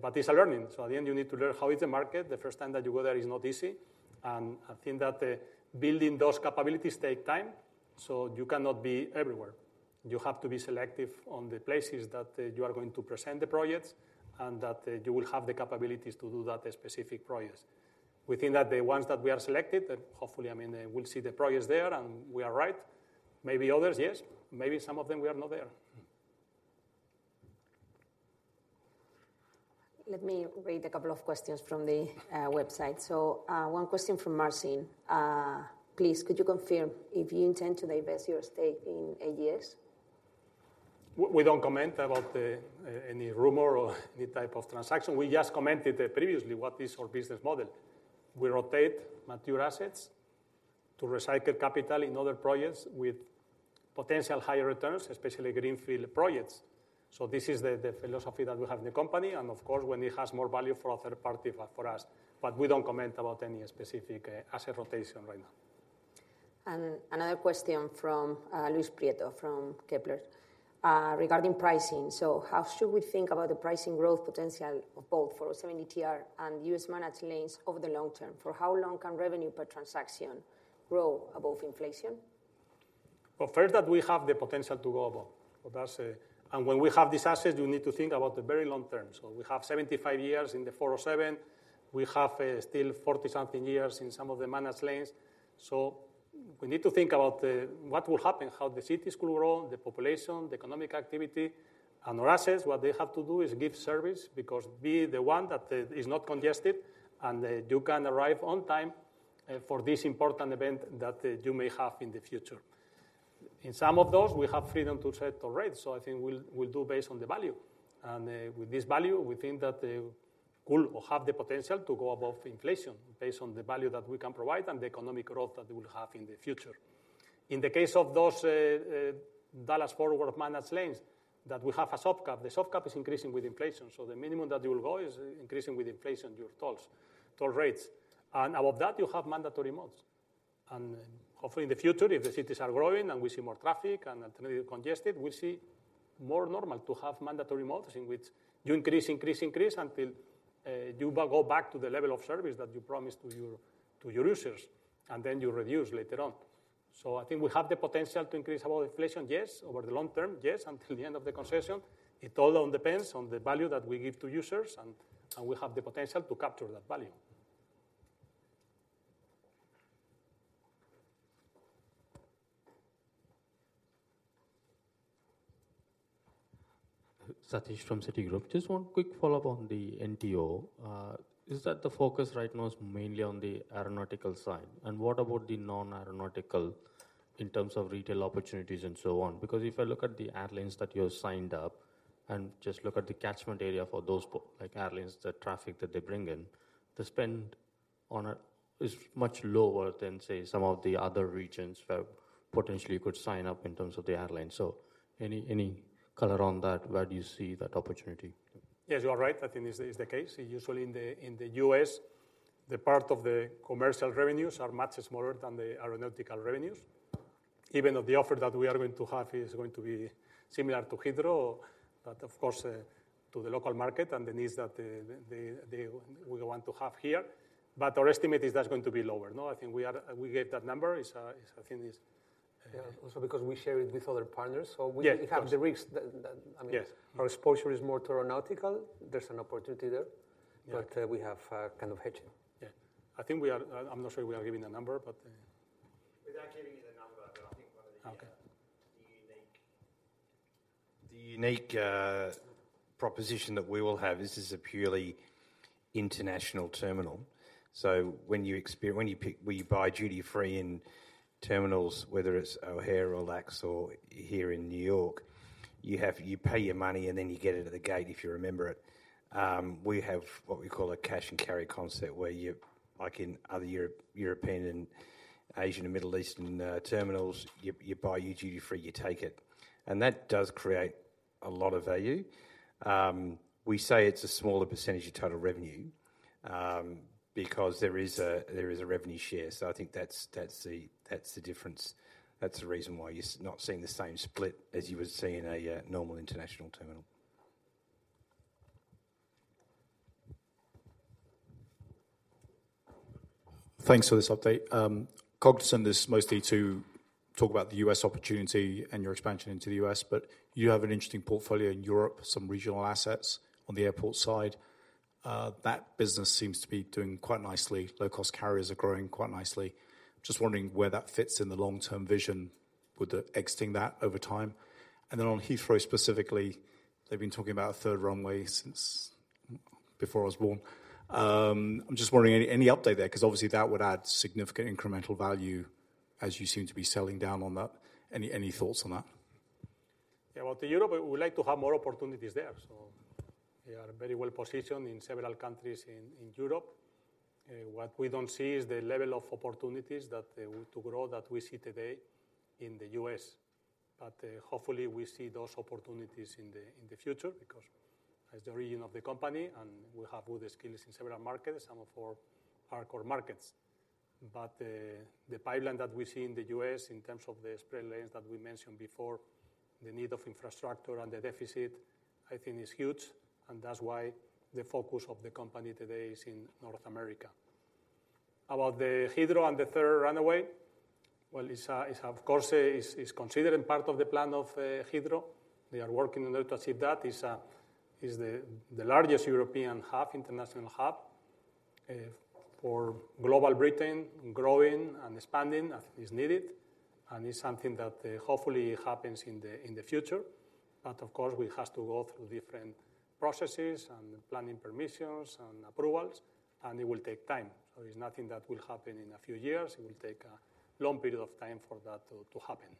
but it's a learning. So at the end, you need to learn how is the market. The first time that you go there is not easy, and I think that, building those capabilities take time, so you cannot be everywhere. You have to be selective on the places that you are going to present the projects, and that you will have the capabilities to do that specific projects. We think that the ones that we have selected, and hopefully, I mean, we'll see the projects there, and we are right. Maybe others, yes. Maybe some of them we are not there. Let me read a couple of questions from the website. So, one question from Marcin. Please, could you confirm if you intend to divest your stake in AGS? We don't comment about the any rumor or any type of transaction. We just commented previously what is our business model. We rotate mature assets to recycle capital in other projects with potential higher returns, especially greenfield projects. So this is the philosophy that we have in the company, and of course, when it has more value for a third party than for us. But we don't comment about any specific asset rotation right now. Another question from Luis Prieto from Kepler. Regarding pricing: so how should we think about the pricing growth potential of both 407 ETR and U.S. managed lanes over the long term? For how long can revenue per transaction grow above inflation? Well, first, that we have the potential to go above. But that's... And when we have these assets, you need to think about the very long term. So we have 75 years in the 407. We have still 40-something years in some of the managed lanes. So we need to think about what will happen, how the cities will grow, the population, the economic activity. And our assets, what they have to do is give service, because be the one that is not congested, and you can arrive on time for this important event that you may have in the future. In some of those, we have freedom to set the rates, so I think we'll do based on the value. With this value, we think that could or have the potential to go above inflation, based on the value that we can provide and the economic growth that we will have in the future. In the case of those Dallas-Fort Worth managed lanes that we have a soft cap. The soft cap is increasing with inflation, so the minimum that you will go is increasing with inflation, your tolls, toll rates. And above that, you have mandatory modes. And hopefully in the future, if the cities are growing and we see more traffic and entirely congested, we see more normal to have mandatory modes in which you increase, increase, increase until you go back to the level of service that you promised to your, to your users, and then you reduce later on. So I think we have the potential to increase above inflation, yes. Over the long term, yes, until the end of the concession. It all depends on the value that we give to users, and, and we have the potential to capture that value. Sathish from Citigroup. Just one quick follow-up on the NTO. Is that the focus right now is mainly on the aeronautical side? And what about the non-aeronautical in terms of retail opportunities and so on? Because if I look at the airlines that you have signed up and just look at the catchment area for those like airlines, the traffic that they bring in, the spend on it is much lower than, say, some of the other regions where potentially you could sign up in terms of the airlines. So any, any color on that, where do you see that opportunity? Yes, you are right. I think this is the case. Usually in the U.S., the part of the commercial revenues are much smaller than the aeronautical revenues. Even though the offer that we are going to have is going to be similar to Heathrow, but of course, to the local market and the needs that the we want to have here. But our estimate is that's going to be lower. No, I think we get that number. It's, it's I think is- Yeah, also because we share it with other partners- Yes. So we have the risks that, I mean- Yes. Our exposure is more to aeronautical. There's an opportunity there. Yeah. We have kind of hedging. Yeah. I think we are... I'm not sure we are giving a number, but, Without giving you the number, but I think one of the- Okay. The unique proposition that we will have, this is a purely international terminal. So when you buy duty-free in terminals, whether it's O'Hare or LAX or here in New York, you pay your money, and then you get it at the gate, if you remember it. We have what we call a cash and carry concept, where you, like in other European and Asian and Middle Eastern terminals, you buy your duty free, you take it. And that does create a lot of value. We say it's a smaller percentage of total revenue, because there is a revenue share. So I think that's the difference. That's the reason why you're not seeing the same split as you would see in a normal international terminal. Thanks for this update. Cognizant, this is mostly to talk about the U.S. opportunity and your expansion into the U.S., but you have an interesting portfolio in Europe, some regional assets on the airport side. That business seems to be doing quite nicely. Low-cost carriers are growing quite nicely. Just wondering where that fits in the long-term vision?... Would exiting that over time? And then on Heathrow specifically, they've been talking about a third runway since before I was born. I'm just wondering, any update there? 'Cause obviously, that would add significant incremental value as you seem to be selling down on that. Any thoughts on that? Yeah, well, to Europe, we would like to have more opportunities there. So we are very well positioned in several countries in Europe. What we don't see is the level of opportunities to grow that we see today in the U.S. But hopefully we see those opportunities in the future, because as the region of the company, and we have all the skills in several markets, some of our core markets. But the pipeline that we see in the U.S. in terms of the express lanes that we mentioned before, the need of infrastructure and the deficit, I think is huge, and that's why the focus of the company today is in North America. About the Heathrow and the third runway, well, it's of course considered in part of the plan of Heathrow. They are working on it to achieve that. It is the largest European hub, international hub, for Global Britain, growing and expanding as is needed, and is something that hopefully happens in the future. But of course, we have to go through different processes and planning permissions and approvals, and it will take time. So it's nothing that will happen in a few years. It will take a long period of time for that to happen.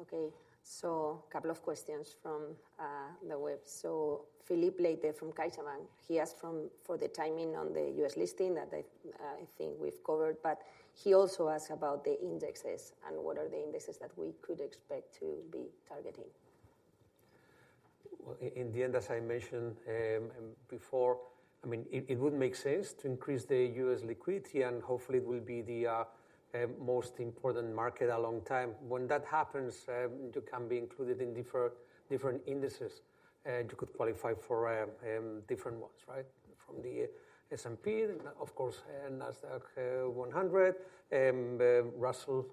Okay, so couple of questions from the web. So Filipe Leite from CaixaBank, he asked for the timing on the U.S. listing that I think we've covered, but he also asked about the indexes and what are the indexes that we could expect to be targeting. Well, in the end, as I mentioned before, I mean, it would make sense to increase the U.S. liquidity, and hopefully it will be the most important market in a long time. When that happens, you can be included in different indices, and you could qualify for different ones, right? From the S&P, of course, and NASDAQ 100, Russell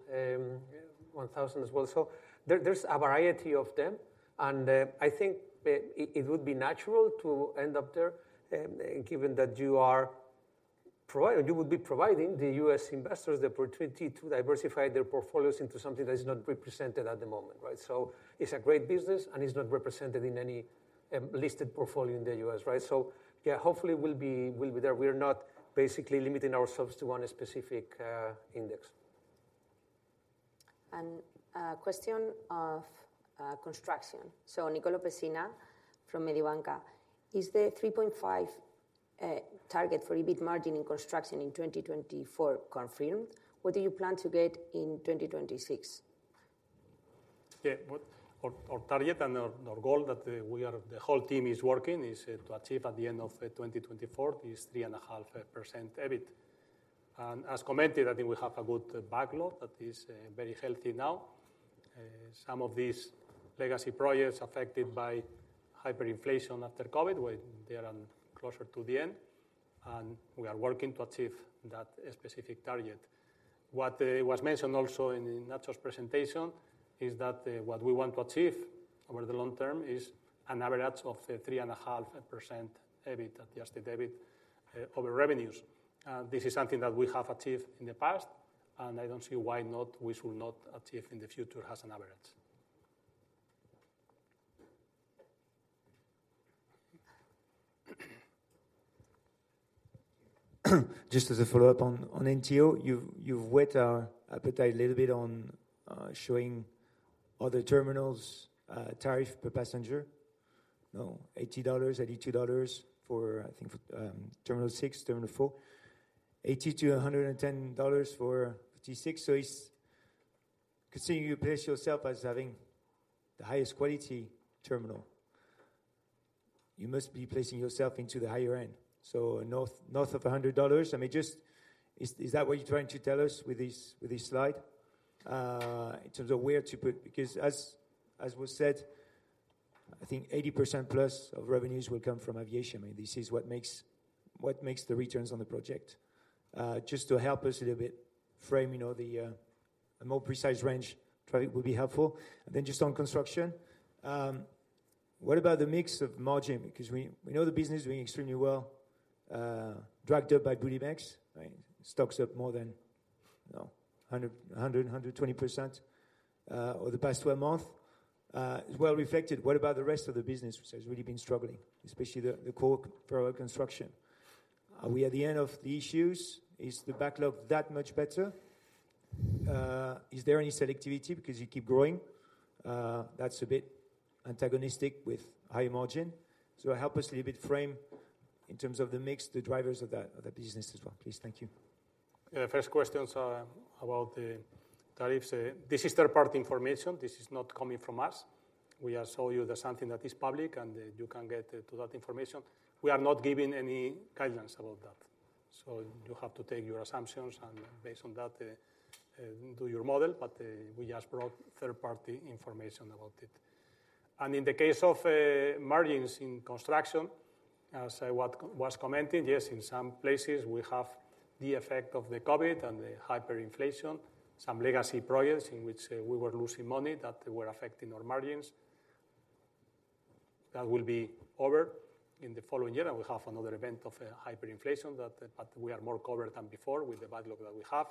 1000 as well. So there's a variety of them, and I think it would be natural to end up there, given that you are providing—you will be providing the U.S. investors the opportunity to diversify their portfolios into something that is not represented at the moment, right? So it's a great business, and it's not represented in any listed portfolio in the U.S., right? So yeah, hopefully we'll be, we'll be there. We are not basically limiting ourselves to one specific index. A question of construction. So Nicolo Pessina from Mediobanca: Is the 3.5% target for EBIT margin in Construction in 2024 confirmed? What do you plan to get in 2026? Yeah, our target and our goal that we are the whole team is working is to achieve at the end of 2024 is 3.5% EBIT. And as commented, I think we have a good backlog that is very healthy now. Some of these legacy projects affected by hyperinflation after COVID, well, they are closer to the end, and we are working to achieve that specific target. What was mentioned also in Ignacio's presentation is that what we want to achieve over the long term is an average of 3.5% EBIT, adjusted EBIT, over revenues. And this is something that we have achieved in the past, and I don't see why not, we should not achieve in the future as an average. Just as a follow-up on NTO, you've whet our appetite a little bit on showing other terminals' tariff per passenger. Now, $80, $82 for, I think, Terminal 6, Terminal 4. $80-$110 for T6. So it's considering you place yourself as having the highest quality terminal, you must be placing yourself into the higher end. So north of $100? I mean, is that what you're trying to tell us with this slide in terms of where to put... Because, as was said, I think 80%+ of revenues will come from aviation. I mean, this is what makes the returns on the project. Just to help us a little bit frame, you know, a more precise range, probably would be helpful. And then just on construction, what about the mix of margin? Because we, we know the business is doing extremely well, dragged up by Budimex, right? Stocks up more than, you know, 120%, over the past 12 months. It's well reflected. What about the rest of the business, which has really been struggling, especially the, the core power construction? Are we at the end of the issues? Is the backlog that much better? Is there any selectivity because you keep growing? That's a bit antagonistic with high margin. So help us a little bit frame in terms of the mix, the drivers of that, of the business as well, please. Thank you. Yeah, first questions are about the tariffs. This is third-party information. This is not coming from us. We just show you that something that is public, and you can get to that information. We are not giving any guidance about that. So you have to take your assumptions and based on that, do your model, but we just brought third-party information about it. And in the case of margins in construction, as I was commenting, yes, in some places, we have the effect of the COVID and the hyperinflation, some legacy projects in which we were losing money that were affecting our margins that will be over in the following year, and we have another event of hyperinflation, but we are more covered than before with the backlog that we have,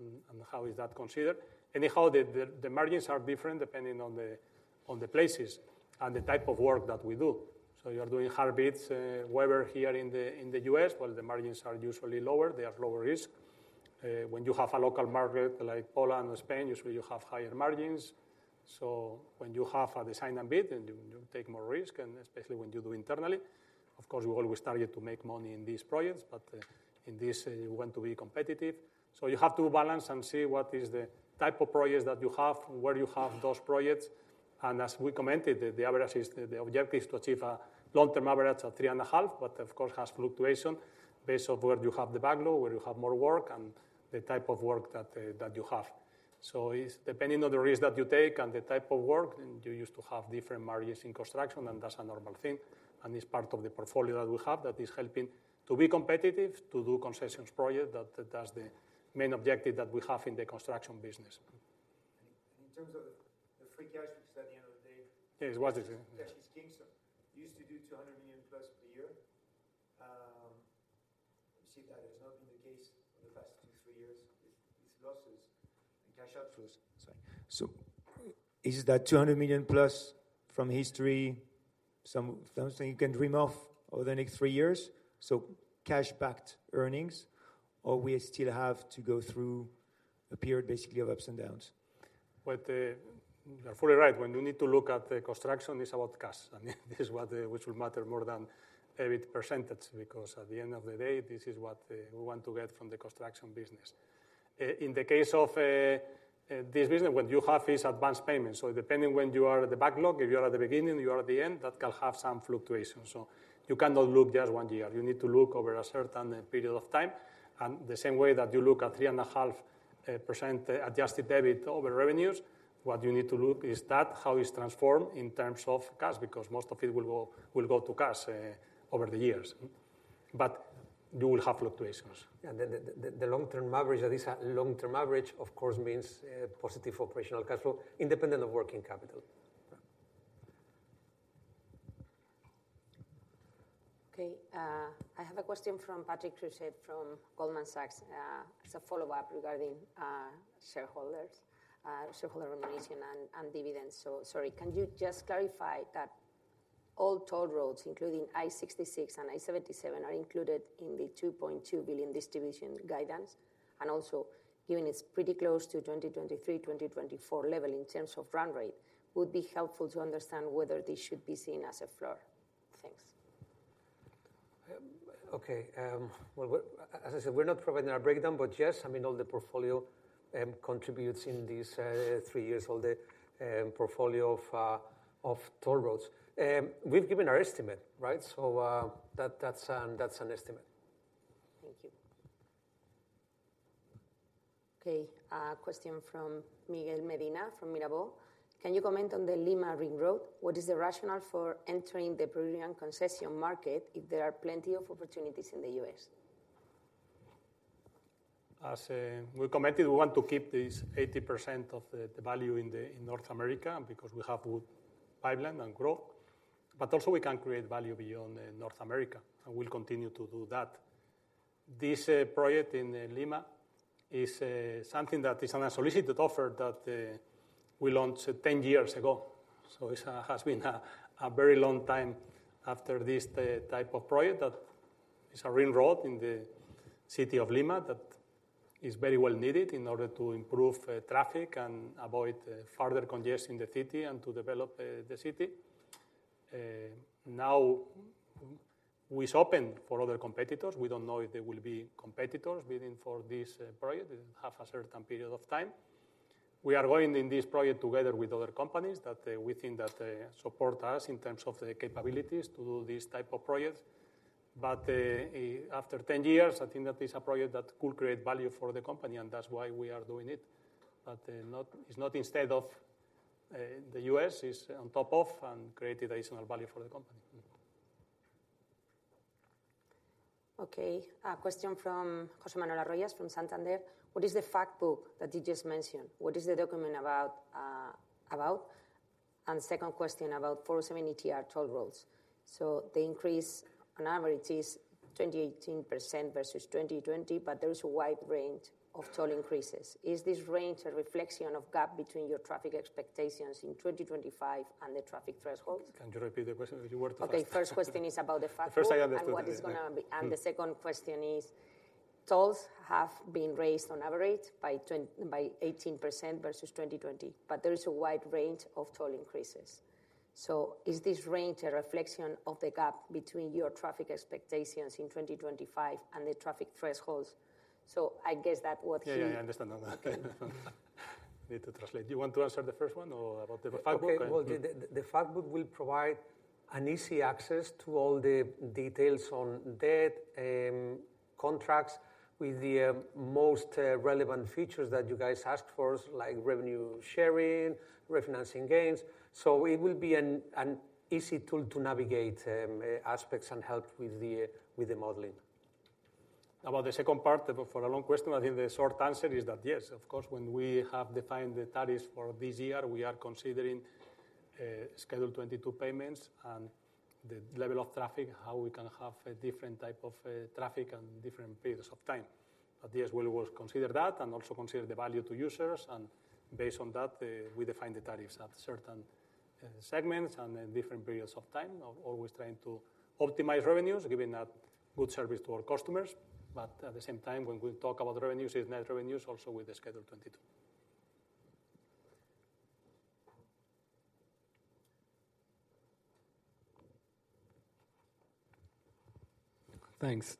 and how is that considered? Anyhow, the margins are different depending on the places and the type of work that we do. So you are doing hard bids, whether here in the US, well, the margins are usually lower. They have lower risk. When you have a local market like Poland or Spain, usually you have higher margins. So when you have a design and bid, then you take more risk, and especially when you do internally. Of course, we always target to make money in these projects, but in this, you want to be competitive. So you have to balance and see what is the type of projects that you have, where you have those projects. As we commented, the average is the objective is to achieve a long-term average of 3.5%, but of course, has fluctuation based on where you have the backlog, where you have more work, and the type of work that that you have. So it's depending on the risk that you take and the type of work, then you used to have different margins in Construction, and that's a normal thing. And it's part of the portfolio that we have that is helping to be competitive, to do concessions project. That's the main objective that we have in the Construction business. In terms of the free cash flow, because at the end of the day- Yes, what is it? Cash is king, so you used to do 200 million+ a year. You see that has not been the case for the past two, three years with, with losses and cash outflows. Sorry. So is that 200 million+ from history some, something you can dream of over the next three years? So cash backed earnings, or we still have to go through a period basically of ups and downs? But, you are fully right. When you need to look at the construction, it's about cash, and this is what, which will matter more than EBIT percentage, because at the end of the day, this is what we want to get from the Construction business. In the case of this business, what you have is advanced payments. So depending when you are at the backlog, if you are at the beginning, you are at the end, that can have some fluctuations. So you cannot look just one year. You need to look over a certain period of time, and the same way that you look at 3.5% adjusted EBIT over revenues, what you need to look is that, how it's transformed in terms of cash, because most of it will go, will go to cash, over the years. But you will have fluctuations. Yeah, the long-term average, at least a long-term average, of course, means positive operational cash flow, independent of working capital. Right. Okay, I have a question from Patrick Creuset from Goldman Sachs. It's a follow-up regarding shareholders, shareholder remuneration and dividends. So sorry, can you just clarify that all toll roads, including I-66 and I-77, are included in the $2.2 billion distribution guidance? And also, given it's pretty close to 2023, 2024 level in terms of run rate, would be helpful to understand whether this should be seen as a floor. Thanks. Okay, well, as I said, we're not providing a breakdown, but yes, I mean, all the portfolio contributes in these three years, all the portfolio of toll roads. We've given our estimate, right? So, that, that's an estimate. Thank you. Okay, a question from Miguel Medina, from Mirabaud. Can you comment on the Lima Ring Road? What is the rationale for entering the Peruvian concession market if there are plenty of opportunities in the U.S.? As we commented, we want to keep this 80% of the value in North America because we have good pipeline and growth, but also we can create value beyond North America, and we'll continue to do that. This project in Lima is something that is an unsolicited offer that we launched 10 years ago. So it's has been a very long time after this, the type of project that is a ring road in the city of Lima, that is very well needed in order to improve traffic and avoid further congestion in the city and to develop the city. Now, it's open for other competitors. We don't know if there will be competitors bidding for this project in half a certain period of time. We are going in this project together with other companies that we think that support us in terms of the capabilities to do this type of projects. But after 10 years, I think that is a project that could create value for the company, and that's why we are doing it. But it's not instead of the US, it's on top of and create additional value for the company. Okay, a question from José Manuel Arroyas from Santander. What is the Fact Book that you just mentioned? What is the document about, about? And second question about 407 ETR toll roads. So the increase on average is 18% versus 2020, but there is a wide range of toll increases. Is this range a reflection of gap between your traffic expectations in 2025 and the traffic thresholds? Can you repeat the question? Would you want to- Okay, first question is about the Fact Book- The first I understood-... And what is gonna be. The second question is, tolls have been raised on average by 18% versus 2020, but there is a wide range of toll increases. So is this range a reflection of the gap between your traffic expectations in 2025 and the traffic thresholds? So I guess that what he- Yeah, yeah, I understand now. Need to translate. Do you want to answer the first one or about the Fact Book? Okay, well, the Fact Book will provide an easy access to all the details on debt, contracts with the most relevant features that you guys asked for, like revenue sharing, refinancing gains. So it will be an easy tool to navigate aspects and help with the modeling. ...About the second part, but for a long question, I think the short answer is that yes, of course, when we have defined the tariffs for this year, we are considering Schedule 22 payments and the level of traffic, how we can have a different type of traffic and different periods of time. But yes, we will consider that and also consider the value to users, and based on that, we define the tariffs at certain segments and then different periods of time of always trying to optimize revenues, giving a good service to our customers. But at the same time, when we talk about revenues, it's net revenues also with the Schedule 22. Thanks.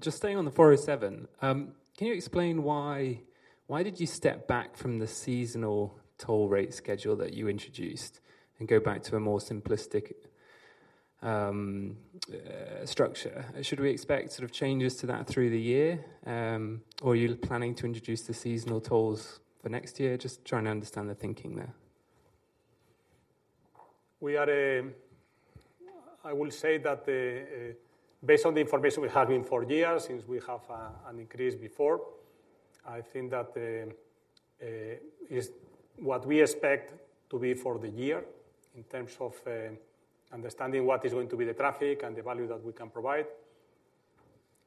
Just staying on the 407, can you explain why, why did you step back from the seasonal toll rate schedule that you introduced and go back to a more simplistic structure? Should we expect sort of changes to that through the year, or are you planning to introduce the seasonal tolls for next year? Just trying to understand the thinking there. We are, I will say that, based on the information we have in four years, since we have, an increase before, I think that, is what we expect to be for the year in terms of, understanding what is going to be the traffic and the value that we can provide.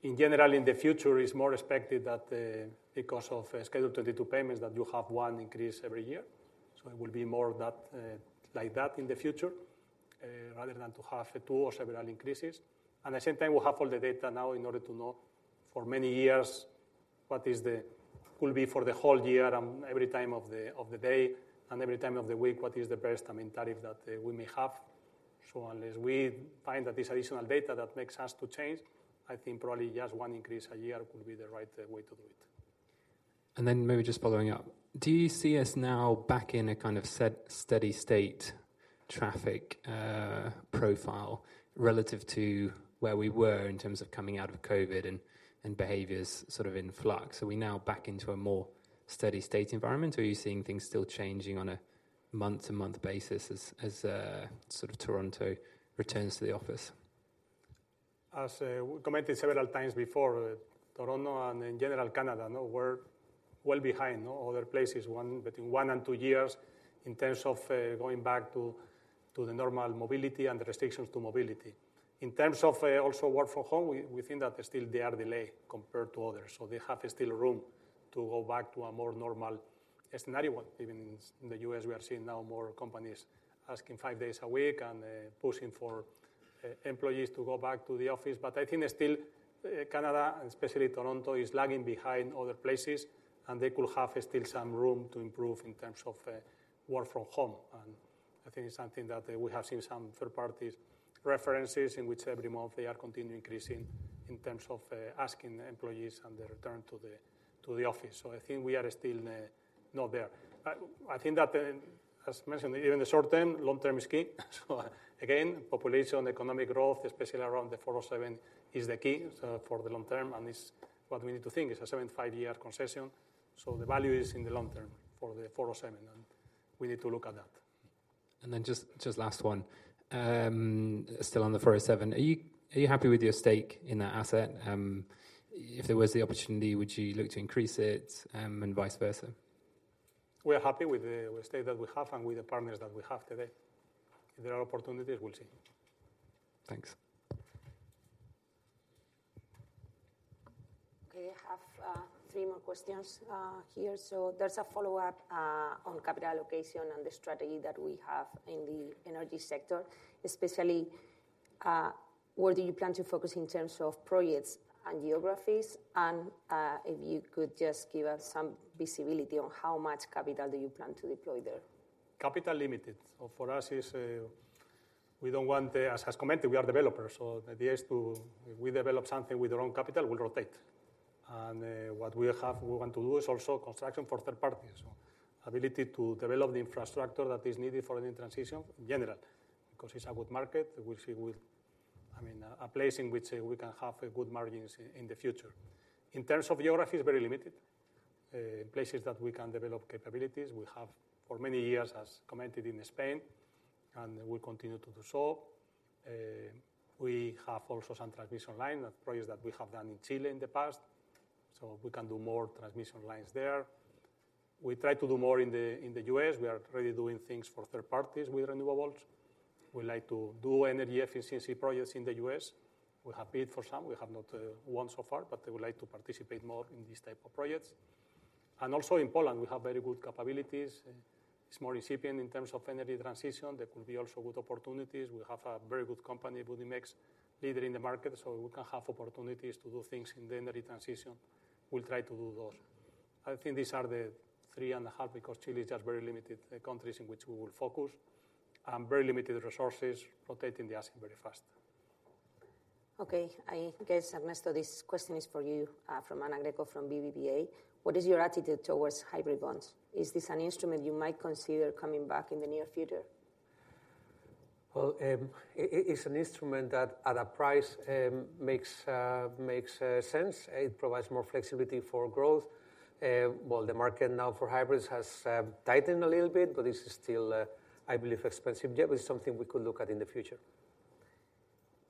In general, in the future, it's more expected that, because of Schedule 22 payments, that you have one increase every year. So it will be more that, like that in the future, rather than to have two or several increases. At the same time, we'll have all the data now in order to know for many years what is the will be for the whole year and every time of the day and every time of the week, what is the best, I mean, tariff that we may have. So unless we find that this additional data that makes us to change, I think probably just one increase a year will be the right way to do it. And then maybe just following up: do you see us now back in a kind of set, steady state traffic, profile relative to where we were in terms of coming out of COVID and, and behaviors sort of in flux? Are we now back into a more steady-state environment, or are you seeing things still changing on a month-to-month basis as, as, sort of Toronto return to the office? As we commented several times before, Toronto and in general, Canada, now we're well behind other places, one, between one and two years in terms of going back to the normal mobility and the restrictions to mobility. In terms of also work from home, we think that still they are delayed compared to others, so they have still room to go back to a more normal scenario. Even in the U.S., we are seeing now more companies asking five days a week and pushing for employees to go back to the office. But I think still, Canada, and especially Toronto, is lagging behind other places, and they could have still some room to improve in terms of work from home. And I think it's something that we have seen some third-party references, in which every month they are continuing increasing in terms of, asking the employees on their return to the, to the office. So I think we are still, not there. But I think that, as mentioned, even the short term, long term is key. So again, population, economic growth, especially around the 407, is the key, for the long term. And this, what we need to think, it's a 75-year concession, so the value is in the long term for the 407, and we need to look at that. And then, just last one. Still on the 407, are you happy with your stake in that asset? If there was the opportunity, would you look to increase it, and vice versa? We are happy with the stake that we have and with the partners that we have today. If there are opportunities, we'll see. Thanks. Okay, I have three more questions here. So there's a follow-up on capital allocation and the strategy that we have in the energy sector, especially, where do you plan to focus in terms of projects and geographies? And, if you could just give us some visibility on how much capital do you plan to deploy there. Capital limited. So for us, it's we don't want the... As commented, we are developers, so the idea is to, if we develop something with our own capital, we'll rotate. And what we have, we want to do is also construction for third parties. So ability to develop the infrastructure that is needed for a transition in general, because it's a good market, which it will- I mean, a place in which we can have good margins in the future. In terms of geography, it's very limited. Places that we can develop capabilities, we have for many years, as commented in Spain, and we continue to do so. We have also some transmission line projects that we have done in Chile in the past, so we can do more transmission lines there. We try to do more in the U.S. We are already doing things for third parties with renewables. We like to do energy efficiency projects in the U.S. We have paid for some, we have not won so far, but we would like to participate more in these type of projects. And also in Poland, we have very good capabilities. It's more recipient in terms of energy transition. There could be also good opportunities. We have a very good company, Budimex, leader in the market, so we can have opportunities to do things in the energy transition. We'll try to do those. I think these are the 3.5, because Chile is just very limited countries in which we will focus, and very limited resources, rotating the asset very fast. Okay, I guess, Ernesto, this question is for you, from Ana Greco from BBVA. What is your attitude towards hybrid bonds? Is this an instrument you might consider coming back in the near future? Well, it's an instrument that at a price makes sense. It provides more flexibility for growth. Well, the market now for hybrids has tightened a little bit, but it's still, I believe, expensive. Yet it's something we could look at in the future....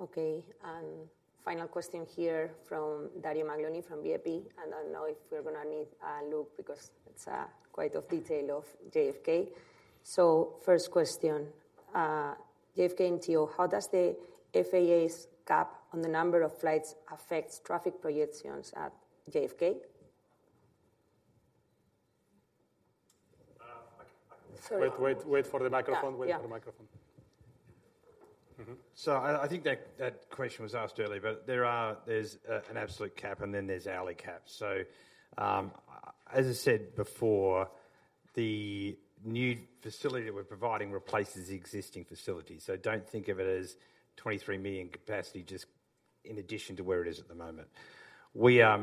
Okay, and final question here from Dario Maglione, from BNP. I don't know if we're gonna need, Luke, because it's quite a lot of detail of JFK. So first question, JFK NTO: How does the FAA's cap on the number of flights affect traffic projections at JFK? I can- Sorry. Wait, wait, wait for the microphone. Yeah. Wait for the microphone. Mm-hmm. So I think that question was asked earlier, but there is an absolute cap, and then there are hourly caps. So, as I said before, the new facility that we're providing replaces the existing facility. So don't think of it as 23 million capacity, just in addition to where it is at the moment. We're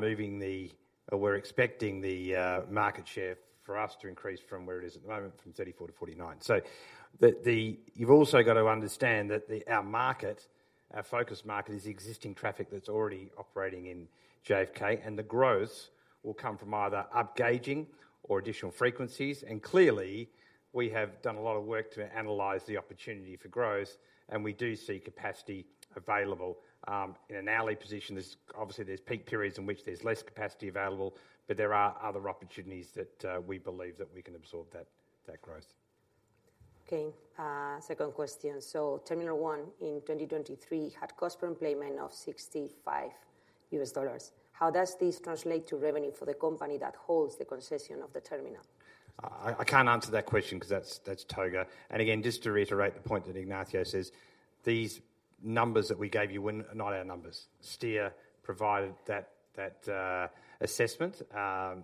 expecting the market share for us to increase from where it is at the moment, from 34% to 49%. So you've also got to understand that our market, our focus market, is the existing traffic that's already operating in JFK, and the growth will come from either upgauging or additional frequencies. And clearly, we have done a lot of work to analyze the opportunity for growth, and we do see capacity available. In an hourly position, obviously there's peak periods in which there's less capacity available, but there are other opportunities that we believe that we can absorb that growth. Okay, second question: So Terminal 1 in 2023 had cost per enplanement of $65. How does this translate to revenue for the company that holds the concession of the terminal? I can't answer that question 'cause that's TOGA. And again, just to reiterate the point that Ignacio says, these numbers that we gave you were not our numbers. Steer provided that assessment.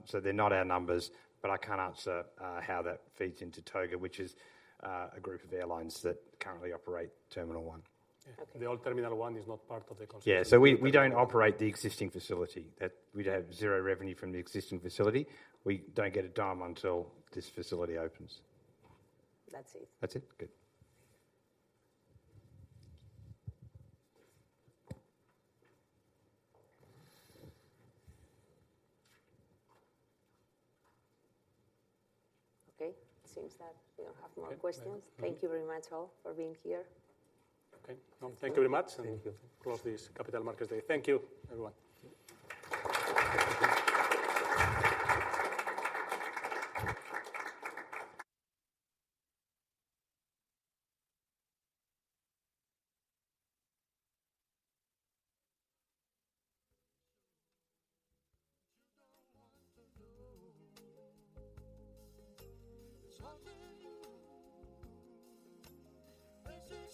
So they're not our numbers, but I can't answer how that feeds into TOGA, which is a group of airlines that currently operate Terminal 1. Okay. The old Terminal 1 is not part of the concession. Yeah. So we don't operate the existing facility. That. We'd have zero revenue from the existing facility. We don't get a dime until this facility opens. That's it. That's it? Good. Okay. It seems that we don't have more questions. Okay. Thank you very much, all, for being here. Okay. Thank you very much- Thank you. Close this Capital Markets Day. Thank you, everyone.